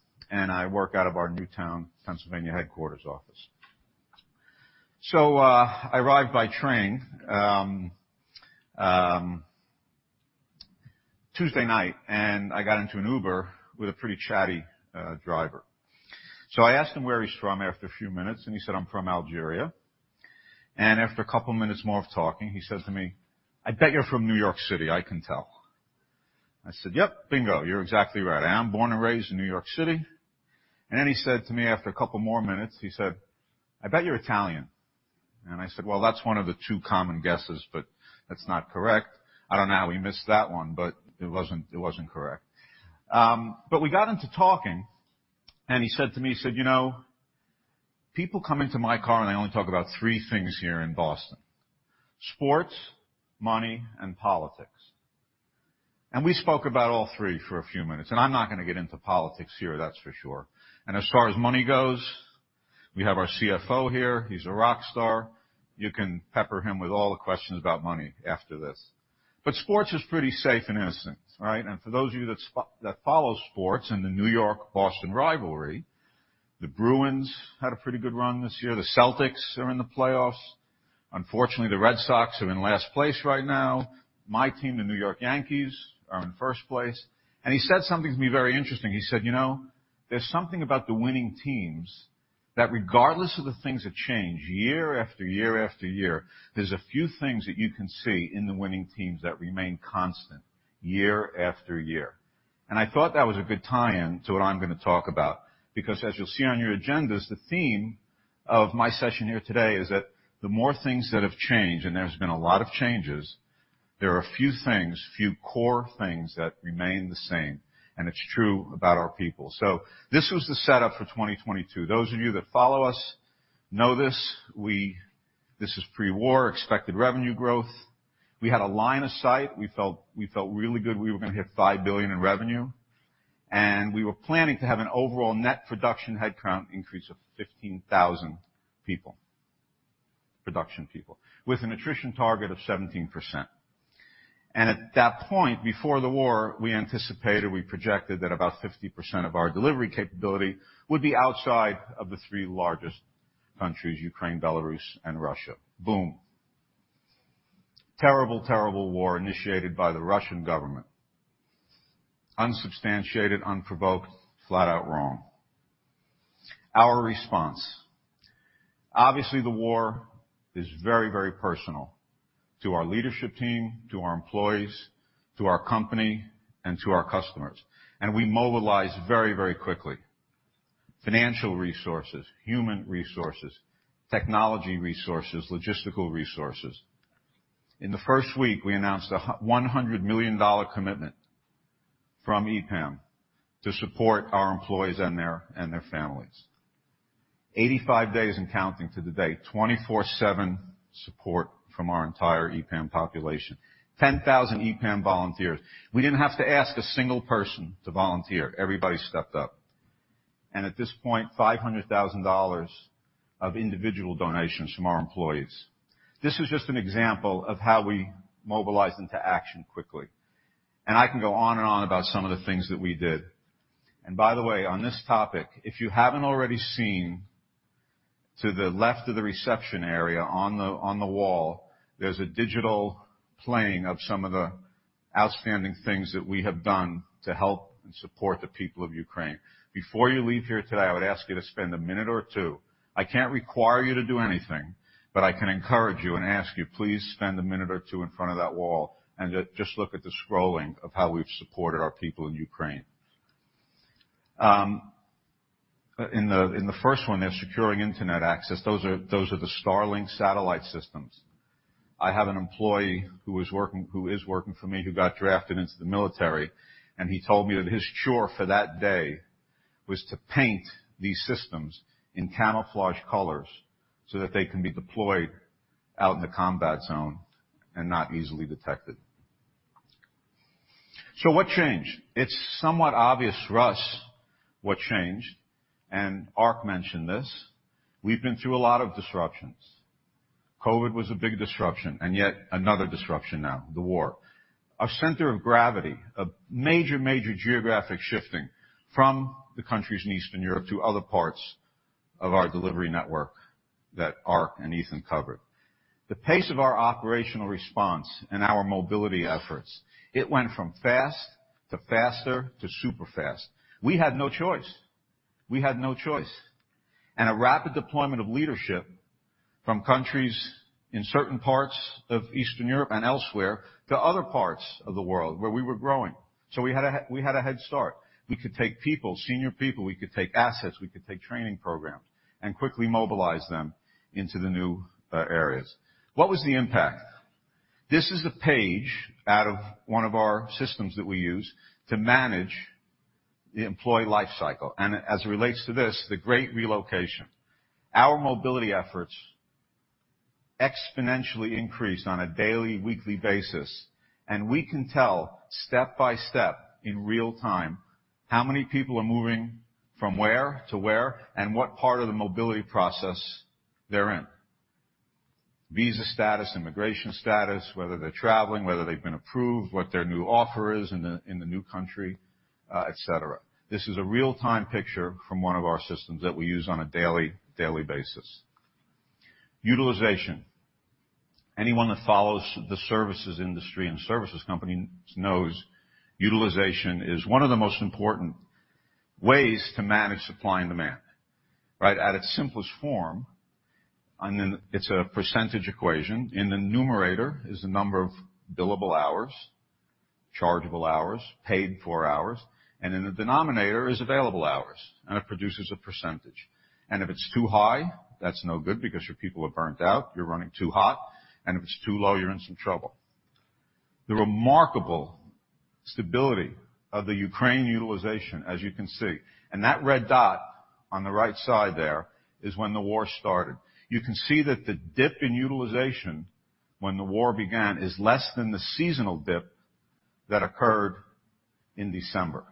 I work out of our Newtown, Pennsylvania, headquarters office. I arrived by train Tuesday night, and I got into an Uber with a pretty chatty driver. I asked him where he's from after a few minutes, and he said, "I'm from Algeria." After a couple of minutes more of talking, he says to me, "I bet you're from New York City, I can tell." I said, "Yep, bingo. You're exactly right. I am born and raised in New York City." Then he said to me after a couple more minutes, he said, "I bet you're Italian." I said, "Well, that's one of the two common guesses, but that's not correct." I don't know how he missed that one, but it wasn't correct. We got into talking and he said to me, he said, "You know, people come into my car, and they only talk about three things here in Boston, sports, money, and politics." We spoke about all three for a few minutes, and I'm not gonna get into politics here, that's for sure. As far as money goes, we have our CFO here. He's a rock star. You can pepper him with all the questions about money after this. Sports is pretty safe and innocent, right? For those of you that follow sports and the New York-Boston rivalry. The Bruins had a pretty good run this year. The Celtics are in the playoffs. Unfortunately, the Red Sox are in last place right now. My team, the New York Yankees, are in first place. He said something to me very interesting. He said, "You know, there's something about the winning teams that regardless of the things that change year after year after year, there's a few things that you can see in the winning teams that remain constant year after year." I thought that was a good tie-in to what I'm gonna talk about, because as you'll see on your agendas, the theme of my session here today is that the more things that have changed, and there's been a lot of changes, there are a few things, few core things that remain the same, and it's true about our people. This was the setup for 2022. Those of you that follow us know this. This is pre-war expected revenue growth. We had a line of sight. We felt really good. We were gonna hit $5 billion in revenue, and we were planning to have an overall net production headcount increase of 15,000 people, production people, with an attrition target of 17%. At that point, before the war, we anticipated, we projected that about 50% of our delivery capability would be outside of the three largest countries, Ukraine, Belarus, and Russia. Boom. Terrible, terrible war initiated by the Russian government. Unsubstantiated, unprovoked, flat out wrong. Our response. Obviously, the war is very, very personal to our leadership team, to our employees, to our company, and to our customers. We mobilized very, very quickly. Financial resources, human resources, technology resources, logistical resources. In the first week, we announced a one hundred million dollar commitment from EPAM to support our employees and their families. 85 days and counting to the day, 24/7 support from our entire EPAM population. 10,000 EPAM volunteers. We didn't have to ask a single person to volunteer. Everybody stepped up. At this point, $500,000 of individual donations from our employees. This is just an example of how we mobilized into action quickly. I can go on and on about some of the things that we did. By the way, on this topic, if you haven't already seen to the left of the reception area on the, on the wall, there's a digital playing of some of the outstanding things that we have done to help and support the people of Ukraine. Before you leave here today, I would ask you to spend a minute or two. I can't require you to do anything, but I can encourage you and ask you, please spend a minute or two in front of that wall and just look at the scrolling of how we've supported our people in Ukraine. In the first one, they're securing Internet access. Those are the Starlink satellite systems. I have an employee who is working for me, who got drafted into the military, and he told me that his chore for that day was to paint these systems in camouflage colors so that they can be deployed out in the combat zone and not easily detected. What changed? It's somewhat obvious for us what changed, and Ark mentioned this. We've been through a lot of disruptions. COVID was a big disruption, and yet another disruption now, the war. A center of gravity, a major geographic shifting from the countries in Eastern Europe to other parts of our delivery network that Ark and Ethan covered. The pace of our operational response and our mobility efforts, it went from fast to faster to super fast. We had no choice. A rapid deployment of leadership from countries in certain parts of Eastern Europe and elsewhere, to other parts of the world where we were growing. We had a head start. We could take people, senior people, we could take assets, we could take training programs, and quickly mobilize them into the new areas. What was the impact? This is a page out of one of our systems that we use to manage the employee life cycle. As it relates to this, the great relocation. Our mobility efforts exponentially increased on a daily, weekly basis, and we can tell step by step in real-time how many people are moving from where to where and what part of the mobility process they're in. Visa status, immigration status, whether they're traveling, whether they've been approved, what their new offer is in the new country, et cetera. This is a real-time picture from one of our systems that we use on a daily basis. Utilization. Anyone that follows the services industry and services companies knows utilization is one of the most important ways to manage supply and demand, right? At its simplest form, and then it's a percentage equation. In the numerator is the number of billable hours, chargeable hours, paid for hours, and in the denominator is available hours, and it produces a percentage. If it's too high, that's no good because your people are burned out, you're running too hot. If it's too low, you're in some trouble. The remarkable stability of the Ukraine utilization, as you can see, and that red dot on the right side there is when the war started. You can see that the dip in utilization when the war began is less than the seasonal dip that occurred in December.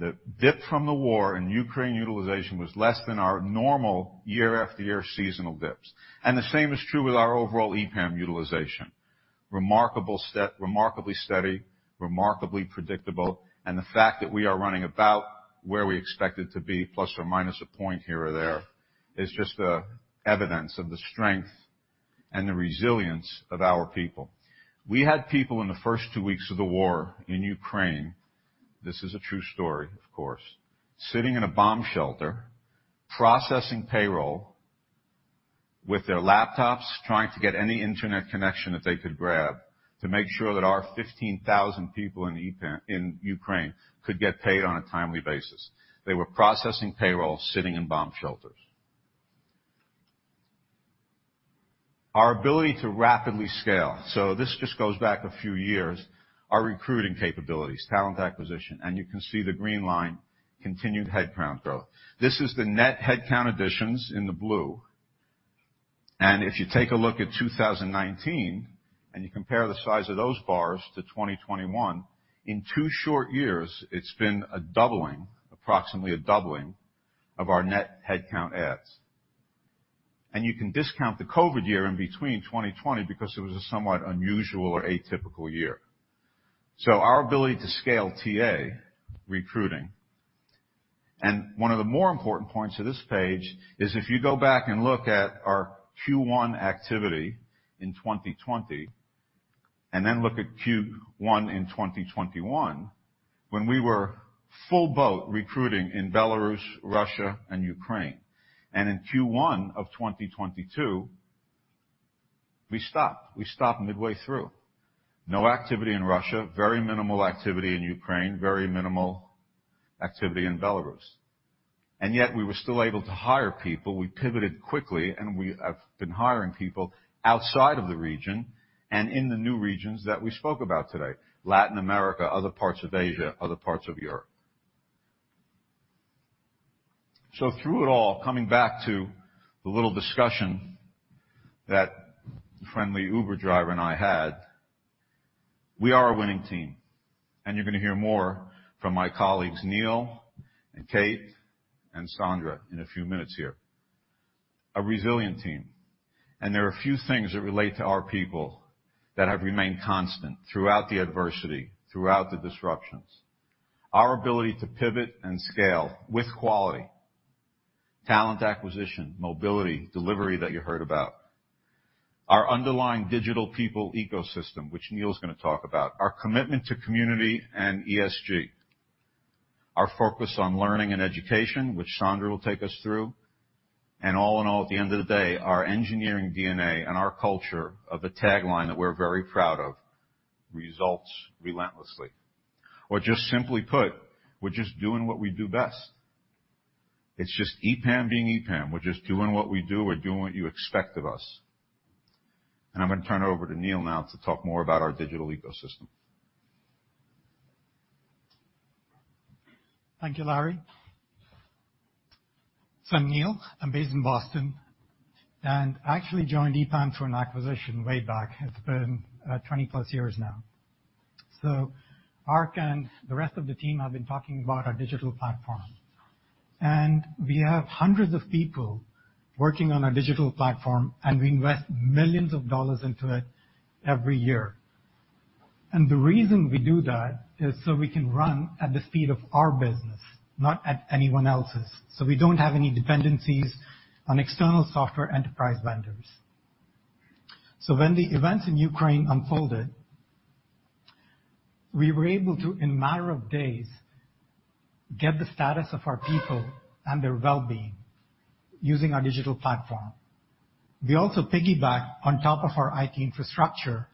The dip from the war and Ukraine utilization was less than our normal year after year seasonal dips. The same is true with our overall EPAM utilization. Remarkably steady, remarkably predictable. The fact that we are running about where we expected to be, plus or minus a point here or there, is just evidence of the strength and the resilience of our people. We had people in the first two weeks of the war in Ukraine, this is a true story, of course, sitting in a bomb shelter, processing payroll with their laptops, trying to get any internet connection that they could grab to make sure that our 15,000 people in EPAM in Ukraine could get paid on a timely basis. They were processing payroll sitting in bomb shelters. Our ability to rapidly scale. This just goes back a few years. Our recruiting capabilities, talent acquisition, and you can see the green line, continued headcount growth. This is the net headcount additions in the blue. If you take a look at 2019, and you compare the size of those bars to 2021, in two short years, it's been a doubling, approximately a doubling of our net headcount adds. You can discount the COVID year in between, 2020, because it was a somewhat unusual or atypical year. Our ability to scale TA recruiting. One of the more important points of this page is if you go back and look at our Q1 activity in 2020, and then look at Q1 in 2021 when we were full boat recruiting in Belarus, Russia, and Ukraine. In Q1 of 2022, we stopped midway through. No activity in Russia, very minimal activity in Ukraine, very minimal activity in Belarus. Yet we were still able to hire people. We pivoted quickly, and we have been hiring people outside of the region and in the new regions that we spoke about today, Latin America, other parts of Asia, other parts of Europe. Through it all, coming back to the little discussion that the friendly Uber driver and I had, we are a winning team, and you're gonna hear more from my colleagues, Neil and Kate and Sandra in a few minutes here. A resilient team. There are a few things that relate to our people that have remained constant throughout the adversity, throughout the disruptions. Our ability to pivot and scale with quality, talent acquisition, mobility, delivery that you heard about. Our underlying digital people ecosystem, which Neil's gonna talk about. Our commitment to community and ESG. Our focus on learning and education, which Sandra will take us through. All in all, at the end of the day, our engineering DNA and our culture of the tagline that we're very proud of, results relentlessly. Or just simply put, we're just doing what we do best. It's just EPAM being EPAM. We're just doing what we do. We're doing what you expect of us. I'm gonna turn it over to Neil now to talk more about our digital ecosystem. Thank you, Larry. I'm Neil, I'm based in Boston, and I actually joined EPAM through an acquisition way back. It's been 20-plus years now. Ark and the rest of the team have been talking about our digital platform. We have hundreds of people working on our digital platform, and we invest millions of dollars into it every year. The reason we do that is so we can run at the speed of our business, not at anyone else's. We don't have any dependencies on external enterprise software vendors. When the events in Ukraine unfolded, we were able to, in a matter of days, get the status of our people and their well-being using our digital platform. We also piggyback on top of our IT infrastructure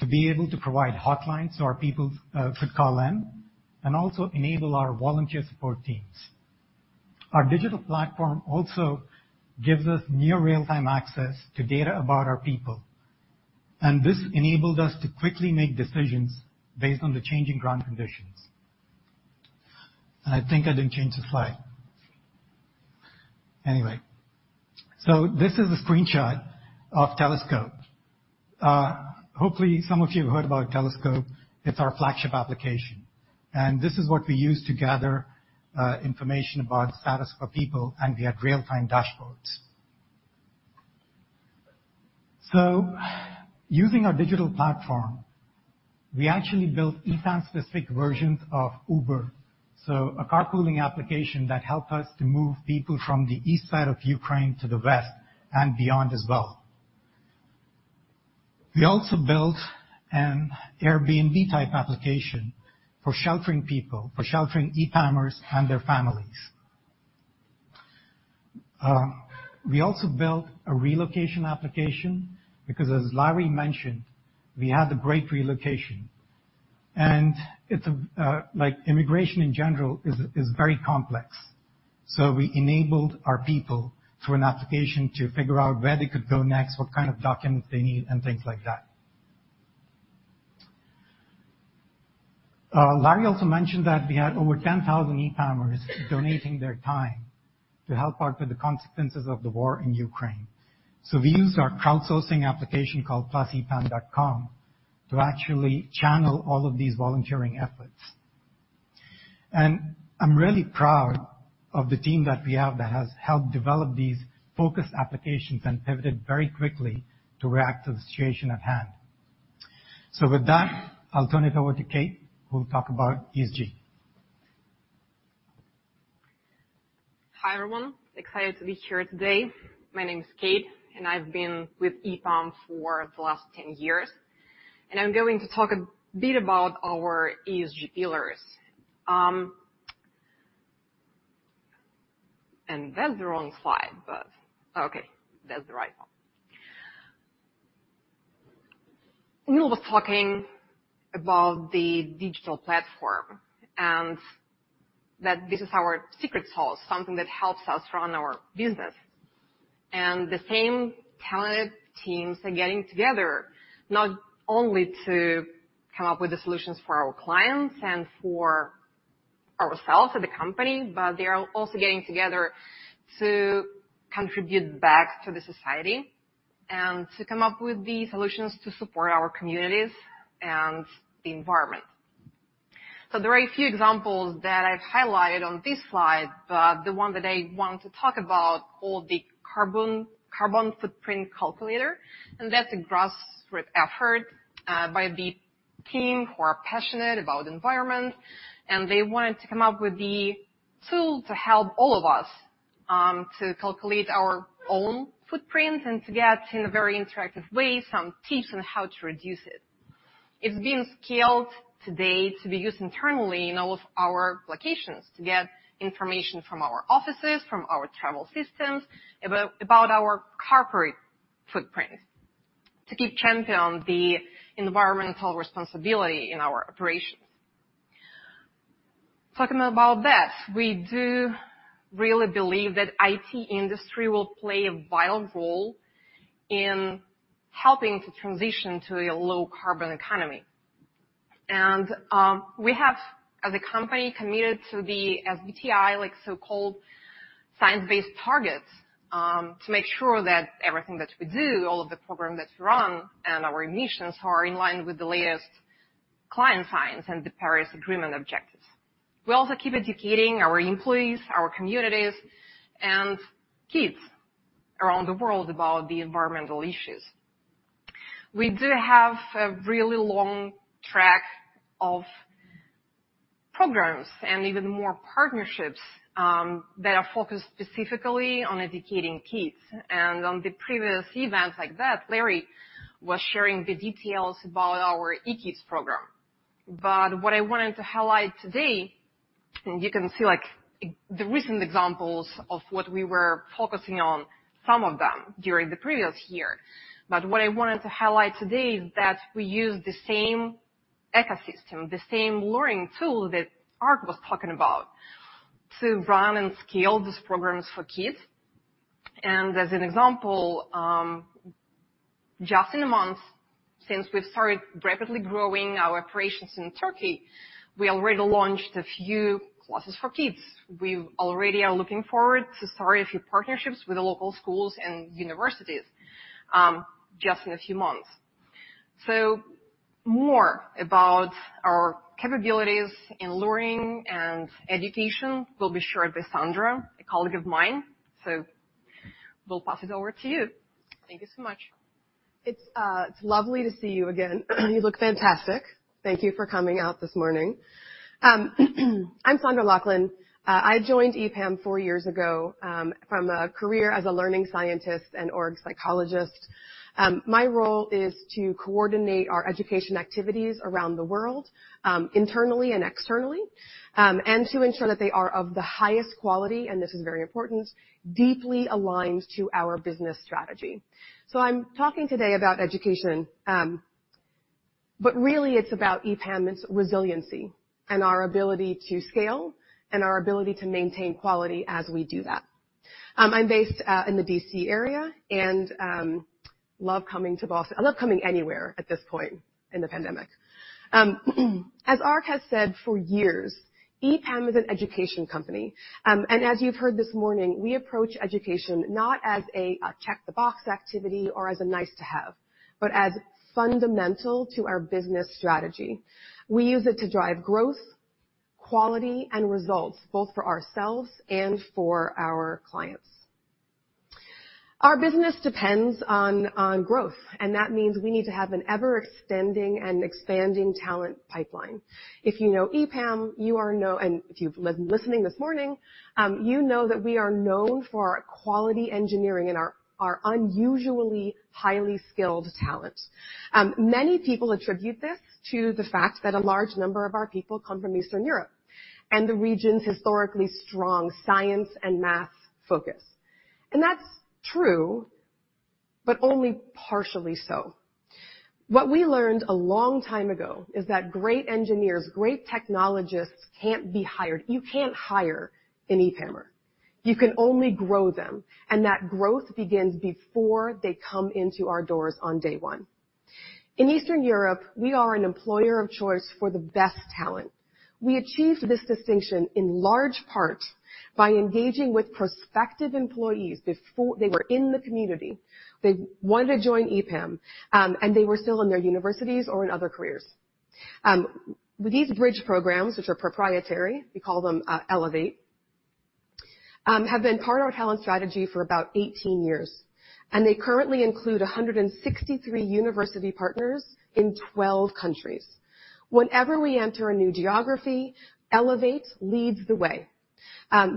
to be able to provide hotlines so our people could call in and also enable our volunteer support teams. Our digital platform also gives us near real-time access to data about our people, and this enabled us to quickly make decisions based on the changing ground conditions. I think I didn't change the slide. Anyway. This is a screenshot of Telescope. Hopefully, some of you have heard about Telescope. It's our flagship application, and this is what we use to gather information about status for people, and we have real-time dashboards. Using our digital platform, we actually built EPAM-specific versions of Uber, so a carpooling application that helped us to move people from the east side of Ukraine to the west and beyond as well. We also built an Airbnb-type application for sheltering people, for sheltering EPAMers and their families. We also built a relocation application because as Larry mentioned, we had a great relocation. It's like immigration in general is very complex. We enabled our people through an application to figure out where they could go next, what kind of documents they need, and things like that. Larry also mentioned that we had over 10,000 EPAMers donating their time to help out with the consequences of the war in Ukraine. We used our crowdsourcing application called EPAM Plus to actually channel all of these volunteering efforts. I'm really proud of the team that we have that has helped develop these focused applications and pivoted very quickly to react to the situation at hand. With that, I'll turn it over to Kate, who will talk about ESG. Hi, everyone. Excited to be here today. My name is Kate, and I've been with EPAM for the last 10 years. I'm going to talk a bit about our ESG pillars. That's the wrong slide, but okay, that's the right one. Neil was talking about the digital platform and that this is our secret sauce, something that helps us run our business. The same talented teams are getting together not only to come up with the solutions for our clients and for ourselves as a company, but they are also getting together to contribute back to the society and to come up with the solutions to support our communities and the environment. There are a few examples that I've highlighted on this slide, but the one that I want to talk about, called the carbon footprint calculator, and that's a grassroots effort by the team who are passionate about environment. They wanted to come up with the tool to help all of us to calculate our own footprint and to get in a very interactive way some tips on how to reduce it. It's been scaled today to be used internally in all of our locations to get information from our offices, from our travel systems, about our corporate footprint to champion the environmental responsibility in our operations. Talking about that, we do really believe that IT industry will play a vital role in helping to transition to a low-carbon economy. We have, as a company, committed to the SBTI, like so-called science-based targets, to make sure that everything that we do, all of the program that's run and our emissions are in line with the latest climate science and the Paris Agreement objectives. We also keep educating our employees, our communities, and kids around the world about the environmental issues. We do have a really long track of programs and even more partnerships, that are focused specifically on educating kids. On the previous events like that, Larry was sharing the details about our eKids program. What I wanted to highlight today, and you can see like the recent examples of what we were focusing on some of them during the previous year. What I wanted to highlight today is that we use the same ecosystem, the same learning tool that Ark was talking about to run and scale these programs for kids. As an example, just in a month, since we've started rapidly growing our operations in Turkey, we already launched a few classes for kids. We already are looking forward to starting a few partnerships with the local schools and universities, just in a few months. More about our capabilities in learning and education will be shared by Sandra, a colleague of mine. Will pass it over to you. Thank you so much. It's lovely to see you again. You look fantastic. Thank you for coming out this morning. I'm Sandra Loughlin. I joined EPAM four years ago from a career as a learning scientist and org psychologist. My role is to coordinate our education activities around the world, internally and externally, and to ensure that they are of the highest quality, and this is very important, deeply aligned to our business strategy. I'm talking today about education, but really it's about EPAM's resiliency and our ability to scale and our ability to maintain quality as we do that. I'm based in the D.C. area and love coming to Boston. I love coming anywhere at this point in the pandemic. As Ark has said for years, EPAM is an education company. As you've heard this morning, we approach education not as a check-the-box activity or as a nice to have, but as fundamental to our business strategy. We use it to drive growth, quality, and results, both for ourselves and for our clients. Our business depends on growth, and that means we need to have an ever-extending and expanding talent pipeline. If you know EPAM, you know and if you've listening this morning, you know that we are known for our quality engineering and our unusually highly skilled talent. Many people attribute this to the fact that a large number of our people come from Eastern Europe and the region's historically strong science and math focus. That's true, but only partially so. What we learned a long time ago is that great engineers, great technologists can't be hired. You can't hire an EPAMer. You can only grow them, and that growth begins before they come into our doors on day one. In Eastern Europe, we are an employer of choice for the best talent. We achieved this distinction in large part by engaging with prospective employees before they were in the community. They wanted to join EPAM, and they were still in their universities or in other careers. These bridge programs, which are proprietary, we call them Elevate, have been part of our talent strategy for about 18 years, and they currently include 163 university partners in 12 countries. Whenever we enter a new geography, Elevate leads the way,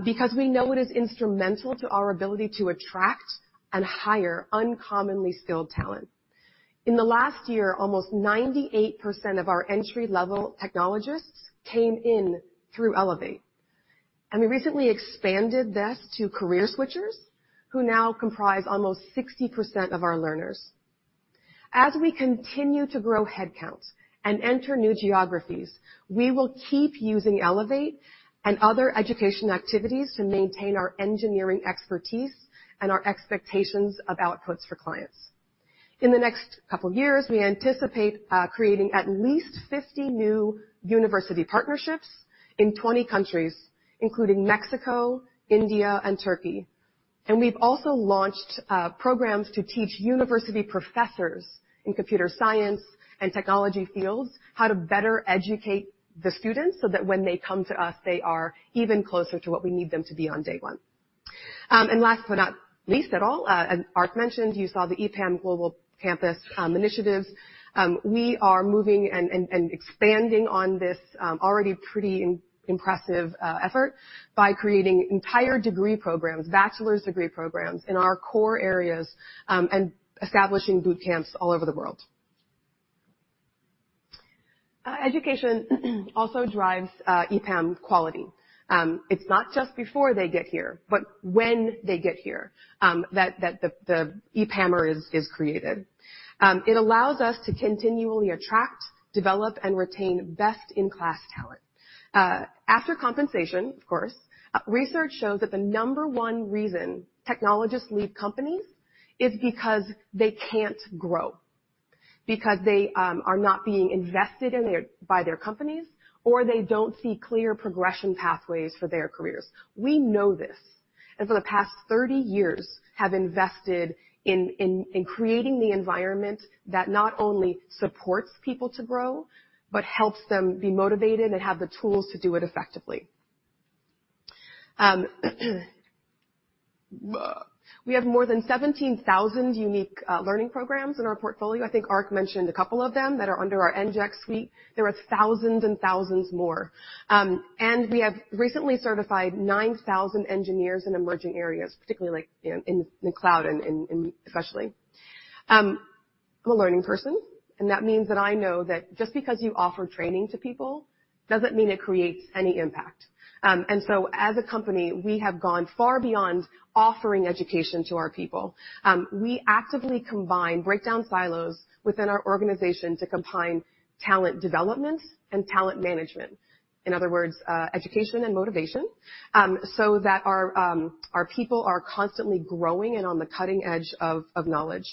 because we know it is instrumental to our ability to attract and hire uncommonly skilled talent. In the last year, .lmost 98% of our entry-level technologists came in through Elevate, and we recently expanded this to career switchers, who now comprise almost 60% of our learners. As we continue to grow headcounts and enter new geographies, we will keep using Elevate and other education activities to maintain our engineering expertise and our expectations of outputs for clients. In the next couple of years, we anticipate creating at least 50 new university partnerships in 20 countries, including Mexico, India, and Turkey. We've also launched programs to teach university professors in computer science and technology fields how to better educate the students so that when they come to us, they are even closer to what we need them to be on day one. Last but not least at all, Arkadiy mentioned you saw the EPAM Global Campus initiatives. We are moving and expanding on this already pretty impressive effort by creating entire degree programs, bachelor's degree programs in our core areas, and establishing boot camps all over the world. Education also drives EPAM quality. It's not just before they get here, but when they get here, that the EPAMer is created. It allows us to continually attract, develop, and retain best-in-class talent. After compensation, of course, research shows that the number one reason technologists leave companies is because they can't grow, because they are not being invested in by their companies, or they don't see clear progression pathways for their careers. We know this, and for the past 30 years have invested in creating the environment that not only supports people to grow but helps them be motivated and have the tools to do it effectively. We have more than 17,000 unique learning programs in our portfolio. I think Ark mentioned a couple of them that are under our EngX suite. There are thousands and thousands more. We have recently certified 9,000 engineers in emerging areas, particularly in the cloud and especially. I'm a learning person, and that means that I know that just because you offer training to people doesn't mean it creates any impact. As a company, we have gone far beyond offering education to our people. We actively break down silos within our organization to combine talent development and talent management. In other words, education and motivation, so that our people are constantly growing and on the cutting edge of knowledge.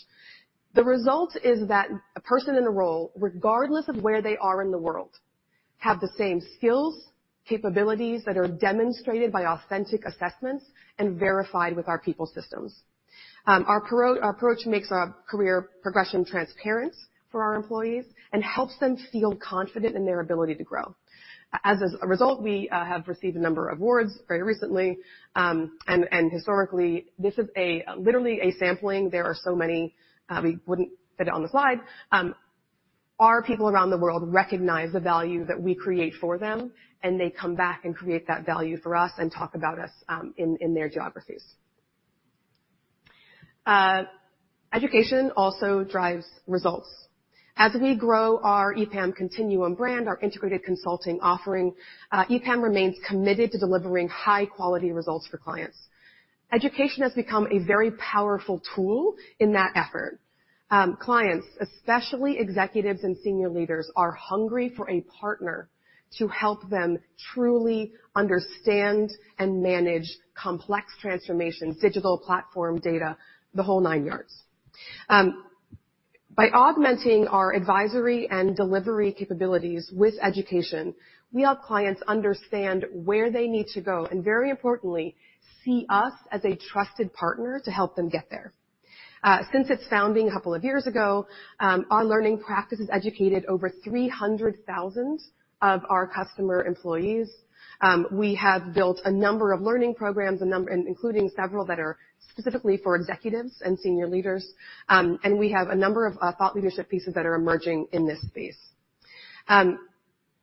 The result is that a person in a role, regardless of where they are in the world, have the same skills, capabilities that are demonstrated by authentic assessments and verified with our people systems. Our approach makes our career progression transparent for our employees and helps them feel confident in their ability to grow. As a result, we have received a number of awards very recently. Historically, this is literally a sampling. There are so many, we wouldn't fit it on the slide. Our people around the world recognize the value that we create for them, and they come back and create that value for us and talk about us in their geographies. Education also drives results. As we grow our EPAM Continuum brand, our integrated consulting offering, EPAM remains committed to delivering high-quality results for clients. Education has become a very powerful tool in that effort. Clients, especially executives and senior leaders, are hungry for a partner to help them truly understand and manage complex transformations, digital platform data, the whole nine yards. By augmenting our advisory and delivery capabilities with education, we help clients understand where they need to go, and very importantly, see us as a trusted partner to help them get there. Since its founding a couple of years ago, our learning practices educated over 300,000 of our customer employees. We have built a number of learning programs, including several that are specifically for executives and senior leaders. We have a number of thought leadership pieces that are emerging in this space.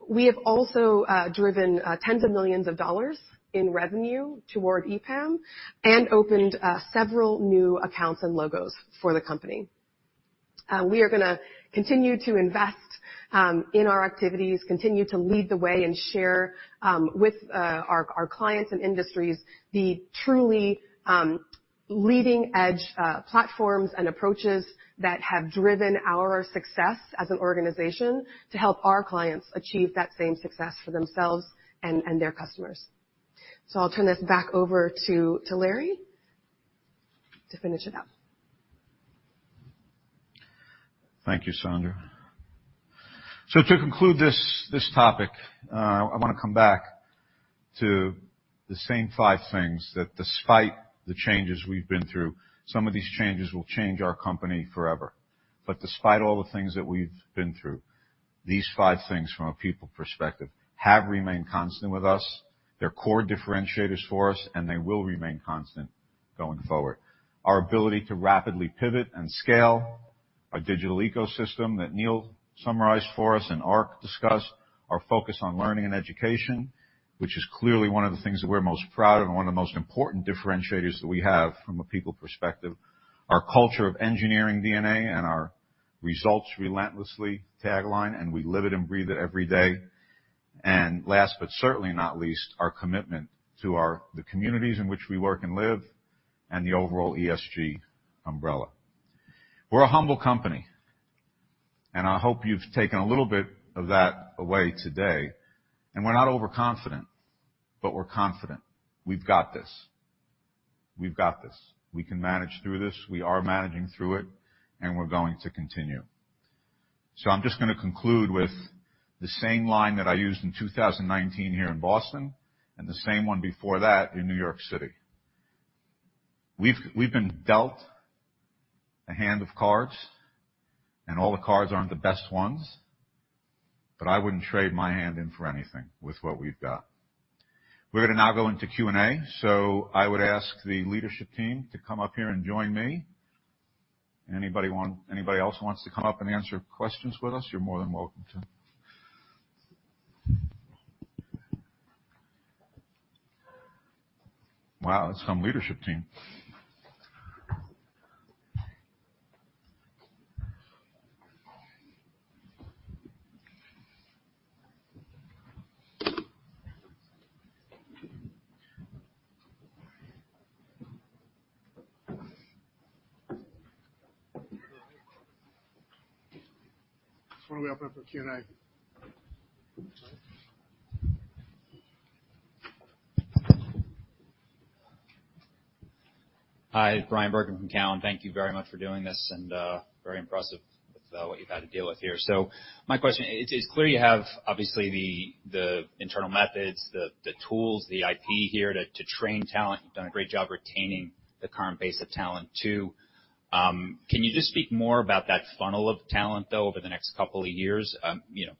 We have also driven tens of millions of dollars in revenue toward EPAM and opened several new accounts and logos for the company. We are gonna continue to invest in our activities, continue to lead the way and share with our clients and industries, the truly leading-edge platforms and approaches that have driven our success as an organization to help our clients achieve that same success for themselves and their customers. I'll turn this back over to Larry to finish it up. Thank you, Sandra. To conclude this topic, I wanna come back to the same five things that despite the changes we've been through, some of these changes will change our company forever. Despite all the things that we've been through, these five things from a people perspective have remained constant with us. They're core differentiators for us, and they will remain constant going forward. Our ability to rapidly pivot and scale, our digital ecosystem that Neil summarized for us and Ark discussed, our focus on learning and education, which is clearly one of the things that we're most proud of and one of the most important differentiators that we have from a people perspective. Our culture of engineering DNA and our results relentlessly tagline, and we live it and breathe it every day. Last, but certainly not least, our commitment to the communities in which we work and live and the overall ESG umbrella. We're a humble company, and I hope you've taken a little bit of that away today, and we're not overconfident, but we're confident. We've got this. We can manage through this. We are managing through it, and we're going to continue. I'm just gonna conclude with the same line that I used in 2019 here in Boston and the same one before that in New York City. We've been dealt a hand of cards, and all the cards aren't the best ones, but I wouldn't trade my hand in for anything with what we've got. We're gonna now go into Q&A, so I would ask the leadership team to come up here and join me. Anybody else who wants to come up and answer questions with us, you're more than welcome to. Wow, that's some leadership team. We open up for Q&A. All right. Hi, Bryan Bergin from Cowen. Thank you very much for doing this, and very impressive with what you've had to deal with here. My question, it's clear you have obviously the internal methods, the tools, the IP here to train talent. You've done a great job retaining the current base of talent too. Can you just speak more about that funnel of talent, though, over the next couple of years, you know,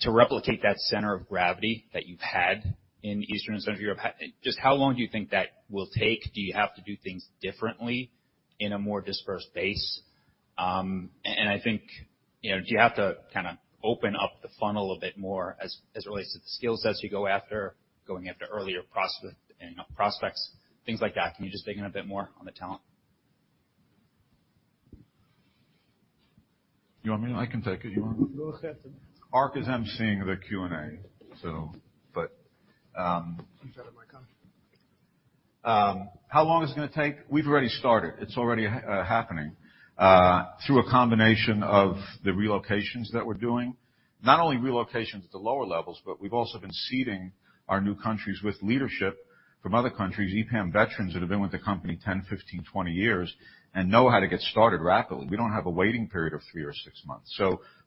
to replicate that center of gravity that you've had in Eastern and Central Europe. Just how long do you think that will take? Do you have to do things differently in a more dispersed base? I think, you know, do you have to kinda open up the funnel a bit more as it relates to the skill sets you go after, going after earlier prospect, you know, prospects, things like that? Can you just dig in a bit more on the talent? You want me? I can take it. You want me? Go ahead. Ark is emceeing the Q&A. You can have my mic on. How long is it gonna take? We've already started. It's already happening through a combination of the relocations that we're doing, not only relocations at the lower levels, but we've also been seeding our new countries with leadership from other countries, EPAM veterans that have been with the company 10, 15, 20 years and know how to get started rapidly. We don't have a waiting period of three or six months.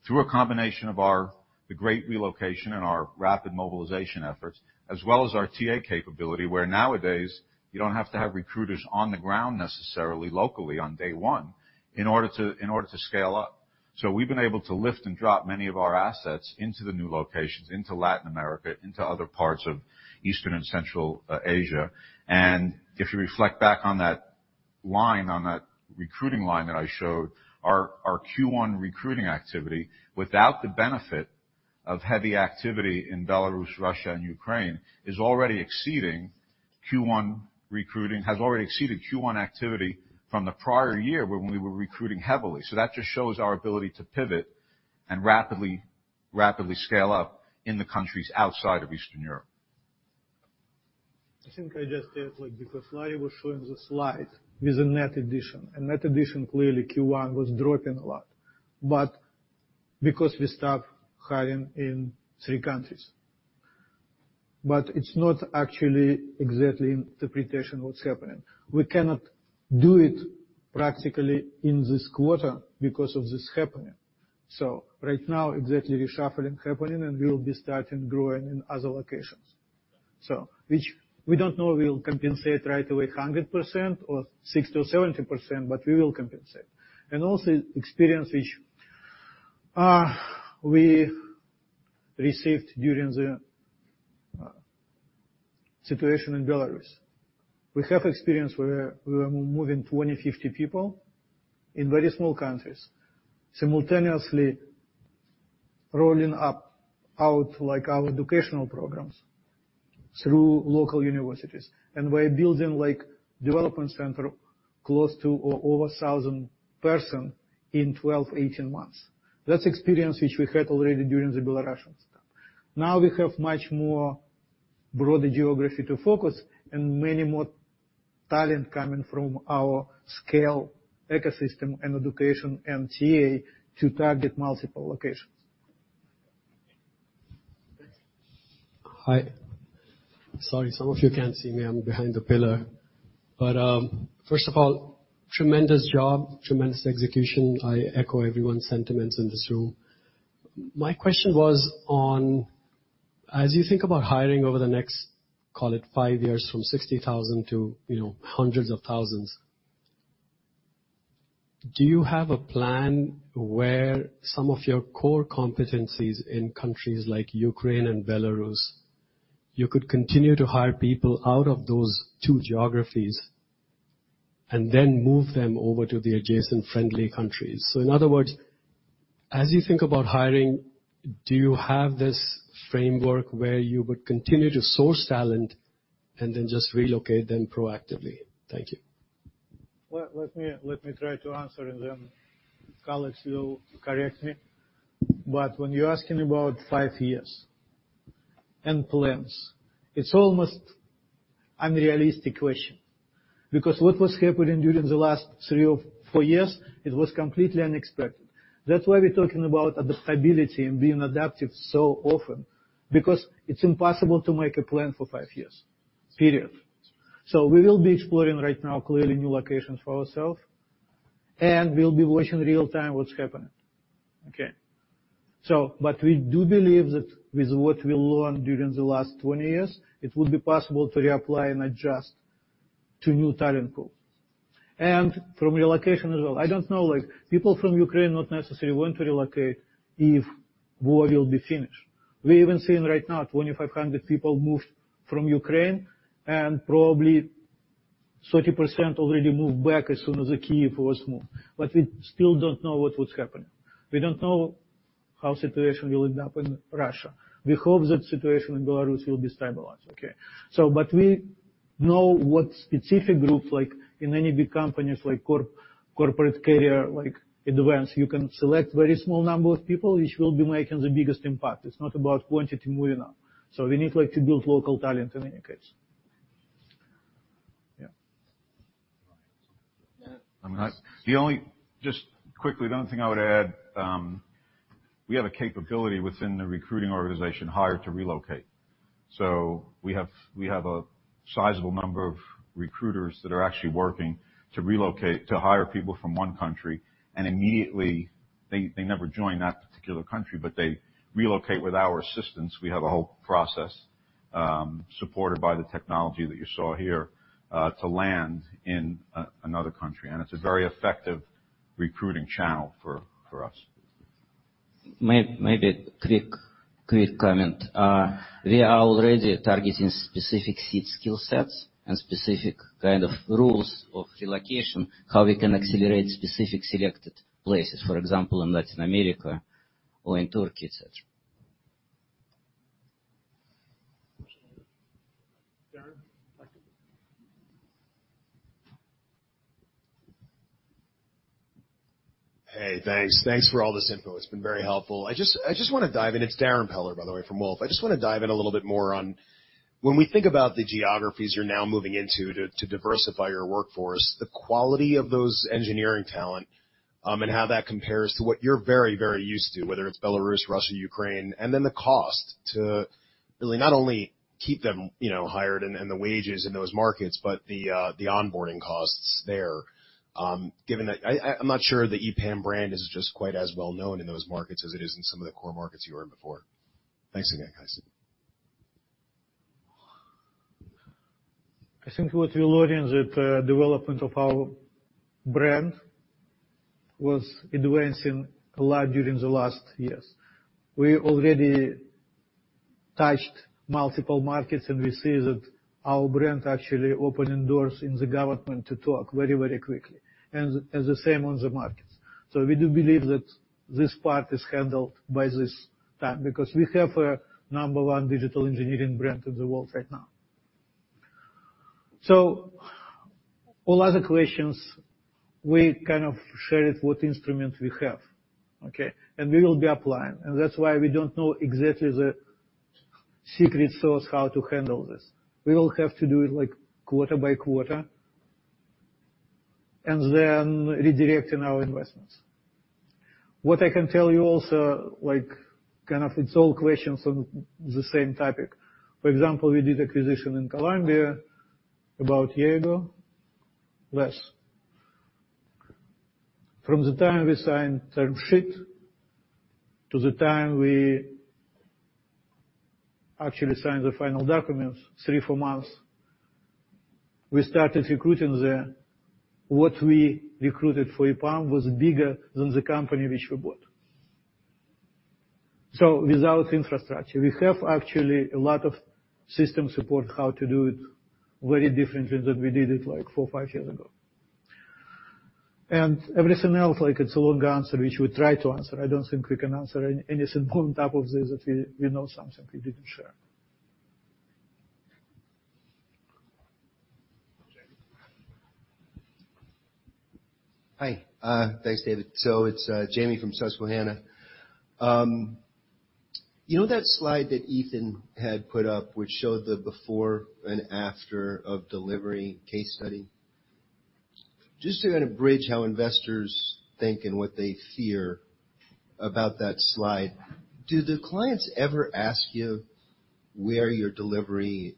Through a combination of our the great relocation and our rapid mobilization efforts, as well as our TA capability, where nowadays you don't have to have recruiters on the ground necessarily locally on day one in order to scale up. We've been able to lift and drop many of our assets into the new locations, into Latin America, into other parts of Eastern and Central Asia. If you reflect back on that line, on that recruiting line that I showed, our Q1 recruiting activity, without the benefit of heavy activity in Belarus, Russia, and Ukraine, has already exceeded Q1 activity from the prior year when we were recruiting heavily. That just shows our ability to pivot and rapidly scale up in the countries outside of Eastern Europe. I think I just add, like, because Larry was showing the slide with the net addition. Net addition, clearly Q1 was dropping a lot, but because we stopped hiring in three countries. It's not actually exactly interpretation of what's happening. We cannot do it practically in this quarter because of this happening. Right now, exactly reshuffling happening, and we will be starting growing in other locations. Which we don't know we will compensate right away 100% or 60% or 70%, but we will compensate. Also experience which we received during the situation in Belarus. We have experience where we were moving 20, 50 people in very small countries, simultaneously rolling out like our educational programs through local universities. We're building like development center close to or over a 1,000-person in 12, 18 months. That's experience which we had already during the Belarusian stuff. Now we have much more broader geography to focus and many more talent coming from our scale ecosystem and education and TA to target multiple locations. Thanks. Hi. Sorry, some of you can't see me. I'm behind the pillar. First of all, tremendous job, tremendous execution. I echo everyone's sentiments in this room. As you think about hiring over the next, call it five years from 60,000 to, you know, hundreds of thousands. Do you have a plan where some of your core competencies in countries like Ukraine and Belarus, you could continue to hire people out of those two geographies and then move them over to the adjacent friendly countries? In other words, as you think about hiring, do you have this framework where you would continue to source talent and then just relocate them proactively? Thank you. Let me try to answer, and then colleagues will correct me. When you're asking about five years and plans, it's almost unrealistic question, because what was happening during the last three or four years, it was completely unexpected. That's why we're talking about adaptability and being adaptive so often because it's impossible to make a plan for five years, period. We will be exploring right now clearly new locations for ourselves, and we'll be watching real-time what's happening. Okay. We do believe that with what we learned during the last 20 years, it will be possible to reapply and adjust to new talent pool. From relocation as well, I don't know, like people from Ukraine not necessarily want to relocate if war will be finished. We've even seen right now 2,500 people moved from Ukraine and probably 30% already moved back as soon as the Kyiv was moved. We still don't know what would happen. We don't know how situation will end up in Russia. We hope that situation in Belarus will be stabilized, okay? We know what specific groups like in any big companies like corporate career, like advance, you can select very small number of people which will be making the biggest impact. It's not about quantity anymore. We need like to build local talent in any case. Yeah. Just quickly, the only thing I would add. We have a capability within the recruiting organization hire to relocate. We have a sizable number of recruiters that are actually working to relocate to hire people from one country, and immediately they never join that particular country, but they relocate with our assistance. We have a whole process supported by the technology that you saw here to land in another country, and it's a very effective recruiting channel for us. Maybe a quick comment. We are already targeting specific key skill sets and specific kind of rules of relocation, how we can accelerate specific selected places, for example, in Latin America or in Turkey, et cetera. Darrin. Hey, thanks. Thanks for all this info. It's been very helpful. I just want to dive in. It's Darrin Peller, by the way, from Wolfe Research. I just wanna dive in a little bit more on when we think about the geographies you're now moving into to diversify your workforce, the quality of those engineering talent, and how that compares to what you're very, very used to, whether it's Belarus, Russia, Ukraine, and then the cost to really not only keep them, you know, hired and the wages in those markets, but the onboarding costs there, given that I'm not sure the EPAM brand is just quite as well known in those markets as it is in some of the core markets you were before. Thanks again, guys. I think what we're learning that development of our brand was advancing a lot during the last years. We already touched multiple markets, and we see that our brand actually opening doors in the government to talk very, very quickly, and the same on the markets. We do believe that this part is handled by this time because we have a number one digital engineering brand in the world right now. All other questions, we kind of shared what instruments we have, okay? We will be applying. That's why we don't know exactly the secret sauce, how to handle this. We will have to do it like quarter by quarter and then redirecting our investments. What I can tell you also, like, kind of it's all questions on the same topic. For example, we did acquisition in Colombia about a year ago, less. From the time we signed term sheet to the time we actually signed the final documents, three to four months, we started recruiting there. What we recruited for EPAM was bigger than the company which we bought. Without infrastructure. We have actually a lot of system support how to do it very differently than we did it like four or five years ago. Everything else, like, it's a long answer which we try to answer. I don't think we can answer any simple on top of this if we know something we didn't share. Jamie? Hi. Thanks, David. It's Jamie from Susquehanna. You know that slide that Ethan had put up which showed the before and after of delivery case study? Just to kinda bridge how investors think and what they fear about that slide, do the clients ever ask you where your delivery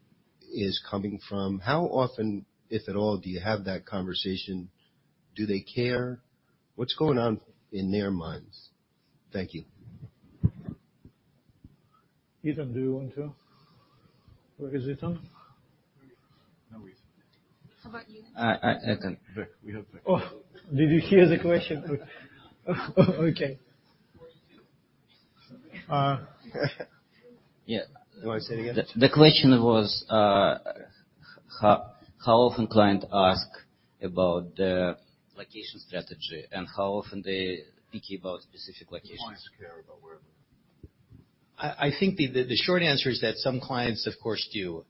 is coming from? How often, if at all, do you have that conversation? Do they care? What's going on in their minds? Thank you. Ethan, do you want to? Where is Ethan? No reason. How about you? I can. Oh, did you hear the question? Okay. Yeah. You wanna say it again? The question was, how often client ask about the location strategy and how often they thinking about specific locations. Do clients care about where? I think the short answer is that some clients of course do.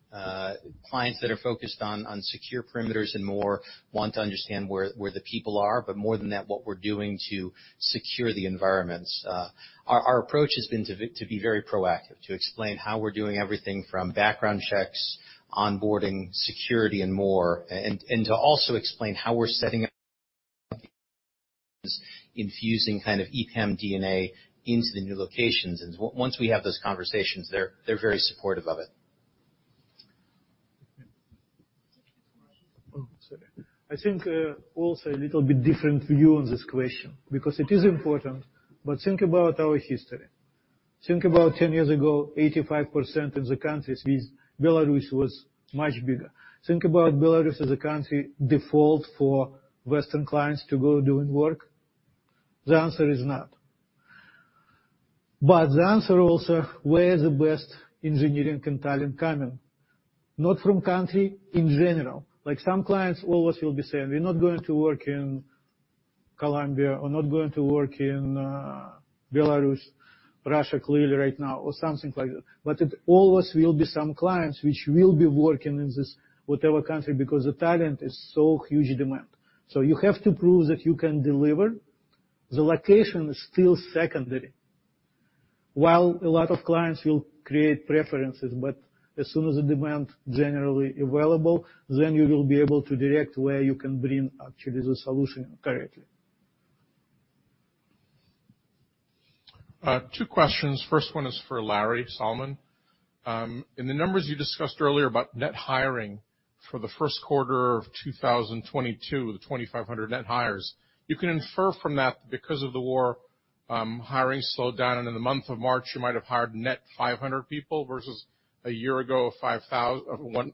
Clients that are focused on secure perimeters and more want to understand where the people are, but more than that, what we're doing to secure the environments. Our approach has been to be very proactive, to explain how we're doing everything from background checks, onboarding, security, and more, and to also explain how we're setting up infusing kind of EPAM DNA into the new locations. Once we have those conversations, they're very supportive of it. Oh, sorry. I think also a little bit different view on this question because it is important, think about our history. Think about 10 years ago, 85% of the countries is Belarus was much bigger. Think about Belarus as a country default for Western clients to go doing work. The answer is not. The answer also, where is the best engineering talent coming? Not from country in general. Like some clients always will be saying, "We're not going to work in Colombia or not going to work in Belarus, Russia clearly right now," or something like that. It always will be some clients which will be working in this whatever country because the talent is so huge demand. You have to prove that you can deliver. The location is still secondary. While a lot of clients will create preferences, but as soon as the demand generally available, then you will be able to direct where you can bring actually the solution correctly. Two questions. First one is for Larry Solomon. In the numbers you discussed earlier about net hiring for the Q1 of 2022, the 2,500 net hires, you can infer from that because of the war, hiring slowed down, and in the month of March you might have hired net 500 people versus a year ago, five thousand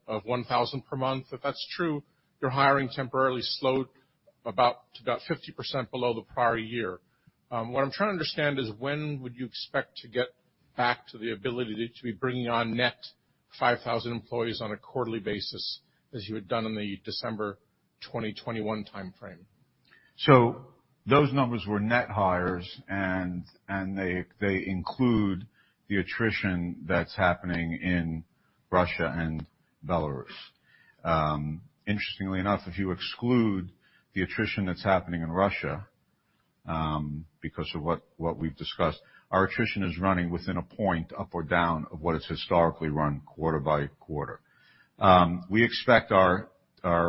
or one thousand per month. If that's true, your hiring temporarily slowed to about 50% below the prior year. What I'm trying to understand is when would you expect to get back to the ability to be bringing on net 5,000 employees on a quarterly basis, as you had done in the December 2021 timeframe? Those numbers were net hires and they include the attrition that's happening in Russia and Belarus. Interestingly enough, if you exclude the attrition that's happening in Russia, because of what we've discussed, our attrition is running within a point up or down of what it's historically run quarter by quarter. We expect our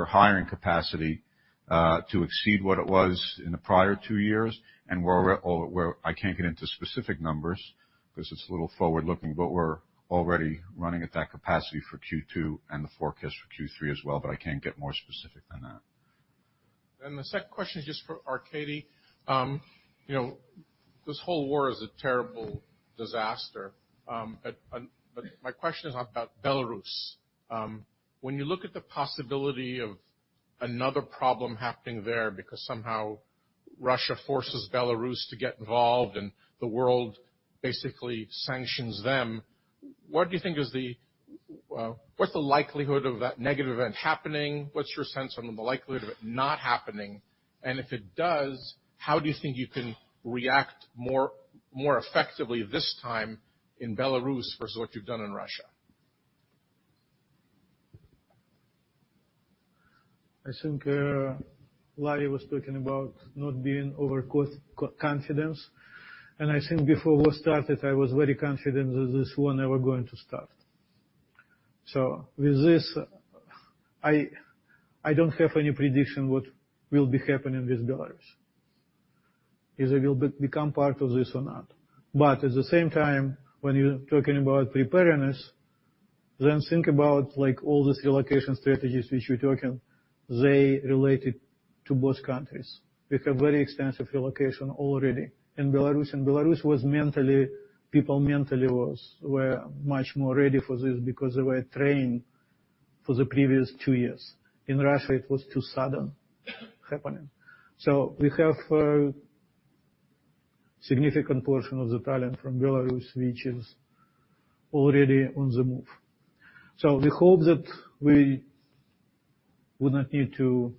hiring capacity to exceed what it was in the prior two years. I can't get into specific numbers 'cause it's a little forward-looking, but we're already running at that capacity for Q2 and the forecast for Q3 as well, but I can't get more specific than that. The second question is just for Arkadiy. You know, this whole war is a terrible disaster. But my question is about Belarus. When you look at the possibility of another problem happening there because somehow Russia forces Belarus to get involved and the world basically sanctions them, what do you think is the likelihood of that negative event happening? What's your sense on the likelihood of it not happening? And if it does, how do you think you can react more effectively this time in Belarus versus what you've done in Russia? I think Larry was talking about not being overconfident. I think before war started, I was very confident that this war never going to start. With this, I don't have any prediction what will be happening with Belarus, is it will become part of this or not. At the same time, when you're talking about preparedness, then think about like all this relocation strategies which we're talking, they related to both countries. We have very extensive relocation already in Belarus. People mentally were much more ready for this because they were trained for the previous two years. In Russia, it was too sudden happening. We have a significant portion of the talent from Belarus which is already on the move. We hope that we would not need to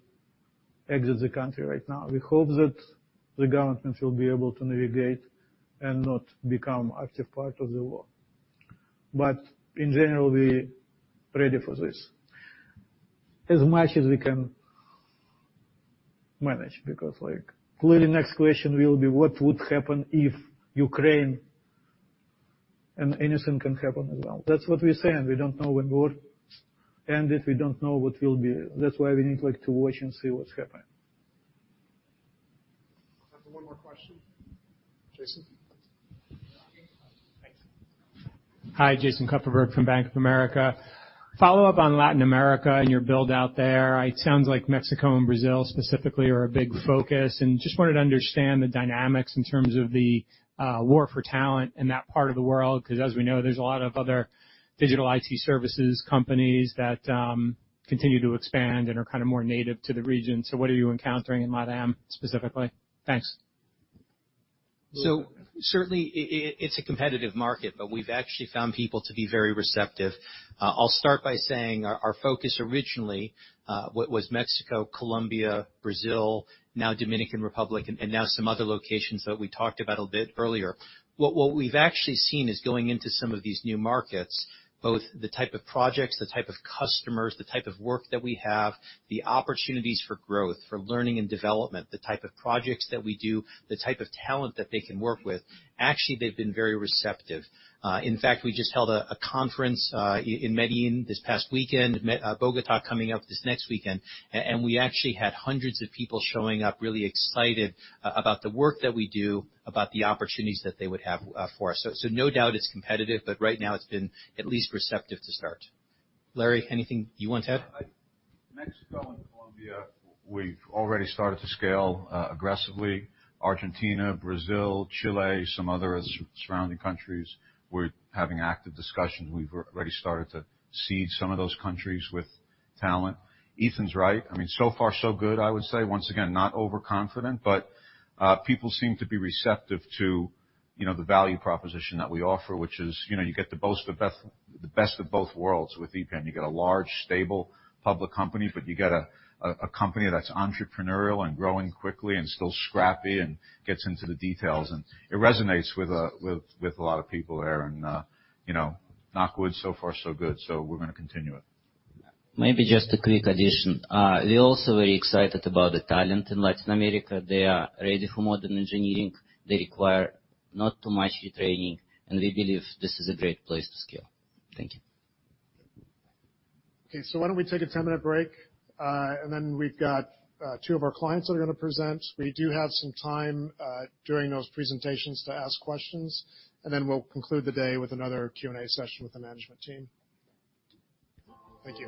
exit the country right now. We hope that the government will be able to navigate and not become active part of the war. In general, we ready for this as much as we can manage because, like, clearly next question will be what would happen if Ukraine. Anything can happen as well. That's what we say, and we don't know when war ends, if we don't know what will be. That's why we need, like, to watch and see what's happening. We have time for one more question. Jason? Hi, Jason Kupferberg from Bank of America. Follow-up on Latin America and your build out there. It sounds like Mexico and Brazil specifically are a big focus, and just wanted to understand the dynamics in terms of the war for talent in that part of the world, 'cause as we know, there's a lot of other digital IT services companies that continue to expand and are kinda more native to the region. What are you encountering in LatAm specifically? Thanks. Certainly it's a competitive market, but we've actually found people to be very receptive. I'll start by saying our focus originally was Mexico, Colombia, Brazil, now Dominican Republic, and now some other locations that we talked about a bit earlier. What we've actually seen is going into some of these new markets, both the type of projects, the type of customers, the type of work that we have, the type of opportunities for growth, for learning and development, the type of projects that we do, the type of talent that they can work with, actually, they've been very receptive. In fact, we just held a conference in Medellín this past weekend, Bogotá coming up this next weekend. We actually had hundreds of people showing up really excited about the work that we do, about the opportunities that they would have for us. No doubt it's competitive, but right now it's been at least receptive to start. Larry, anything you want to add? Mexico and Colombia, we've already started to scale aggressively. Argentina, Brazil, Chile, some other surrounding countries, we're having active discussions. We've already started to seed some of those countries with talent. Ethan's right. I mean, so far so good, I would say. Once again, not overconfident, but people seem to be receptive to, you know, the value proposition that we offer, which is, you know, you get the most, the best of both worlds with EPAM. You get a large, stable public company, but you get a company that's entrepreneurial and growing quickly and still scrappy and gets into the details, and it resonates with with a lot of people there and, you know, knock wood, so far so good. We're gonna continue it. Maybe just a quick addition. We're also very excited about the talent in Latin America. They are ready for modern engineering. They require not too much retraining, and we believe this is a great place to scale. Thank you. Okay. Why don't we take a 10-minute break, and then we've got two of our clients that are gonna present. We do have some time during those presentations to ask questions, and then we'll conclude the day with another Q&A session with the management team. Thank you.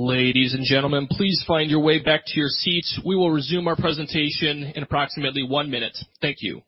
Ladies and gentlemen, please find your way back to your seats. We will resume our presentation in approximately one minute. Thank you.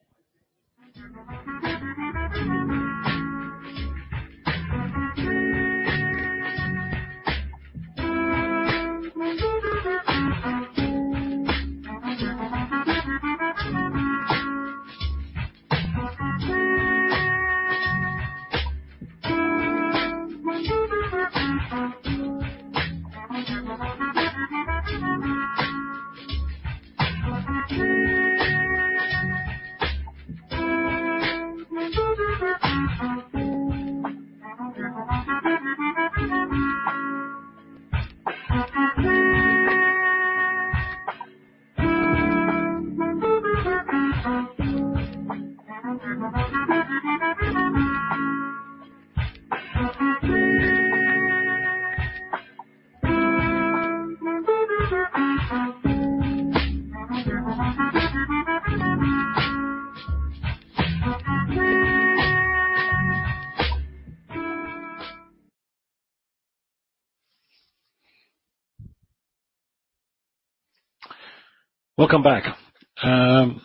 Welcome back.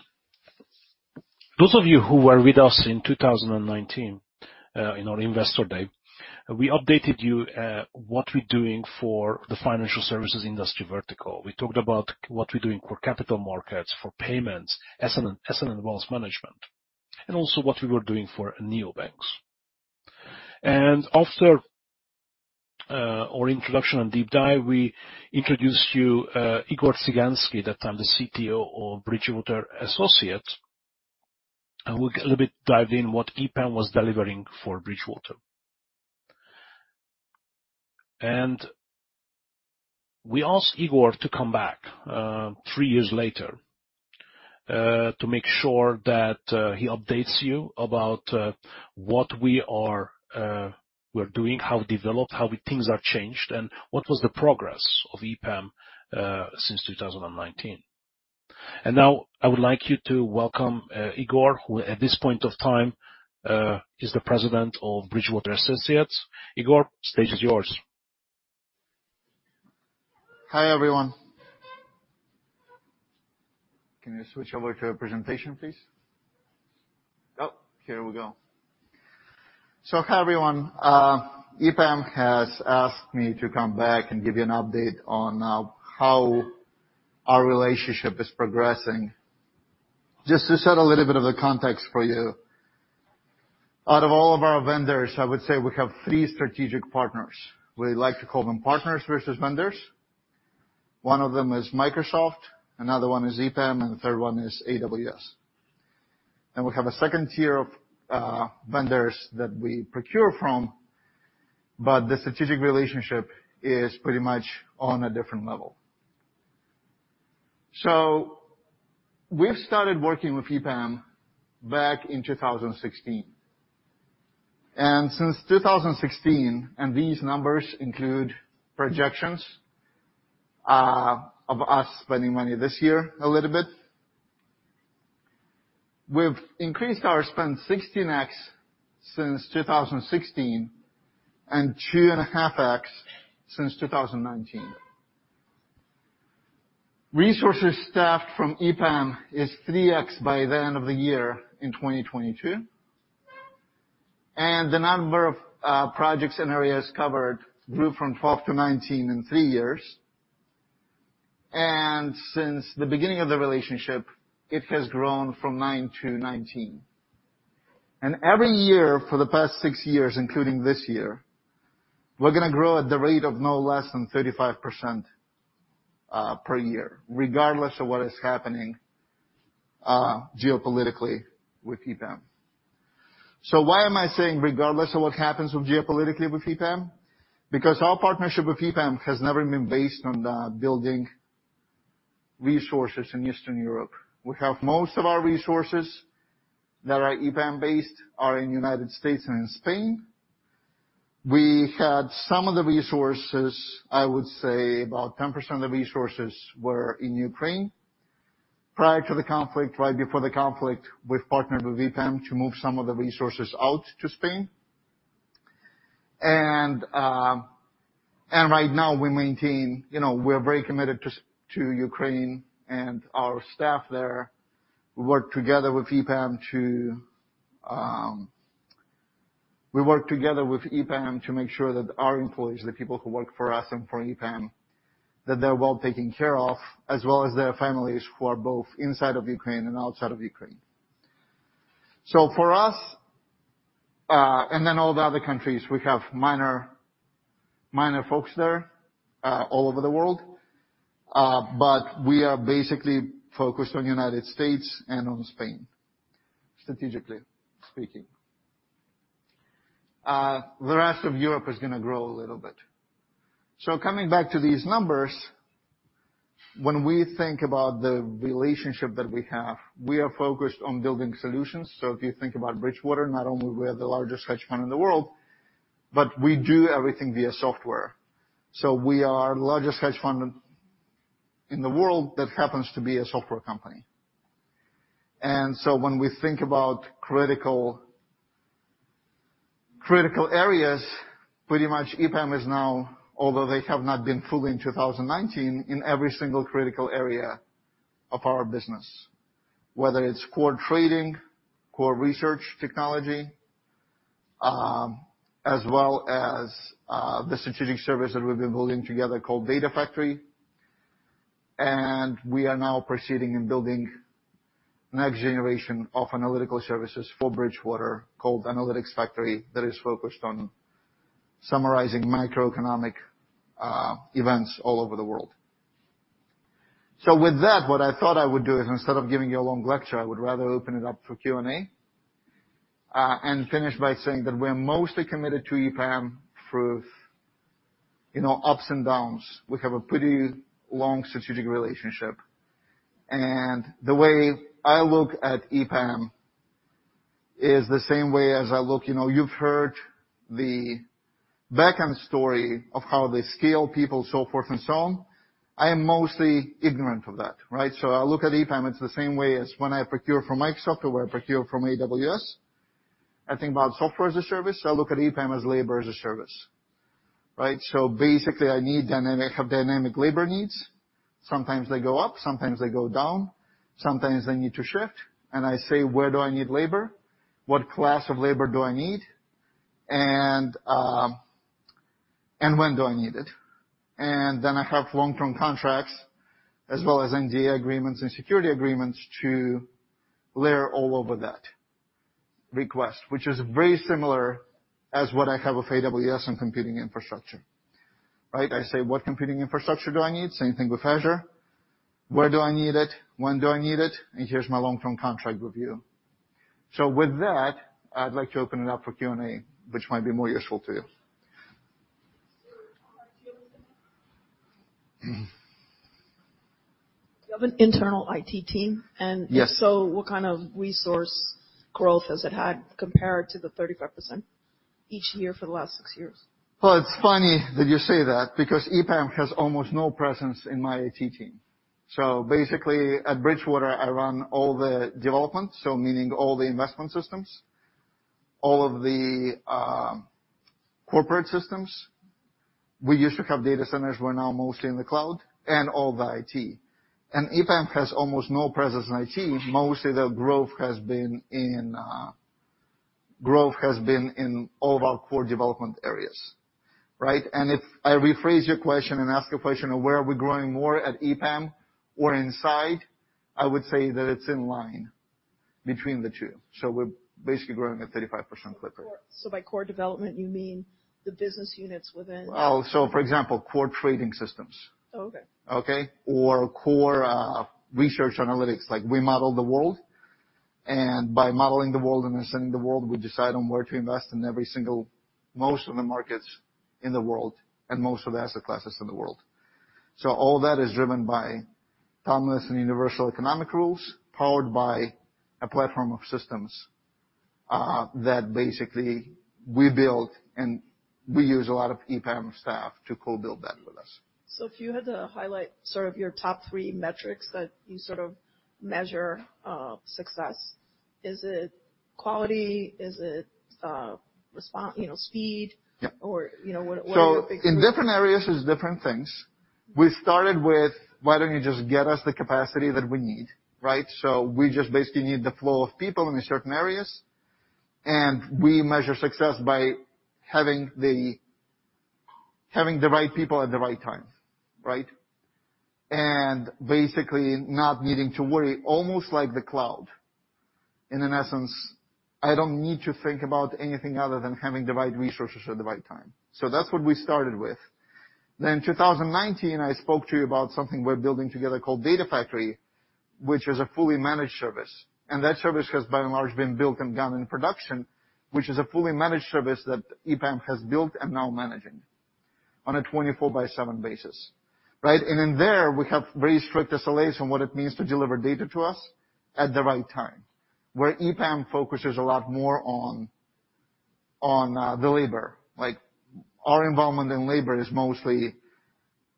Those of you who were with us in 2019, in our investor day, we updated you what we're doing for the financial services industry vertical. We talked about what we're doing for capital markets, for payments, asset and wealth management, and also what we were doing for neobanks. After our introduction and deep dive, we introduced you Igor Tsyganskiy, that time the CTO of Bridgewater Associates, and we a little bit dived in what EPAM was delivering for Bridgewater. We asked Igor to come back three years later to make sure that he updates you about what we're doing, how things are changed, and what was the progress of EPAM since 2019. Now I would like you to welcome, Igor, who at this point of time, is the president of Bridgewater Associates. Igor, stage is yours. Hi, everyone. Can you switch over to a presentation, please? Oh, here we go. Hi, everyone. EPAM has asked me to come back and give you an update on how our relationship is progressing. Just to set a little bit of the context for you, out of all of our vendors, I would say we have three strategic partners. We like to call them partners versus vendors. One of them is Microsoft, another one is EPAM, and the third one is AWS. We have a second tier of vendors that we procure from, but the strategic relationship is pretty much on a different level. We've started working with EPAM back in 2016. Since 2016, and these numbers include projections of us spending money this year a little bit. We've increased our spend 16x since 2016 and 2.5x since 2019. Resources staffed from EPAM is 3x by the end of the year in 2022. The number of projects and areas covered grew from 12 to 19 in three years. Since the beginning of the relationship, it has grown from nine to 19. Every year for the past six years, including this year, we're gonna grow at the rate of no less than 35% per year, regardless of what is happening geopolitically with EPAM. Why am I saying regardless of what happens with geopolitically with EPAM? Because our partnership with EPAM has never been based on building resources in Eastern Europe. We have most of our resources that are EPAM-based are in United States and in Spain. We had some of the resources, I would say about 10% of resources were in Ukraine prior to the conflict. Right before the conflict, we've partnered with EPAM to move some of the resources out to Spain. Right now we maintain. You know, we're very committed to Ukraine and our staff there. We work together with EPAM to make sure that our employees, the people who work for us and for EPAM, that they're well taken care of, as well as their families who are both inside of Ukraine and outside of Ukraine. For us, and then all the other countries, we have minor folks there, all over the world. We are basically focused on United States and on Spain, strategically speaking. The rest of Europe is gonna grow a little bit. Coming back to these numbers, when we think about the relationship that we have, we are focused on building solutions. If you think about Bridgewater, not only we are the largest hedge fund in the world, but we do everything via software. We are the largest hedge fund in the world that happens to be a software company. When we think about critical areas, pretty much EPAM is now, although they have not been fully in 2019, in every single critical area of our business, whether it's core trading, core research technology, as well as the strategic service that we've been building together called Data Factory. We are now proceeding in building next generation of analytical services for Bridgewater called Analytics Factory that is focused on summarizing macroeconomic events all over the world. With that, what I thought I would do is, instead of giving you a long lecture, I would rather open it up for Q&A and finish by saying that we're mostly committed to EPAM through, you know, ups and downs. We have a pretty long strategic relationship. The way I look at EPAM is the same way as I look. You know, you've heard the backend story of how they scale people, so forth and so on. I am mostly ignorant of that, right? I look at EPAM, it's the same way as when I procure from Microsoft or when I procure from AWS. I think about software as a service. I look at EPAM as labor as a service, right? Basically I have dynamic labor needs. Sometimes they go up, sometimes they go down, sometimes they need to shift, and I say, "Where do I need labor? What class of labor do I need? And when do I need it?" Then I have long-term contracts as well as NDA agreements and security agreements to layer all over that request, which is very similar as what I have with AWS and computing infrastructure, right? I say, what computing infrastructure do I need? Same thing with Azure. Where do I need it? When do I need it? And here's my long-term contract with you. With that, I'd like to open it up for Q&A, which might be more useful to you. Do you have an internal IT team? Yes. If so, what kind of resource growth has it had compared to the 35% each year for the last six years? Well, it's funny that you say that because EPAM has almost no presence in my IT team. Basically, at Bridgewater, I run all the development, so meaning all of the corporate systems. We used to have data centers, we're now mostly in the cloud, and all the IT. EPAM has almost no presence in IT. Mostly, their growth has been in all of our core development areas, right? If I rephrase your question and ask a question of where are we growing more at EPAM or inside, I would say that it's in line between the two. We're basically growing at 35% clip rate. By core development, you mean the business units within? For example, core trading systems. Okay. Okay? Or core research analytics. Like, we model the world, and by modeling the world and understanding the world, we decide on where to invest in every single most of the markets in the world and most of the asset classes in the world. All that is driven by timeless and universal economic rules, powered by a platform of systems that basically we build, and we use a lot of EPAM staff to co-build that with us. If you had to highlight sort of your top three metrics that you sort of measure success, is it quality? Is it, you know, speed? Yep. You know, what are you? In different areas, it's different things. We started with, why don't you just get us the capacity that we need, right? We just basically need the flow of people in certain areas, and we measure success by having the right people at the right time, right? Basically not needing to worry, almost like the cloud. In essence, I don't need to think about anything other than having the right resources at the right time. That's what we started with. 2019, I spoke to you about something we're building together called Data Factory, which is a fully managed service. That service has by and large been built and gone in production, which is a fully managed service that EPAM has built and now managing. On a 24/7 basis, right? In there we have very strict SLAs on what it means to deliver data to us at the right time. Where EPAM focuses a lot more on the labor. Like our involvement in labor is mostly,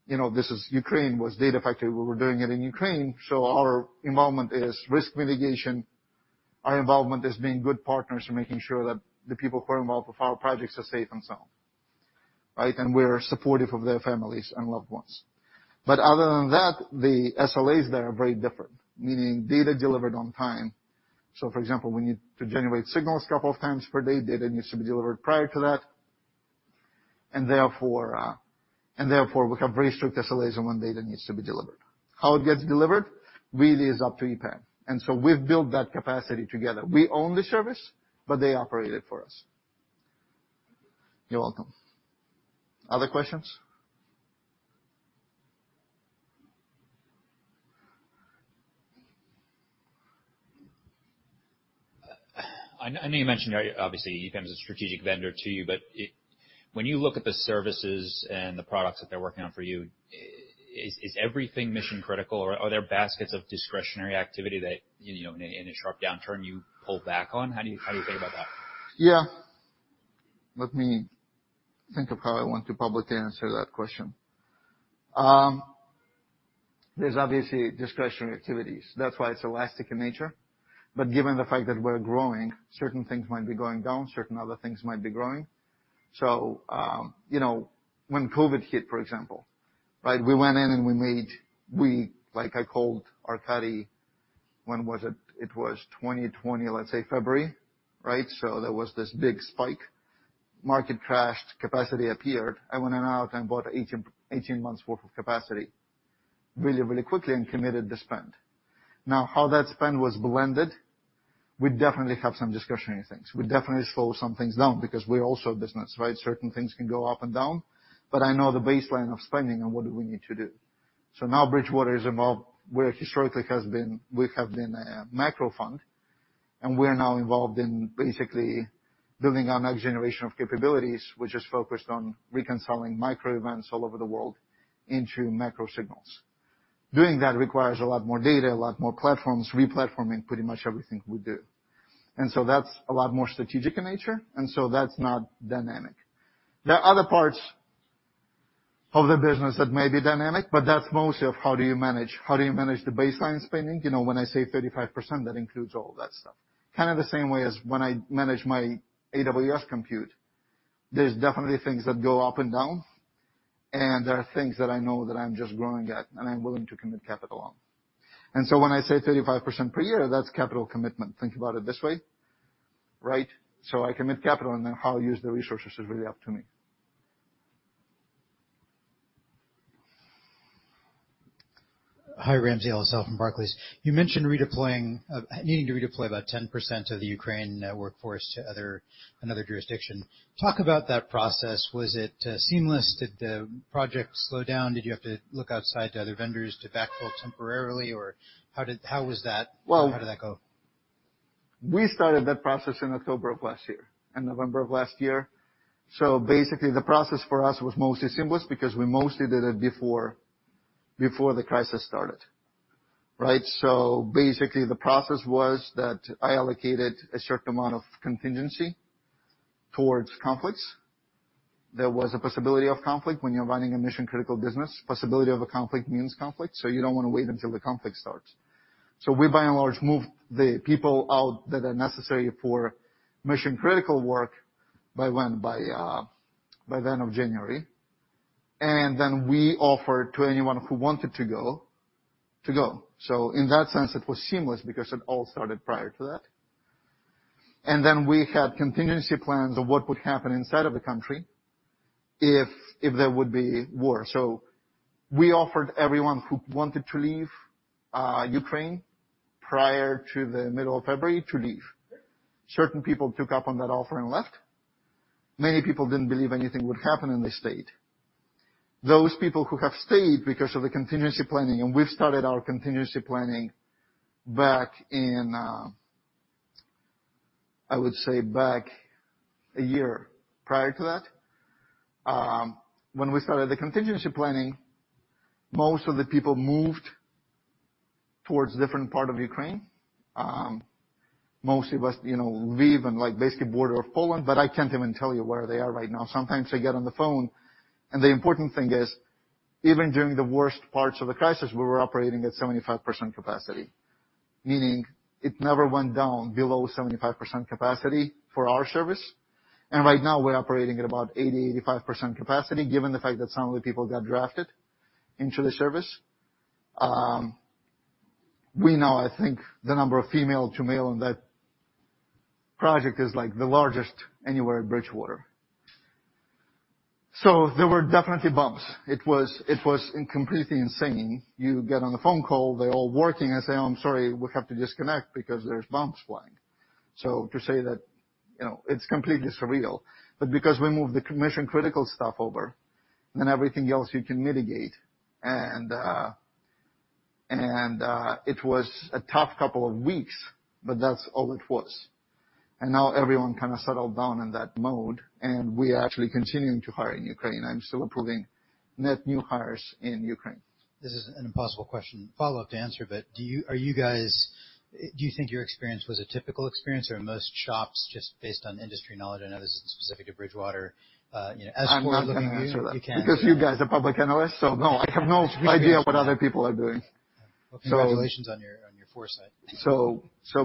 you know, this is Ukraine was Data Factory. We were doing it in Ukraine, so our involvement is risk mitigation. Our involvement is being good partners and making sure that the people who are involved with our projects are safe and sound, right? We're supportive of their families and loved ones. Other than that, the SLAs there are very different, meaning data delivered on time. For example, we need to generate signals couple of times per day. Data needs to be delivered prior to that. Therefore we have very strict SLAs on when data needs to be delivered. How it gets delivered really is up to EPAM, and so we've built that capacity together. We own the service, but they operate it for us. Thank you. You're welcome. Other questions? I know you mentioned, obviously EPAM's a strategic vendor to you, but when you look at the services and the products that they're working on for you, is everything mission-critical or are there baskets of discretionary activity that, you know, in a sharp downturn you pull back on? How do you think about that? Yeah. Let me think of how I want to publicly answer that question. There's obviously discretionary activities. That's why it's elastic in nature. Given the fact that we're growing, certain things might be going down, certain other things might be growing. You know, when COVID hit, for example, right? We went in. Like, I called Arkadiy. When was it? It was 2020, let's say February, right? There was this big spike. Market crashed. Capacity appeared. I went out and bought 18 months worth of capacity really quickly and committed the spend. Now how that spend was blended, we definitely have some discretionary things. We definitely slow some things down because we're also a business, right? Certain things can go up and down, but I know the baseline of spending and what do we need to do. Now Bridgewater is involved, where historically we have been a macro fund, and we're now involved in basically building our next generation of capabilities, which is focused on reconciling micro events all over the world into macro signals. Doing that requires a lot more data, a lot more platforms. We're platforming pretty much everything we do. That's a lot more strategic in nature and so that's not dynamic. There are other parts of the business that may be dynamic, but that's mostly of how do you manage the baseline spending. You know, when I say 35%, that includes all of that stuff. Kind of the same way as when I manage my AWS compute. There's definitely things that go up and down, and there are things that I know that I'm just growing at and I'm willing to commit capital on. When I say 35% per year, that's capital commitment. Think about it this way, right? I commit capital and then how I use the resources is really up to me. Hi, Ramsey El-Assal from Barclays. You mentioned redeploying, needing to redeploy about 10% of the Ukraine workforce to other, another jurisdiction. Talk about that process. Was it seamless? Did the project slow down? Did you have to look outside to other vendors to backfill temporarily? Or how was that? Well- How did that go? We started that process in October of last year and November of last year. Basically the process for us was mostly seamless because we mostly did it before the crisis started, right? Basically the process was that I allocated a certain amount of contingency towards conflicts. There was a possibility of conflict. When you're running a mission-critical business, possibility of a conflict means conflict, so you don't want to wait until the conflict starts. We by and large moved the people out that are necessary for mission-critical work by when? By then of January. Then we offered to anyone who wanted to go, to go. In that sense, it was seamless because it all started prior to that. Then we had contingency plans of what would happen inside of the country if there would be war. We offered everyone who wanted to leave Ukraine prior to the middle of February to leave. Certain people took up on that offer and left. Many people didn't believe anything would happen and they stayed. Those people who have stayed because of the contingency planning, and we've started our contingency planning back in, I would say back a year prior to that. When we started the contingency planning, most of the people moved towards different part of Ukraine. Most of us, you know, Lviv and like basically border of Poland, but I can't even tell you where they are right now. Sometimes they get on the phone. The important thing is, even during the worst parts of the crisis, we were operating at 75% capacity, meaning it never went down below 75% capacity for our service. Right now we're operating at about 80%-85% capacity, given the fact that some of the people got drafted into the service. We now, I think the number of female to male on that project is like the largest anywhere at Bridgewater. There were definitely bumps. It was completely insane. You get on a phone call, they're all working. I say, "I'm sorry, we have to disconnect because there's bombs flying." To say that, you know, it's completely surreal. Because we moved the mission-critical stuff over, then everything else you can mitigate. It was a tough couple of weeks, but that's all it was. Now everyone kind of settled down in that mode, and we are actually continuing to hire in Ukraine. I'm still approving net new hires in Ukraine. This is an impossible question follow-up to answer, but do you think your experience was a typical experience, or are most shops just based on industry knowledge? I know this is specific to Bridgewater, you know, as broadly as you can. I'm not gonna answer that. Because you guys are public analysts, so no, I have no idea what other people are doing. Well, congratulations on your foresight.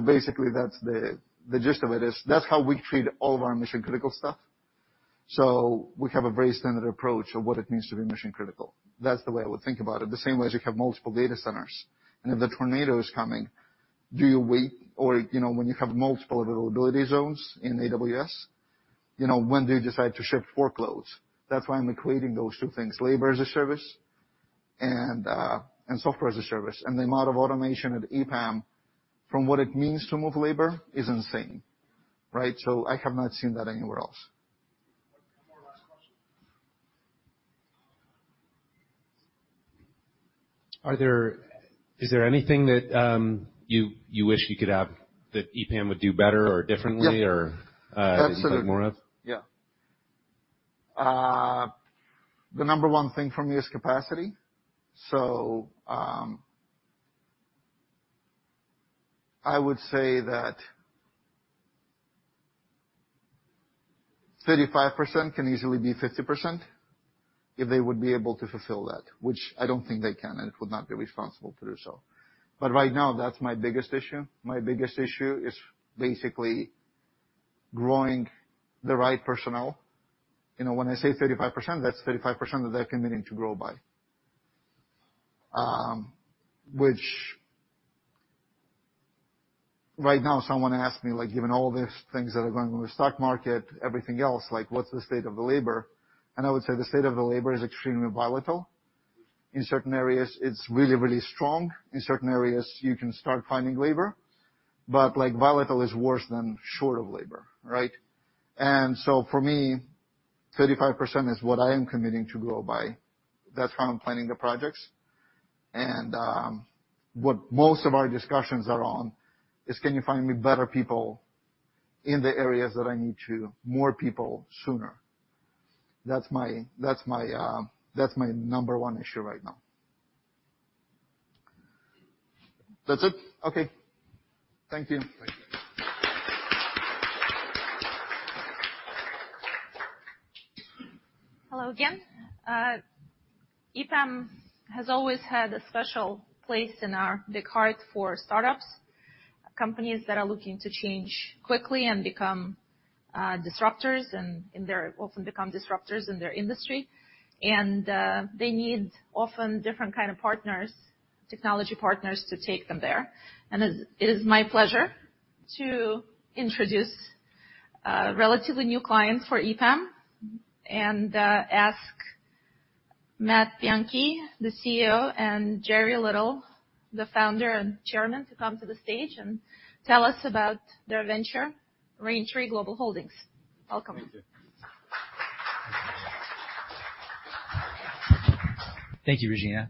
Basically that's the gist of it is that's how we treat all of our mission-critical stuff. We have a very standard approach of what it means to be mission-critical. That's the way I would think about it, the same way as you have multiple data centers. If the tornado is coming, do you wait? Or you know when you have multiple availability zones in AWS, you know when do you decide to shift workloads? That's why I'm equating those two things, labor as a service and software as a service. The amount of automation at EPAM from what it means to move labor is insane, right? I have not seen that anywhere else. One more last question. Is there anything that you wish you could have that EPAM would do better or differently or a bit more of? Yeah. Absolutely. Yeah. The number one thing for me is capacity. I would say that 35% can easily be 50% if they would be able to fulfill that, which I don't think they can, and it would not be responsible to do so. Right now, that's my biggest issue. My biggest issue is basically growing the right personnel. You know, when I say 35%, that's 35% that they're committing to grow by. Which right now someone asked me, like, given all these things that are going on with stock market, everything else, like, what's the state of the labor? And I would say the state of the labor is extremely volatile. In certain areas, it's really, really strong. In certain areas, you can start finding labor. Like, volatile is worse than short of labor, right? For me, 35% is what I am committing to grow by. That's how I'm planning the projects. What most of our discussions are on is, can you find me better people in the areas that I need to, more people sooner? That's my number one issue right now. That's it. Okay. Thank you. Thank you. Hello again. EPAM has always had a special place in the heart for startups, companies that are looking to change quickly and become disruptors and they often become disruptors in their industry. They often need different kind of partners, technology partners to take them there. It is my pleasure to introduce a relatively new client for EPAM and ask Matthew Bianchi, CEO, and Jerry Little, Founder and Chairman, to come to the stage and tell us about their venture, Raintree Global Holdings. Welcome. Thank you. Thank you. Thank you, Regina.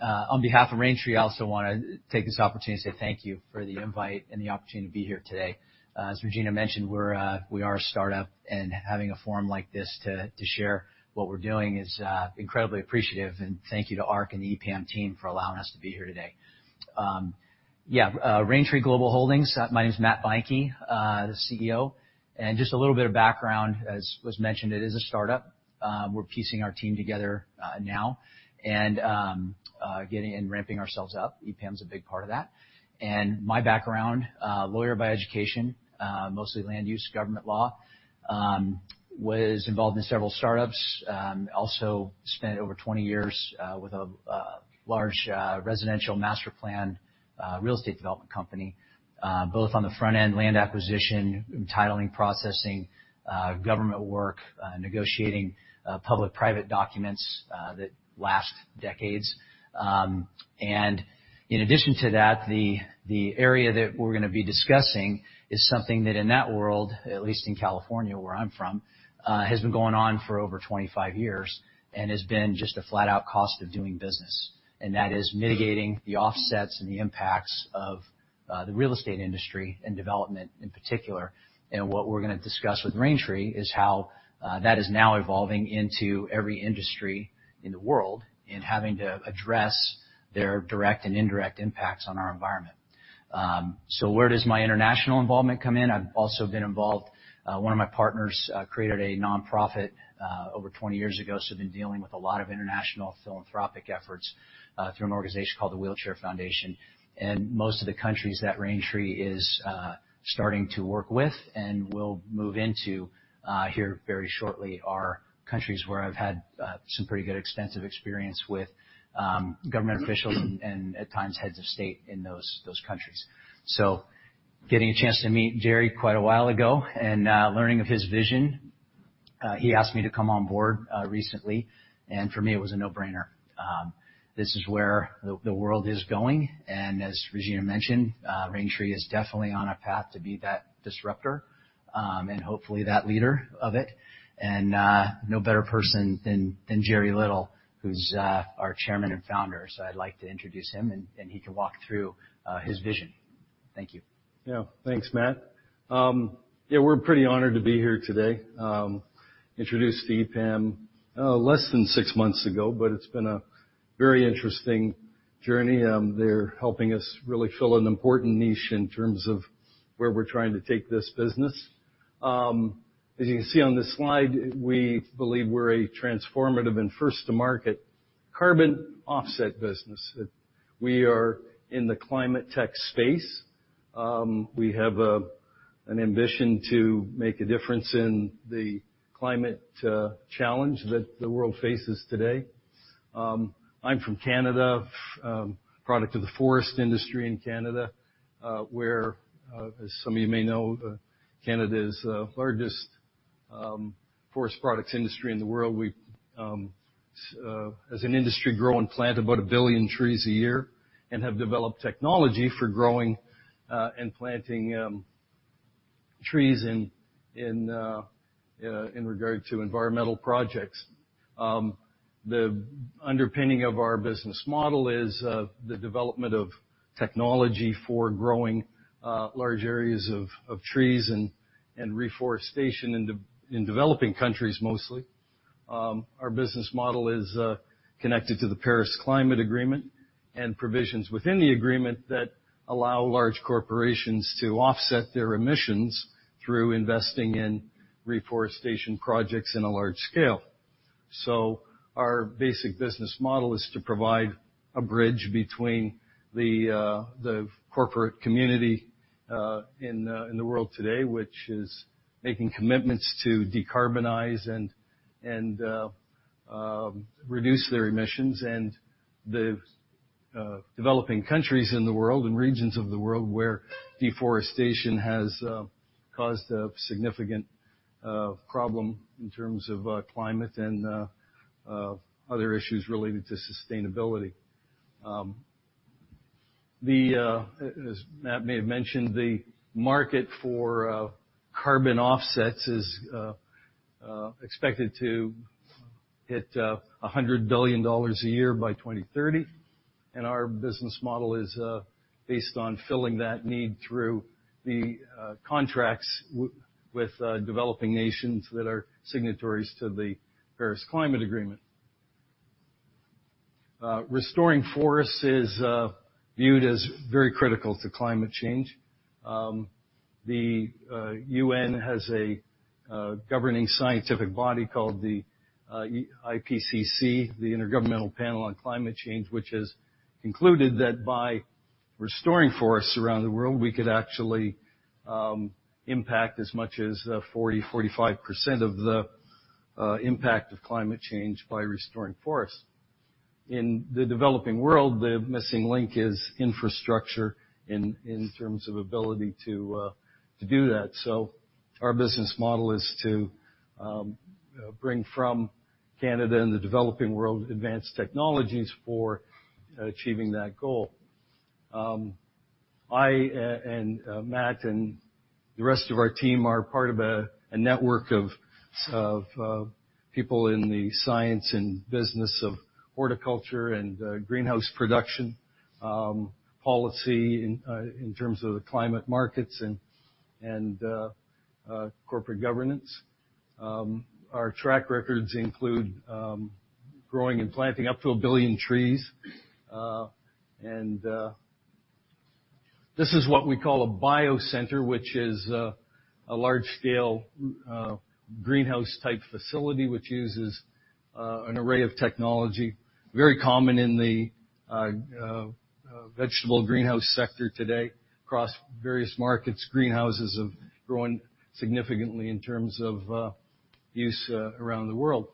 On behalf of Raintree, I also wanna take this opportunity to say thank you for the invite and the opportunity to be here today. As Regina mentioned, we are a startup, and having a forum like this to share what we're doing is incredibly appreciative. Thank you to Ark and the EPAM team for allowing us to be here today. Raintree Global Holdings. My name is Matthew Bianchi, the CEO. Just a little bit of background, as was mentioned, it is a startup. We're piecing our team together now and getting and ramping ourselves up. EPAM is a big part of that. My background, lawyer by education, mostly land use, government law, was involved in several startups. Also spent over 20 years with a large residential master plan real estate development company, both on the front end, land acquisition, titling, processing, government work, negotiating public-private documents that last decades. In addition to that, the area that we're gonna be discussing is something that in that world, at least in California, where I'm from, has been going on for over 25 years and has been just a flat-out cost of doing business. That is mitigating the offsets and the impacts of the real estate industry and development in particular. What we're gonna discuss with Raintree is how that is now evolving into every industry in the world and having to address their direct and indirect impacts on our environment. Where does my international involvement come in? I've also been involved one of my partners created a nonprofit over 20 years ago, so I've been dealing with a lot of international philanthropic efforts through an organization called The Wheelchair Foundation. Most of the countries that Raintree is starting to work with and will move into here very shortly are countries where I've had some pretty good extensive experience with government officials and, at times, heads of state in those countries. Getting a chance to meet Jerry quite a while ago and learning of his vision, he asked me to come on board recently, and for me, it was a no-brainer. This is where the world is going. As Regina mentioned, Raintree is definitely on a path to be that disruptor and hopefully that leader of it. No better person than Jerry Little, who's our chairman and founder. I'd like to introduce him and he can walk through his vision. Thank you. Yeah. Thanks, Matt. Yeah, we're pretty honored to be here today. Introduced to EPAM less than six months ago, but it's been a very interesting journey. They're helping us really fill an important niche in terms of where we're trying to take this business. As you can see on the slide, we believe we're a transformative and first-to-market carbon offset business. We are in the climate tech space. We have an ambition to make a difference in the climate challenge that the world faces today. I'm from Canada, product of the forest industry in Canada, where as some of you may know, Canada is the largest forest products industry in the world. We've as an industry grow and plant about 1 billion trees a year and have developed technology for growing and planting trees in regard to environmental projects. The underpinning of our business model is the development of technology for growing large areas of trees and reforestation in developing countries mostly. Our business model is connected to the Paris Agreement and provisions within the agreement that allow large corporations to offset their emissions through investing in reforestation projects in a large scale. Our basic business model is to provide a bridge between the corporate community in the world today, which is making commitments to decarbonize and reduce their emissions and the developing countries in the world and regions of the world where deforestation has caused a significant problem in terms of climate and other issues related to sustainability. As Matt may have mentioned, the market for carbon offsets is expected to hit $100 billion a year by 2030, and our business model is based on filling that need through the contracts with developing nations that are signatories to the Paris Agreement. Restoring forests is viewed as very critical to climate change. The UN has a governing scientific body called the IPCC, the Intergovernmental Panel on Climate Change, which has concluded that by restoring forests around the world, we could actually impact as much as 40-45% of the impact of climate change by restoring forests. In the developing world, the missing link is infrastructure in terms of ability to do that. Our business model is to bring from Canada and the developing world advanced technologies for achieving that goal. I and Matt and the rest of our team are part of a network of people in the science and business of horticulture and greenhouse production, policy in terms of the climate markets and corporate governance. Our track records include growing and planting up to a billion trees. This is what we call a bio center, which is a large scale greenhouse-type facility which uses an array of technology, very common in the vegetable greenhouse sector today. Across various markets, greenhouses have grown significantly in terms of use around the world.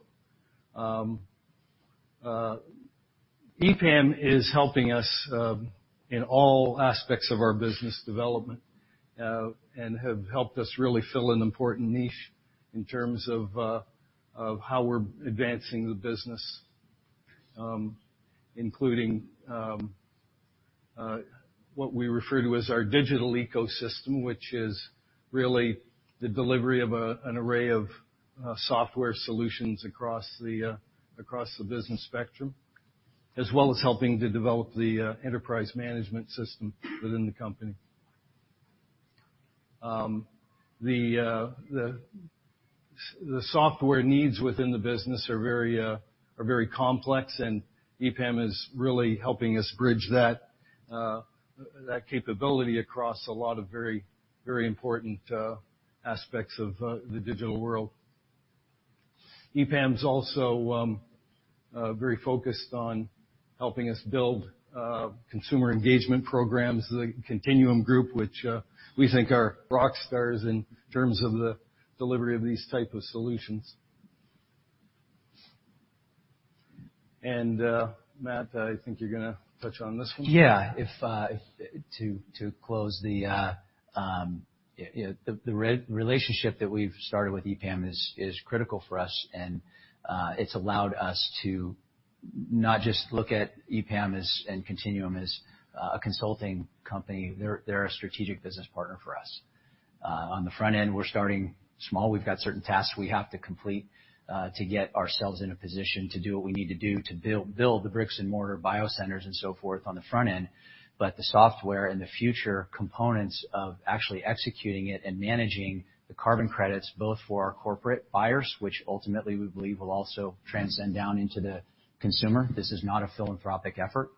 EPAM is helping us in all aspects of our business development and have helped us really fill an important niche in terms of how we're advancing the business, including what we refer to as our digital ecosystem, which is really the delivery of an array of software solutions across the business spectrum, as well as helping to develop the enterprise management system within the company. The software needs within the business are very complex, and EPAM is really helping us bridge that capability across a lot of very important aspects of the digital world. EPAM's also very focused on helping us build consumer engagement programs, the Continuum group, which we think are rock stars in terms of the delivery of these type of solutions. Matt, I think you're gonna touch on this one. Yeah. You know, the relationship that we've started with EPAM is critical for us, and it's allowed us to not just look at EPAM and Continuum as a consulting company. They're a strategic business partner for us. On the front end, we're starting small. We've got certain tasks we have to complete to get ourselves in a position to do what we need to do to build the bricks-and-mortar bio centers and so forth on the front end. The software and the future components of actually executing it and managing the carbon credits both for our corporate buyers, which ultimately we believe will also transcend down into the consumer. This is not a philanthropic effort.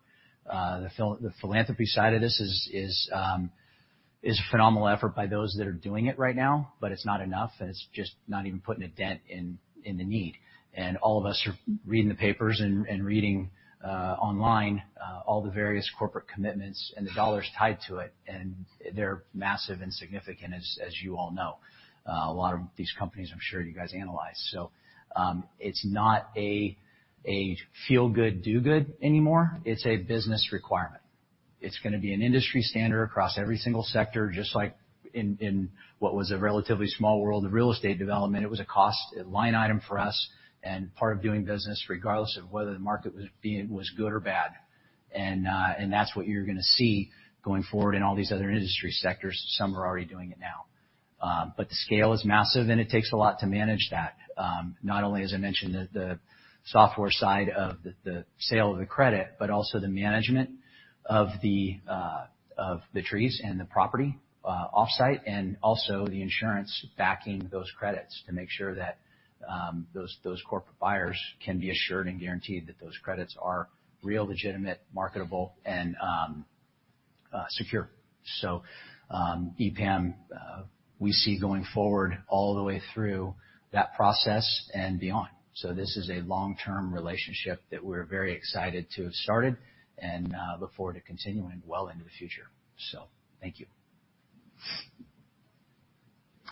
The philanthropy side of this is a phenomenal effort by those that are doing it right now, but it's not enough, and it's just not even putting a dent in the need. All of us are reading the papers and reading online all the various corporate commitments and the dollars tied to it, and they're massive and significant as you all know. A lot of these companies I'm sure you guys analyze. It's not a feel good, do good anymore. It's a business requirement. It's gonna be an industry standard across every single sector, just like in what was a relatively small world of real estate development. It was a cost, a line item for us and part of doing business regardless of whether the market was good or bad. That's what you're gonna see going forward in all these other industry sectors. Some are already doing it now. The scale is massive, and it takes a lot to manage that. Not only, as I mentioned, the software side of the sale of the credit, but also the management of the trees and the property off-site, and also the insurance backing those credits to make sure that those corporate buyers can be assured and guaranteed that those credits are real, legitimate, marketable, and secure. EPAM, we see going forward all the way through that process and beyond. This is a long-term relationship that we're very excited to have started and look forward to continuing well into the future. Thank you.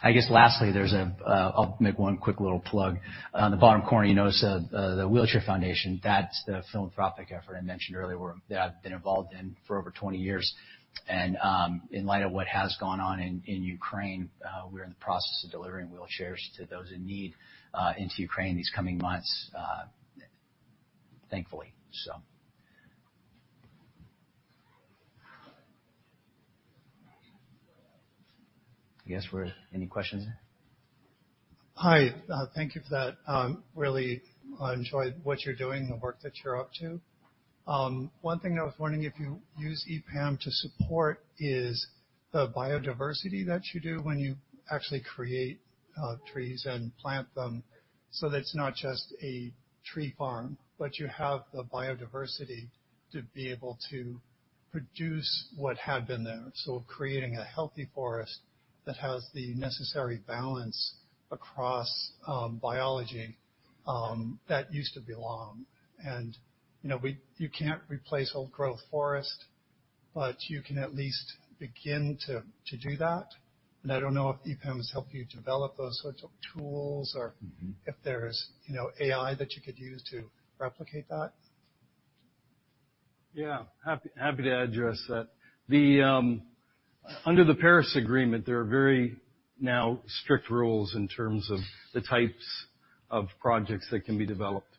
I guess lastly, there's a, I'll make one quick little plug. On the bottom corner, you notice the Wheelchair Foundation. That's the philanthropic effort I mentioned earlier that I've been involved in for over 20 years. In light of what has gone on in Ukraine, we're in the process of delivering wheelchairs to those in need into Ukraine these coming months, thankfully. Any questions? Hi. Thank you for that. Really enjoy what you're doing, the work that you're up to. One thing I was wondering if you use EPAM to support is the biodiversity that you do when you actually create trees and plant them, so that it's not just a tree farm, but you have the biodiversity to be able to produce what had been there. Creating a healthy forest that has the necessary balance across biology that used to belong. You know, you can't replace old growth forest, but you can at least begin to do that. I don't know if EPAM has helped you develop those sorts of tools or- Mm-hmm. If there's, you know, AI that you could use to replicate that. Yeah. Happy to address that. Under the Paris Agreement, there are now very strict rules in terms of the types of projects that can be developed.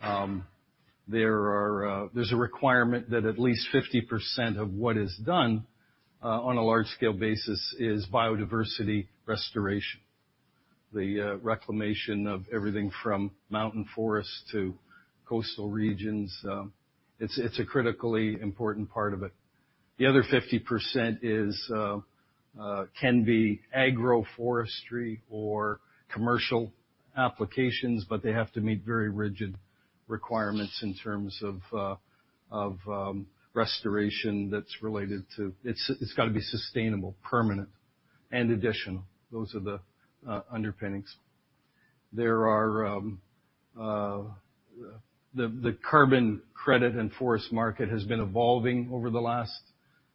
There is a requirement that at least 50% of what is done on a large-scale basis is biodiversity restoration. The reclamation of everything from mountain forests to coastal regions is a critically important part of it. The other 50% can be agroforestry or commercial applications, but they have to meet very rigid requirements in terms of restoration that's related to. It's gotta be sustainable, permanent, and additional. Those are the underpinnings. The carbon credit and forest market has been evolving over the last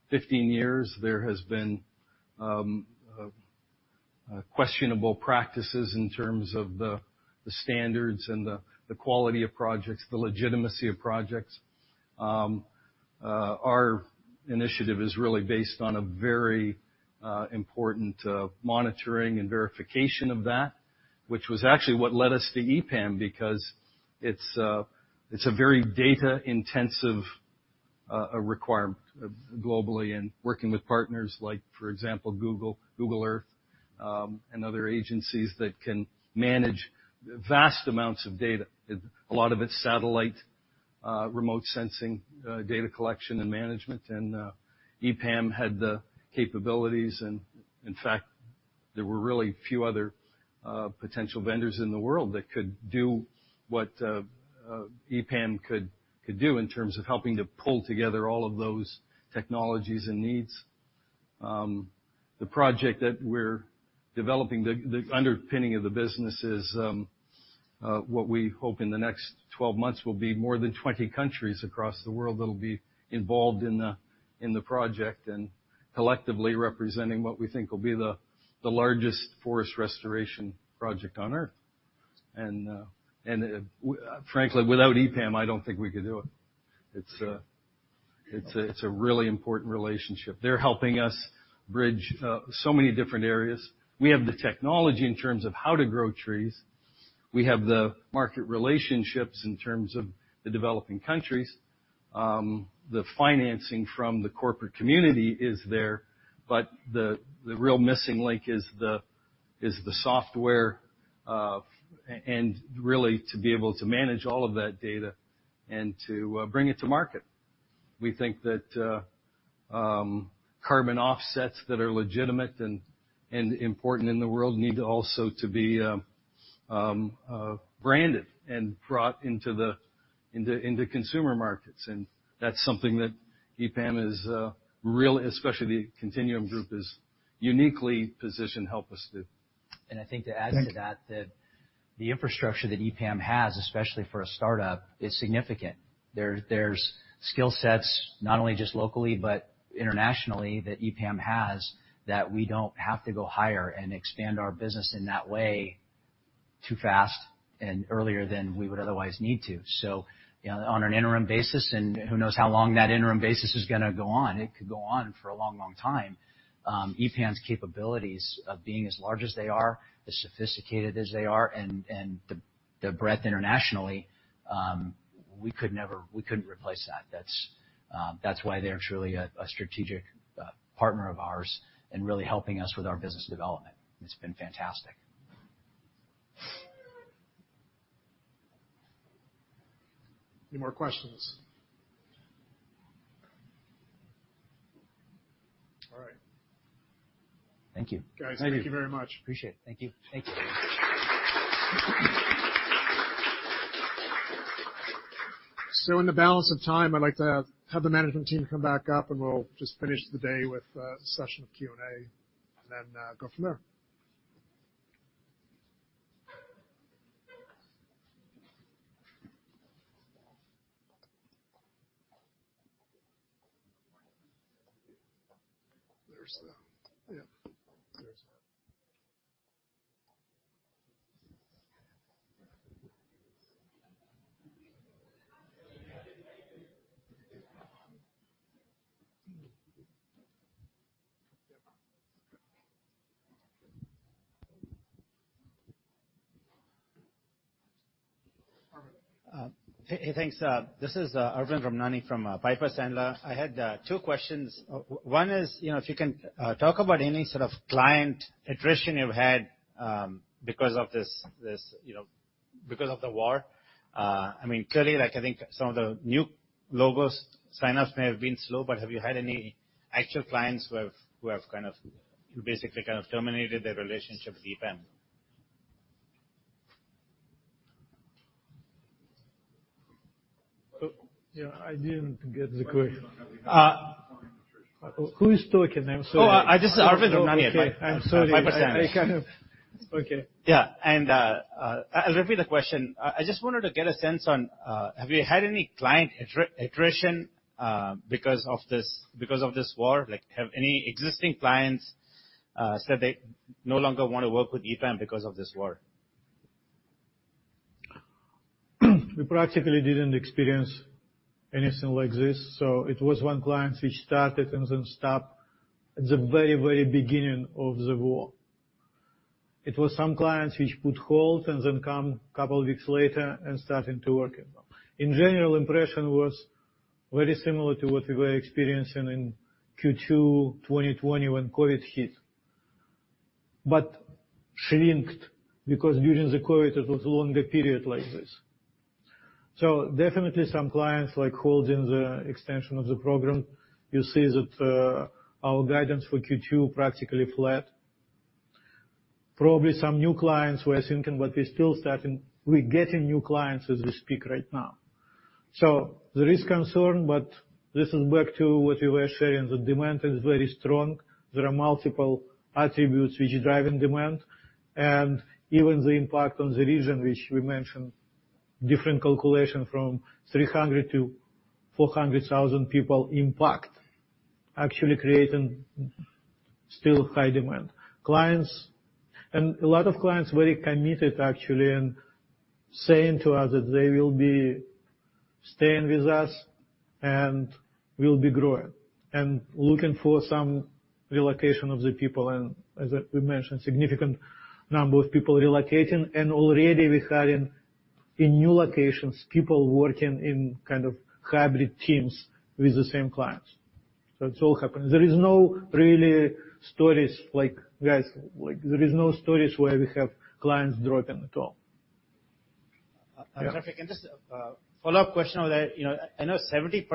15 years. There has been questionable practices in terms of the standards and the quality of projects, the legitimacy of projects. Our initiative is really based on a very important monitoring and verification of that, which was actually what led us to EPAM because it's a very data-intensive requirement globally and working with partners like, for example, Google Earth, and other agencies that can manage vast amounts of data. A lot of it's satellite remote sensing data collection and management. EPAM had the capabilities. In fact, there were really few other potential vendors in the world that could do what EPAM could do in terms of helping to pull together all of those technologies and needs. The project that we're developing, the underpinning of the business is what we hope in the next 12 months will be more than 20 countries across the world that'll be involved in the project and collectively representing what we think will be the largest forest restoration project on earth. Frankly, without EPAM, I don't think we could do it. It's a really important relationship. They're helping us bridge so many different areas. We have the technology in terms of how to grow trees. We have the market relationships in terms of the developing countries. The financing from the corporate community is there, but the real missing link is the software and really to be able to manage all of that data and to bring it to market. We think that carbon offsets that are legitimate and important in the world need also to be branded and brought into consumer markets. That's something that EPAM, especially the Continuum group, is uniquely positioned to help us do. I think to add to that. That the infrastructure that EPAM has, especially for a startup, is significant. There's skill sets, not only just locally but internationally, that EPAM has that we don't have to go hire and expand our business in that way too fast and earlier than we would otherwise need to. You know, on an interim basis, and who knows how long that interim basis is gonna go on, it could go on for a long, long time, EPAM's capabilities of being as large as they are, as sophisticated as they are and the breadth internationally, we couldn't replace that. That's why they're truly a strategic partner of ours and really helping us with our business development. It's been fantastic. Any more questions? All right. Thank you. Thank you. Guys, thank you very much. Appreciate it. Thank you. Thank you. In the balance of time, I'd like to have the management team come back up, and we'll just finish the day with a session of Q&A and then go from there. Yep. Arvind. Hey, thanks. This is Arvind Ramnani from Piper Sandler. I had two questions. One is, you know, if you can talk about any sort of client attrition you've had, because of this, you know, because of the war. I mean, clearly, like I think some of the new logos sign-ups may have been slow, but have you had any actual clients who have kind of basically kind of terminated their relationship with EPAM? So yeah, I didn't get the que- Uh- Who are you talking? I'm sorry. This is Arvind Ramnani at Piper Sandler. Okay. I'm sorry. Piper Sandler. Okay. Yeah. I'll repeat the question. I just wanted to get a sense on, have you had any client attrition because of this war? Like, have any existing clients said they no longer wanna work with EPAM because of this war? We practically didn't experience anything like this. It was one client which started and then stopped at the very, very beginning of the war. It was some clients which put on hold and then came a couple weeks later and starting to work again. In general, impression was very similar to what we were experiencing in Q2 2020 when COVID hit. Shorter because during the COVID it was longer period like this. Definitely some clients like holding the extension of the program. You see that, our guidance for Q2 practically flat. Probably some new clients who are thinking, but we're still starting. We're getting new clients as we speak right now. There is concern, but this is back to what we were sharing. The demand is very strong. There are multiple attributes which are driving demand, and even the impact on the region, which we mentioned, different calculation from 300 to 400 thousand people impact actually creating still high demand. A lot of clients very committed actually and saying to us that they will be staying with us and will be growing and looking for some relocation of the people and as we mentioned, significant number of people relocating. Already we're having in new locations, people working in kind of hybrid teams with the same clients. It's all happening. There is no really stories like guys like where we have clients dropping at all. Terrific. Just a follow-up question on that. You know, I know 70%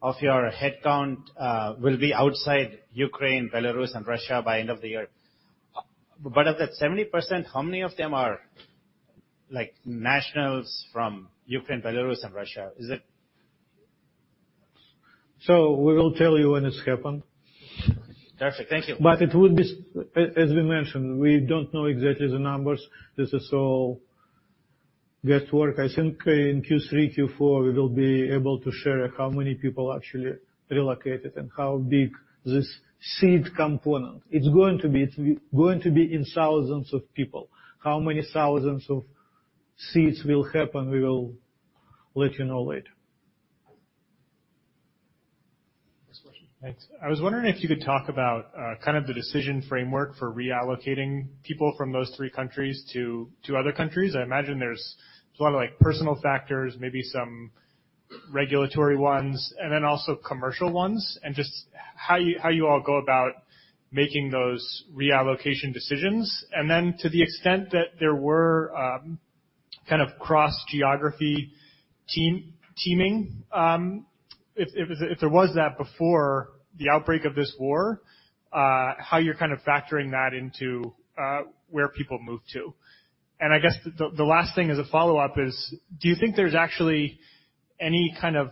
of your headcount will be outside Ukraine, Belarus and Russia by end of the year. Of that 70%, how many of them are like nationals from Ukraine, Belarus and Russia? Is it... We will tell you when it's happened. Perfect. Thank you. As we mentioned, we don't know exactly the numbers. This is all guesswork. I think in Q3, Q4, we will be able to share how many people actually relocated and how big this seat component. It's going to be in thousands of people. How many thousands of seats will happen, we will let you know later. Thanks. I was wondering if you could talk about kind of the decision framework for reallocating people from those three countries to other countries. I imagine there's a lot of, like, personal factors, maybe some regulatory ones, and then also commercial ones. Just how you all go about making those reallocation decisions. Then to the extent that there were kind of cross-geography team-teaming, if there was that before the outbreak of this war, how you're kind of factoring that into where people move to. I guess the last thing as a follow-up is, do you think there's actually any kind of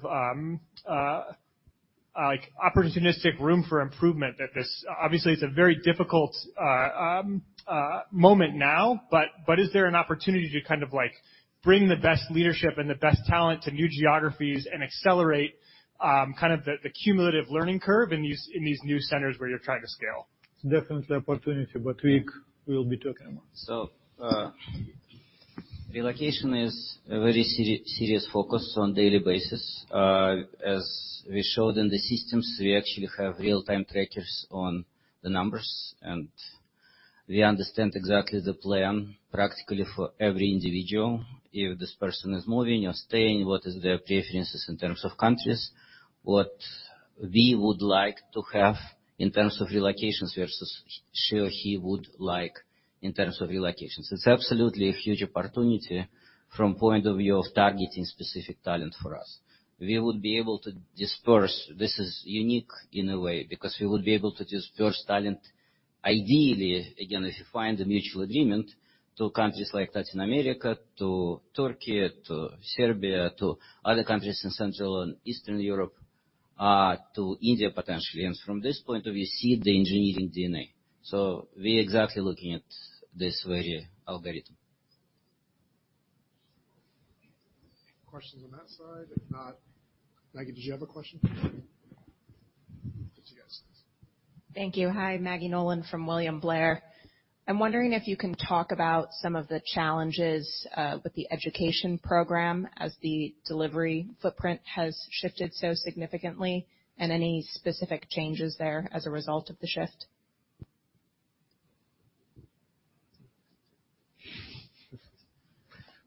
like opportunistic room for improvement at this? Obviously, it's a very difficult moment now, but is there an opportunity to kind of like bring the best leadership and the best talent to new geographies and accelerate kind of the cumulative learning curve in these new centers where you're trying to scale? Definitely opportunity, but we will be talking about. Relocation is a very serious focus on daily basis. As we showed in the systems, we actually have real-time trackers on the numbers, and we understand exactly the plan practically for every individual. If this person is moving or staying, what is their preferences in terms of countries, what we would like to have in terms of relocations versus she or he would like in terms of relocations. It's absolutely a huge opportunity from point of view of targeting specific talent for us. We would be able to disperse. This is unique in a way because we would be able to disperse talent, ideally, again, if you find a mutual agreement to countries like Latin America, to Turkey, to Serbia, to other countries in Central and Eastern Europe, to India, potentially. From this point of view, see the engineering DNA. We exactly looking at this very algorithm. Questions on that side? If not, Maggie, did you have a question? What you guys. Thank you. Hi, Maggie Nolan from William Blair. I'm wondering if you can talk about some of the challenges with the education program as the delivery footprint has shifted so significantly and any specific changes there as a result of the shift.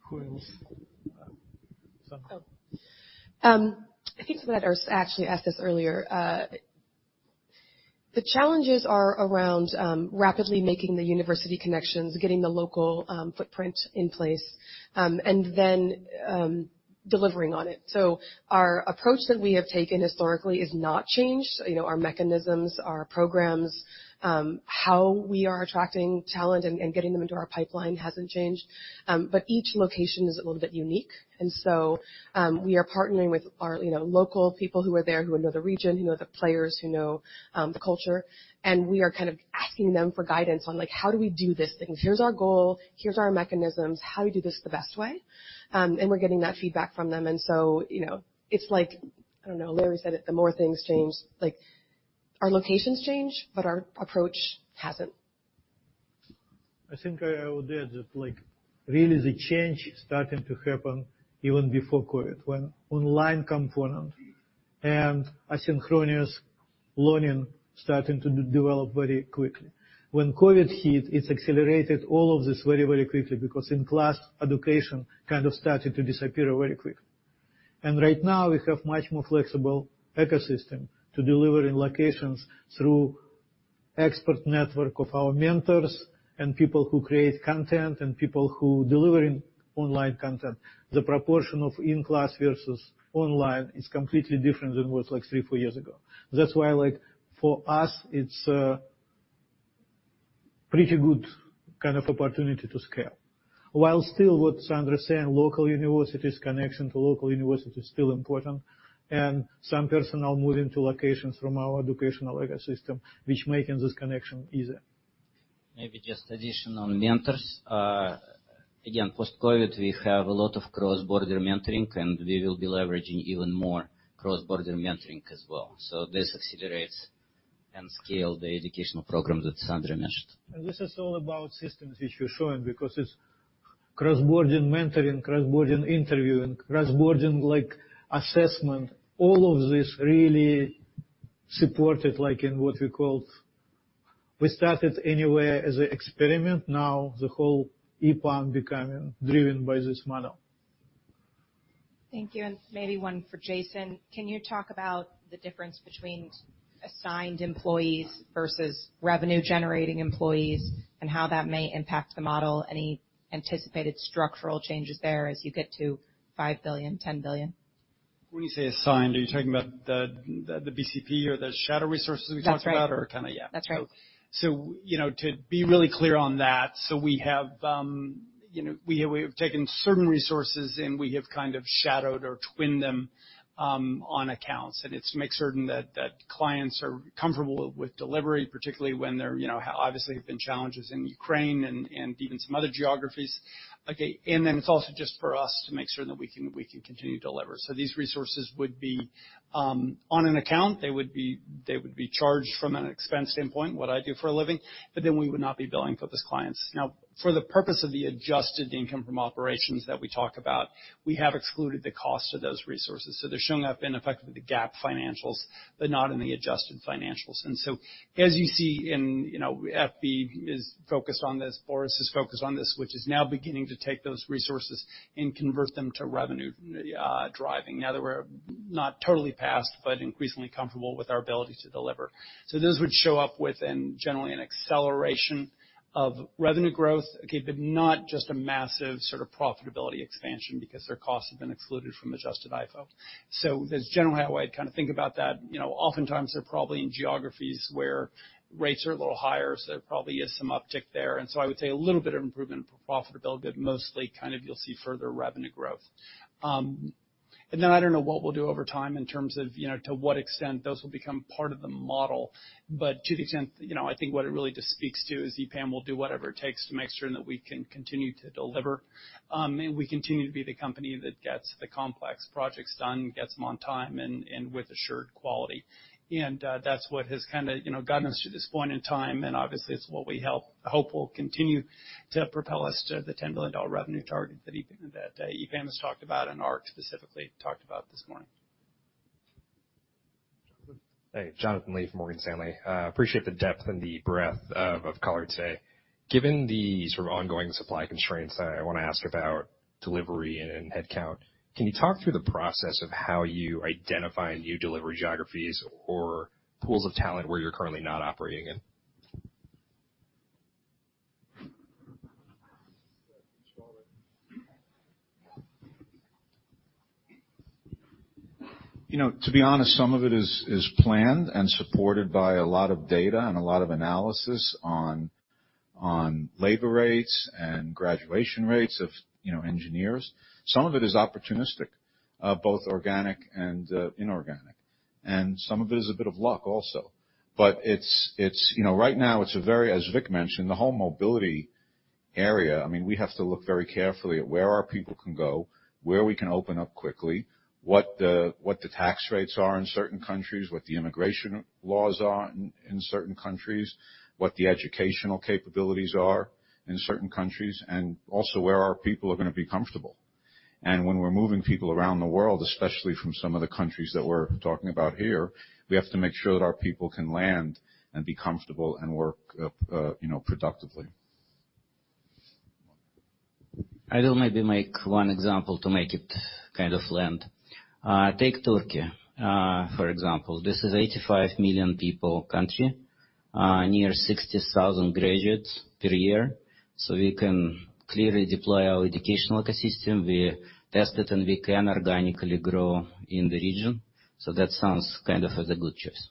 Who else? Sandra. I think somebody actually asked this earlier. The challenges are around rapidly making the university connections, getting the local footprint in place, and then delivering on it. Our approach that we have taken historically is not changed. You know, our mechanisms, our programs, how we are attracting talent and getting them into our pipeline hasn't changed. Each location is a little bit unique. We are partnering with our, you know, local people who are there, who know the region, who know the players, who know the culture. We are kind of asking them for guidance on, like, how do we do these things? Here's our goal, here's our mechanisms, how do we do this the best way? We're getting that feedback from them. You know, it's like, I don't know, Larry said it, the more things change, like our locations change, but our approach hasn't. I think I would add that, like, really the change started to happen even before COVID, when online component and asynchronous learning started to develop very quickly. When COVID hit, it's accelerated all of this very, very quickly because in-class education kind of started to disappear very quickly. Right now we have much more flexible ecosystem to deliver in locations through expert network of our mentors and people who create content and people who delivering online content. The proportion of in-class versus online is completely different than what it was like three, four years ago. That's why like for us it's a pretty good kind of opportunity to scale. While still what Sandra saying, local universities, connection to local universities is still important and some personnel moving to locations from our educational ecosystem which making this connection easier. Maybe just addition on mentors. Again, post-COVID, we have a lot of cross-border mentoring, and we will be leveraging even more cross-border mentoring as well. This accelerates and scale the educational program that Sandra mentioned. This is all about systems which we're showing because it's cross-border mentoring, cross-border interviewing, cross-border like assessment. All of this really supported like in what we called. We started anyway as an experiment. Now the whole EPAM becoming driven by this model. Thank you. Maybe one for Jason. Can you talk about the difference between assigned employees versus revenue-generating employees and how that may impact the model? Any anticipated structural changes there as you get to $5 billion, $10 billion? When you say assigned, are you talking about the BCP or the shadow resources we talked about? That's right. Kinda, yeah. That's right. You know, to be really clear on that, we have taken certain resources, and we have kind of shadowed or twinned them on accounts, and it's to make certain that clients are comfortable with delivery, particularly when there have obviously been challenges in Ukraine and even some other geographies. Okay. Then it's also just for us to make sure that we can continue to deliver. These resources would be on an account, they would be charged from an expense standpoint, what I do for a living, but then we would not be billing for those clients. Now, for the purpose of the adjusted income from operations that we talk about, we have excluded the cost of those resources. They're showing up in effectively the GAAP financials, but not in the adjusted financials. As you see in, you know, Epi is focused on this, Boris is focused on this, which is now beginning to take those resources and convert them to revenue driving. Now that we're not totally past, but increasingly comfortable with our ability to deliver. Those would show up within generally an acceleration of revenue growth, okay, but not just a massive sort of profitability expansion because their costs have been excluded from adjusted IFO. That's generally how I'd kinda think about that. You know, oftentimes they're probably in geographies where rates are a little higher, so there probably is some uptick there. I would say a little bit of improvement for profitability, but mostly kind of you'll see further revenue growth. I don't know what we'll do over time in terms of, you know, to what extent those will become part of the model. To the extent, you know, I think what it really just speaks to is EPAM will do whatever it takes to make sure that we can continue to deliver, and we continue to be the company that gets the complex projects done, gets them on time and with assured quality. That's what has kinda, you know, gotten us to this point in time, and obviously it's what we hope will continue to propel us to the $10 billion revenue target that EPAM has talked about and Ark specifically talked about this morning. Hey, Jonathan Lee, Morgan Stanley. Appreciate the depth and the breadth of color today. Given the sort of ongoing supply constraints, I wanna ask about delivery and headcount. Can you talk through the process of how you identify new delivery geographies or pools of talent where you're currently not operating in? You know, to be honest, some of it is planned and supported by a lot of data and a lot of analysis on labor rates and graduation rates of, you know, engineers. Some of it is opportunistic, both organic and inorganic, and some of it is a bit of luck also. It's, you know, right now it's very, as Vic mentioned, the whole mobility area. I mean, we have to look very carefully at where our people can go, where we can open up quickly, what the tax rates are in certain countries, what the immigration laws are in certain countries, what the educational capabilities are in certain countries, and also where our people are gonna be comfortable. When we're moving people around the world, especially from some of the countries that we're talking about here, we have to make sure that our people can land and be comfortable and work, you know, productively. I will maybe make one example to make it kind of land. Take Turkey, for example. This is 85 million people country, near 60,000 graduates per year, so we can clearly deploy our educational ecosystem. We test it, and we can organically grow in the region. That sounds kind of as a good choice.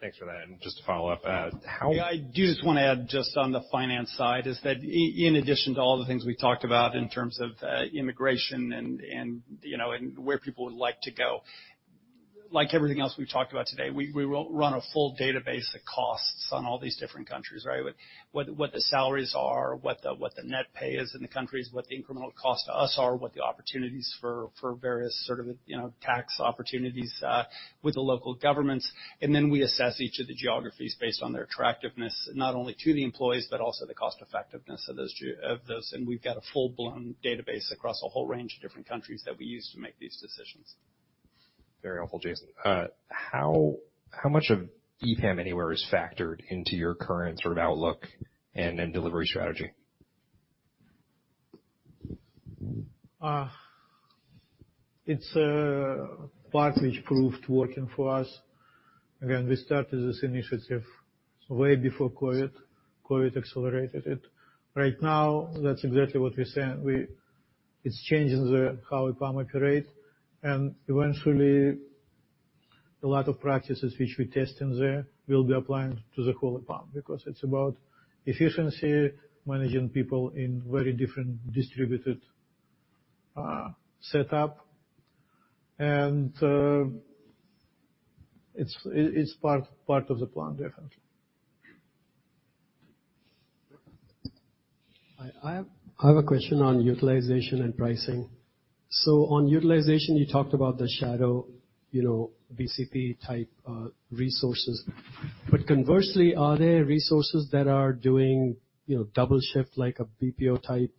Thanks for that. Just to follow up, how? Yeah, I do just wanna add just on the finance side is that in addition to all the things we talked about in terms of immigration and you know and where people would like to go. Like everything else we've talked about today, we run a full database of costs on all these different countries, right? What the salaries are, what the net pay is in the countries, what the incremental cost to us are, what the opportunities for various sort of you know tax opportunities with the local governments. Then we assess each of the geographies based on their attractiveness, not only to the employees, but also the cost effectiveness of those. We've got a full-blown database across a whole range of different countries that we use to make these decisions. Very helpful, Jason. How much of EPAM Anywhere is factored into your current sort of outlook and delivery strategy? It's a part which proved working for us. Again, we started this initiative way before COVID. COVID accelerated it. Right now, that's exactly what we're saying. It's changing how EPAM operates, and eventually, a lot of practices which we test in there will be applying to the whole EPAM because it's about efficiency, managing people in very different distributed setup. It's part of the plan, definitely. I have a question on utilization and pricing. On utilization, you talked about the shadow, you know, BCP type resources. But conversely, are there resources that are doing, you know, double shift like a BPO type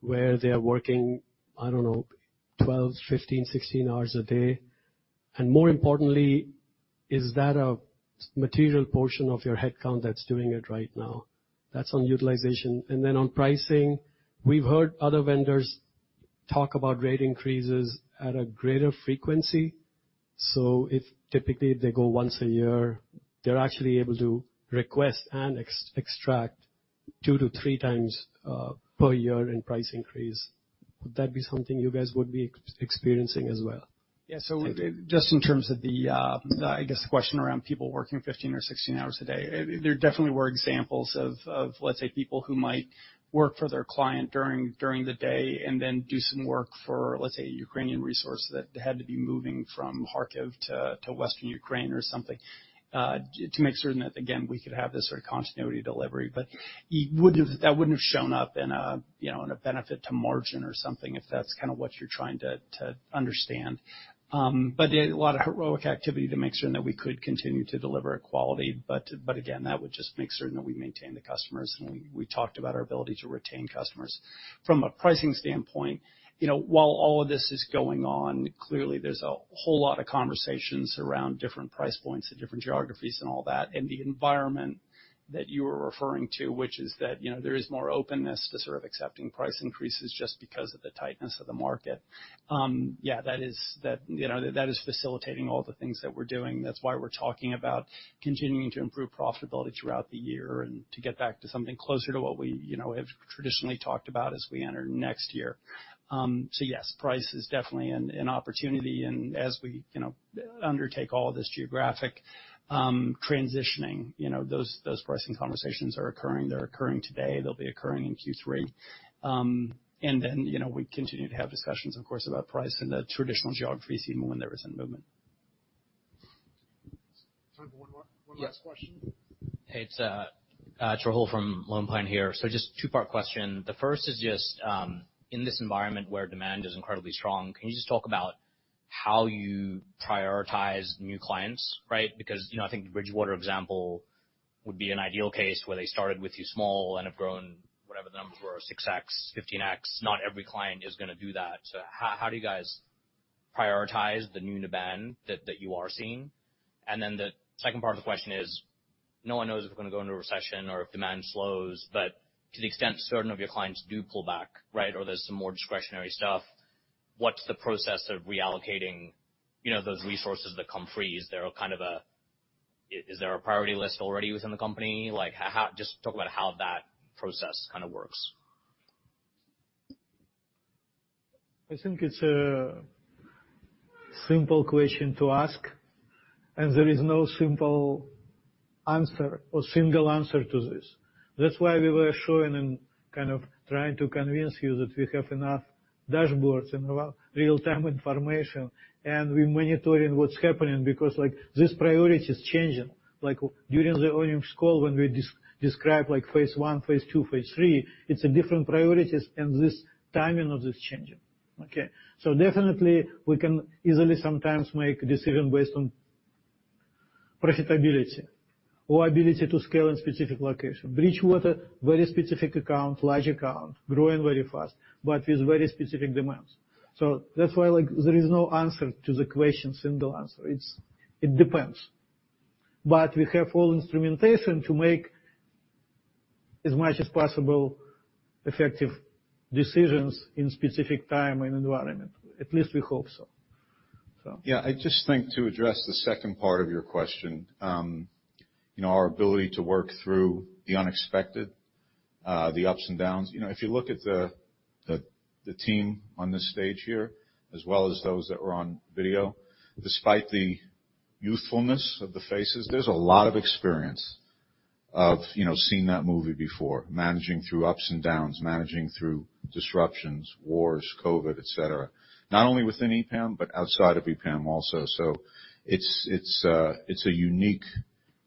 where they're working 12, 15, 16 hours a day? And more importantly, is that a material portion of your headcount that's doing it right now? That's on utilization. Then on pricing, we've heard other vendors talk about rate increases at a greater frequency. If typically they go once a year, they're actually able to request and extract 2-3 times per year in price increase. Would that be something you guys would be experiencing as well? Yeah. Just in terms of the, I guess, the question around people working 15 or 16 hours a day, there definitely were examples of, let's say, people who might work for their client during the day and then do some work for, let's say, a Ukrainian resource that had to be moving from Kharkiv to Western Ukraine or something, to make certain that, again, we could have this sort of continuity delivery. But that wouldn't have shown up in a, you know, in a benefit to margin or something, if that's kinda what you're trying to understand. But a lot of heroic activity to make sure that we could continue to deliver at quality. But again, that would just make certain that we maintain the customers, and we talked about our ability to retain customers. From a pricing standpoint, you know, while all of this is going on, clearly there's a whole lot of conversations around different price points and different geographies and all that, and the environment that you are referring to, which is that, you know, there is more openness to sort of accepting price increases just because of the tightness of the market. Yeah, that is facilitating all the things that we're doing. That's why we're talking about continuing to improve profitability throughout the year and to get back to something closer to what we, you know, have traditionally talked about as we enter next year. Yes, price is definitely an opportunity. As we, you know, undertake all this geographic transitioning, you know, those pricing conversations are occurring. They're occurring today. They'll be occurring in Q3. you know, we continue to have discussions, of course, about price in the traditional geographies, even when there isn't movement. Time for one more. One last question. Yeah. Hey, it's Tarul from Lone Pine here. So just two-part question. The first is just in this environment where demand is incredibly strong, can you just talk about how you prioritize new clients, right? Because, you know, I think the Bridgewater example would be an ideal case where they started with you small and have grown whatever the numbers were, 6x, 15x. Not every client is gonna do that. So how do you guys prioritize the new demand that you are seeing? And then the second part of the question is, no one knows if we're gonna go into a recession or if demand slows, but to the extent certain of your clients do pull back, right, or there's some more discretionary stuff, what's the process of reallocating, you know, those resources that come free? Is there a kind of a process? Is there a priority list already within the company? Like, just talk about how that process kinda works. I think it's a simple question to ask, and there is no simple answer or single answer to this. That's why we were showing and kind of trying to convince you that we have enough dashboards and real-time information, and we're monitoring what's happening because, like, this priority is changing. Like, during the earnings call when we described, like, phase one, phase two, phase three, it's different priorities, and this timing of this changing, okay? Definitely we can easily sometimes make decision based on profitability or ability to scale in specific location. Bridgewater, very specific account, large account, growing very fast, but with very specific demands. That's why, like, there is no answer to the question, single answer. It depends. We have all instrumentation to make as much as possible effective decisions in specific time and environment. At least we hope so. Yeah. I just think to address the second part of your question, you know, our ability to work through the unexpected, the ups and downs. You know, if you look at the team on this stage here as well as those that were on video, despite the youthfulness of the faces, there's a lot of experience of, you know, seeing that movie before. Managing through ups and downs, managing through disruptions, wars, COVID, et cetera, not only within EPAM but outside of EPAM also. So it's a unique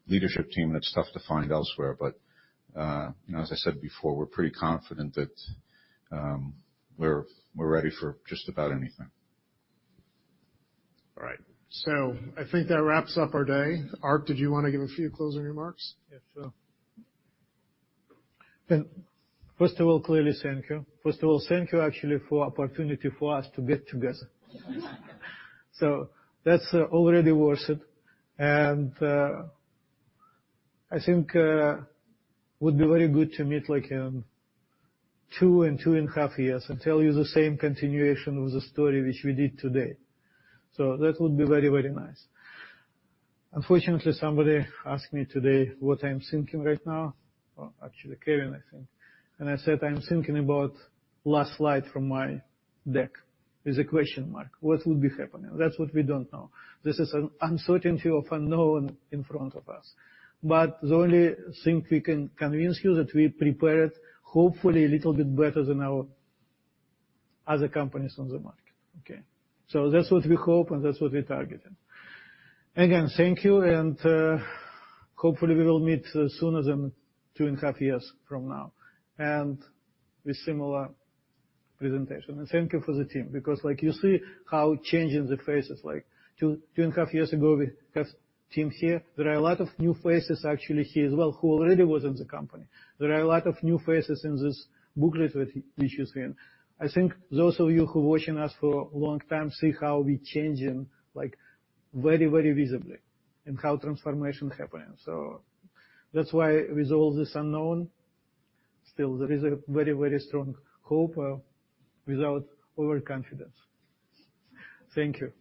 leadership team that's tough to find elsewhere. You know, as I said before, we're pretty confident that, we're ready for just about anything. All right. I think that wraps up our day. Ark, did you wanna give a few closing remarks? Yeah, sure. First of all, clearly thank you. First of all, thank you actually for opportunity for us to get together. That's already worth it. I think would be very good to meet, like, in two and two and a half years and tell you the same continuation of the story which we did today. That would be very, very nice. Unfortunately, somebody asked me today what I'm thinking right now. Well, actually, Kevin, I think. I said, "I'm thinking about last slide from my deck with a question mark. What will be happening?" That's what we don't know. This is an uncertainty of unknown in front of us. The only thing we can convince you that we prepared hopefully a little bit better than our other companies on the market, okay? That's what we hope and that's what we're targeting. Again, thank you, and hopefully we will meet sooner than two and a half years from now and with similar presentation. Thank you for the team because, like, you see how changing the faces, like two and a half years ago, we have teams here. There are a lot of new faces actually here as well who already was in the company. There are a lot of new faces in this booklet with issues here. I think those of you who are watching us for a long time see how we're changing, like, very, very visibly and how transformation happening. That's why with all this unknown, still there is a very, very strong hope, without overconfidence. Thank you.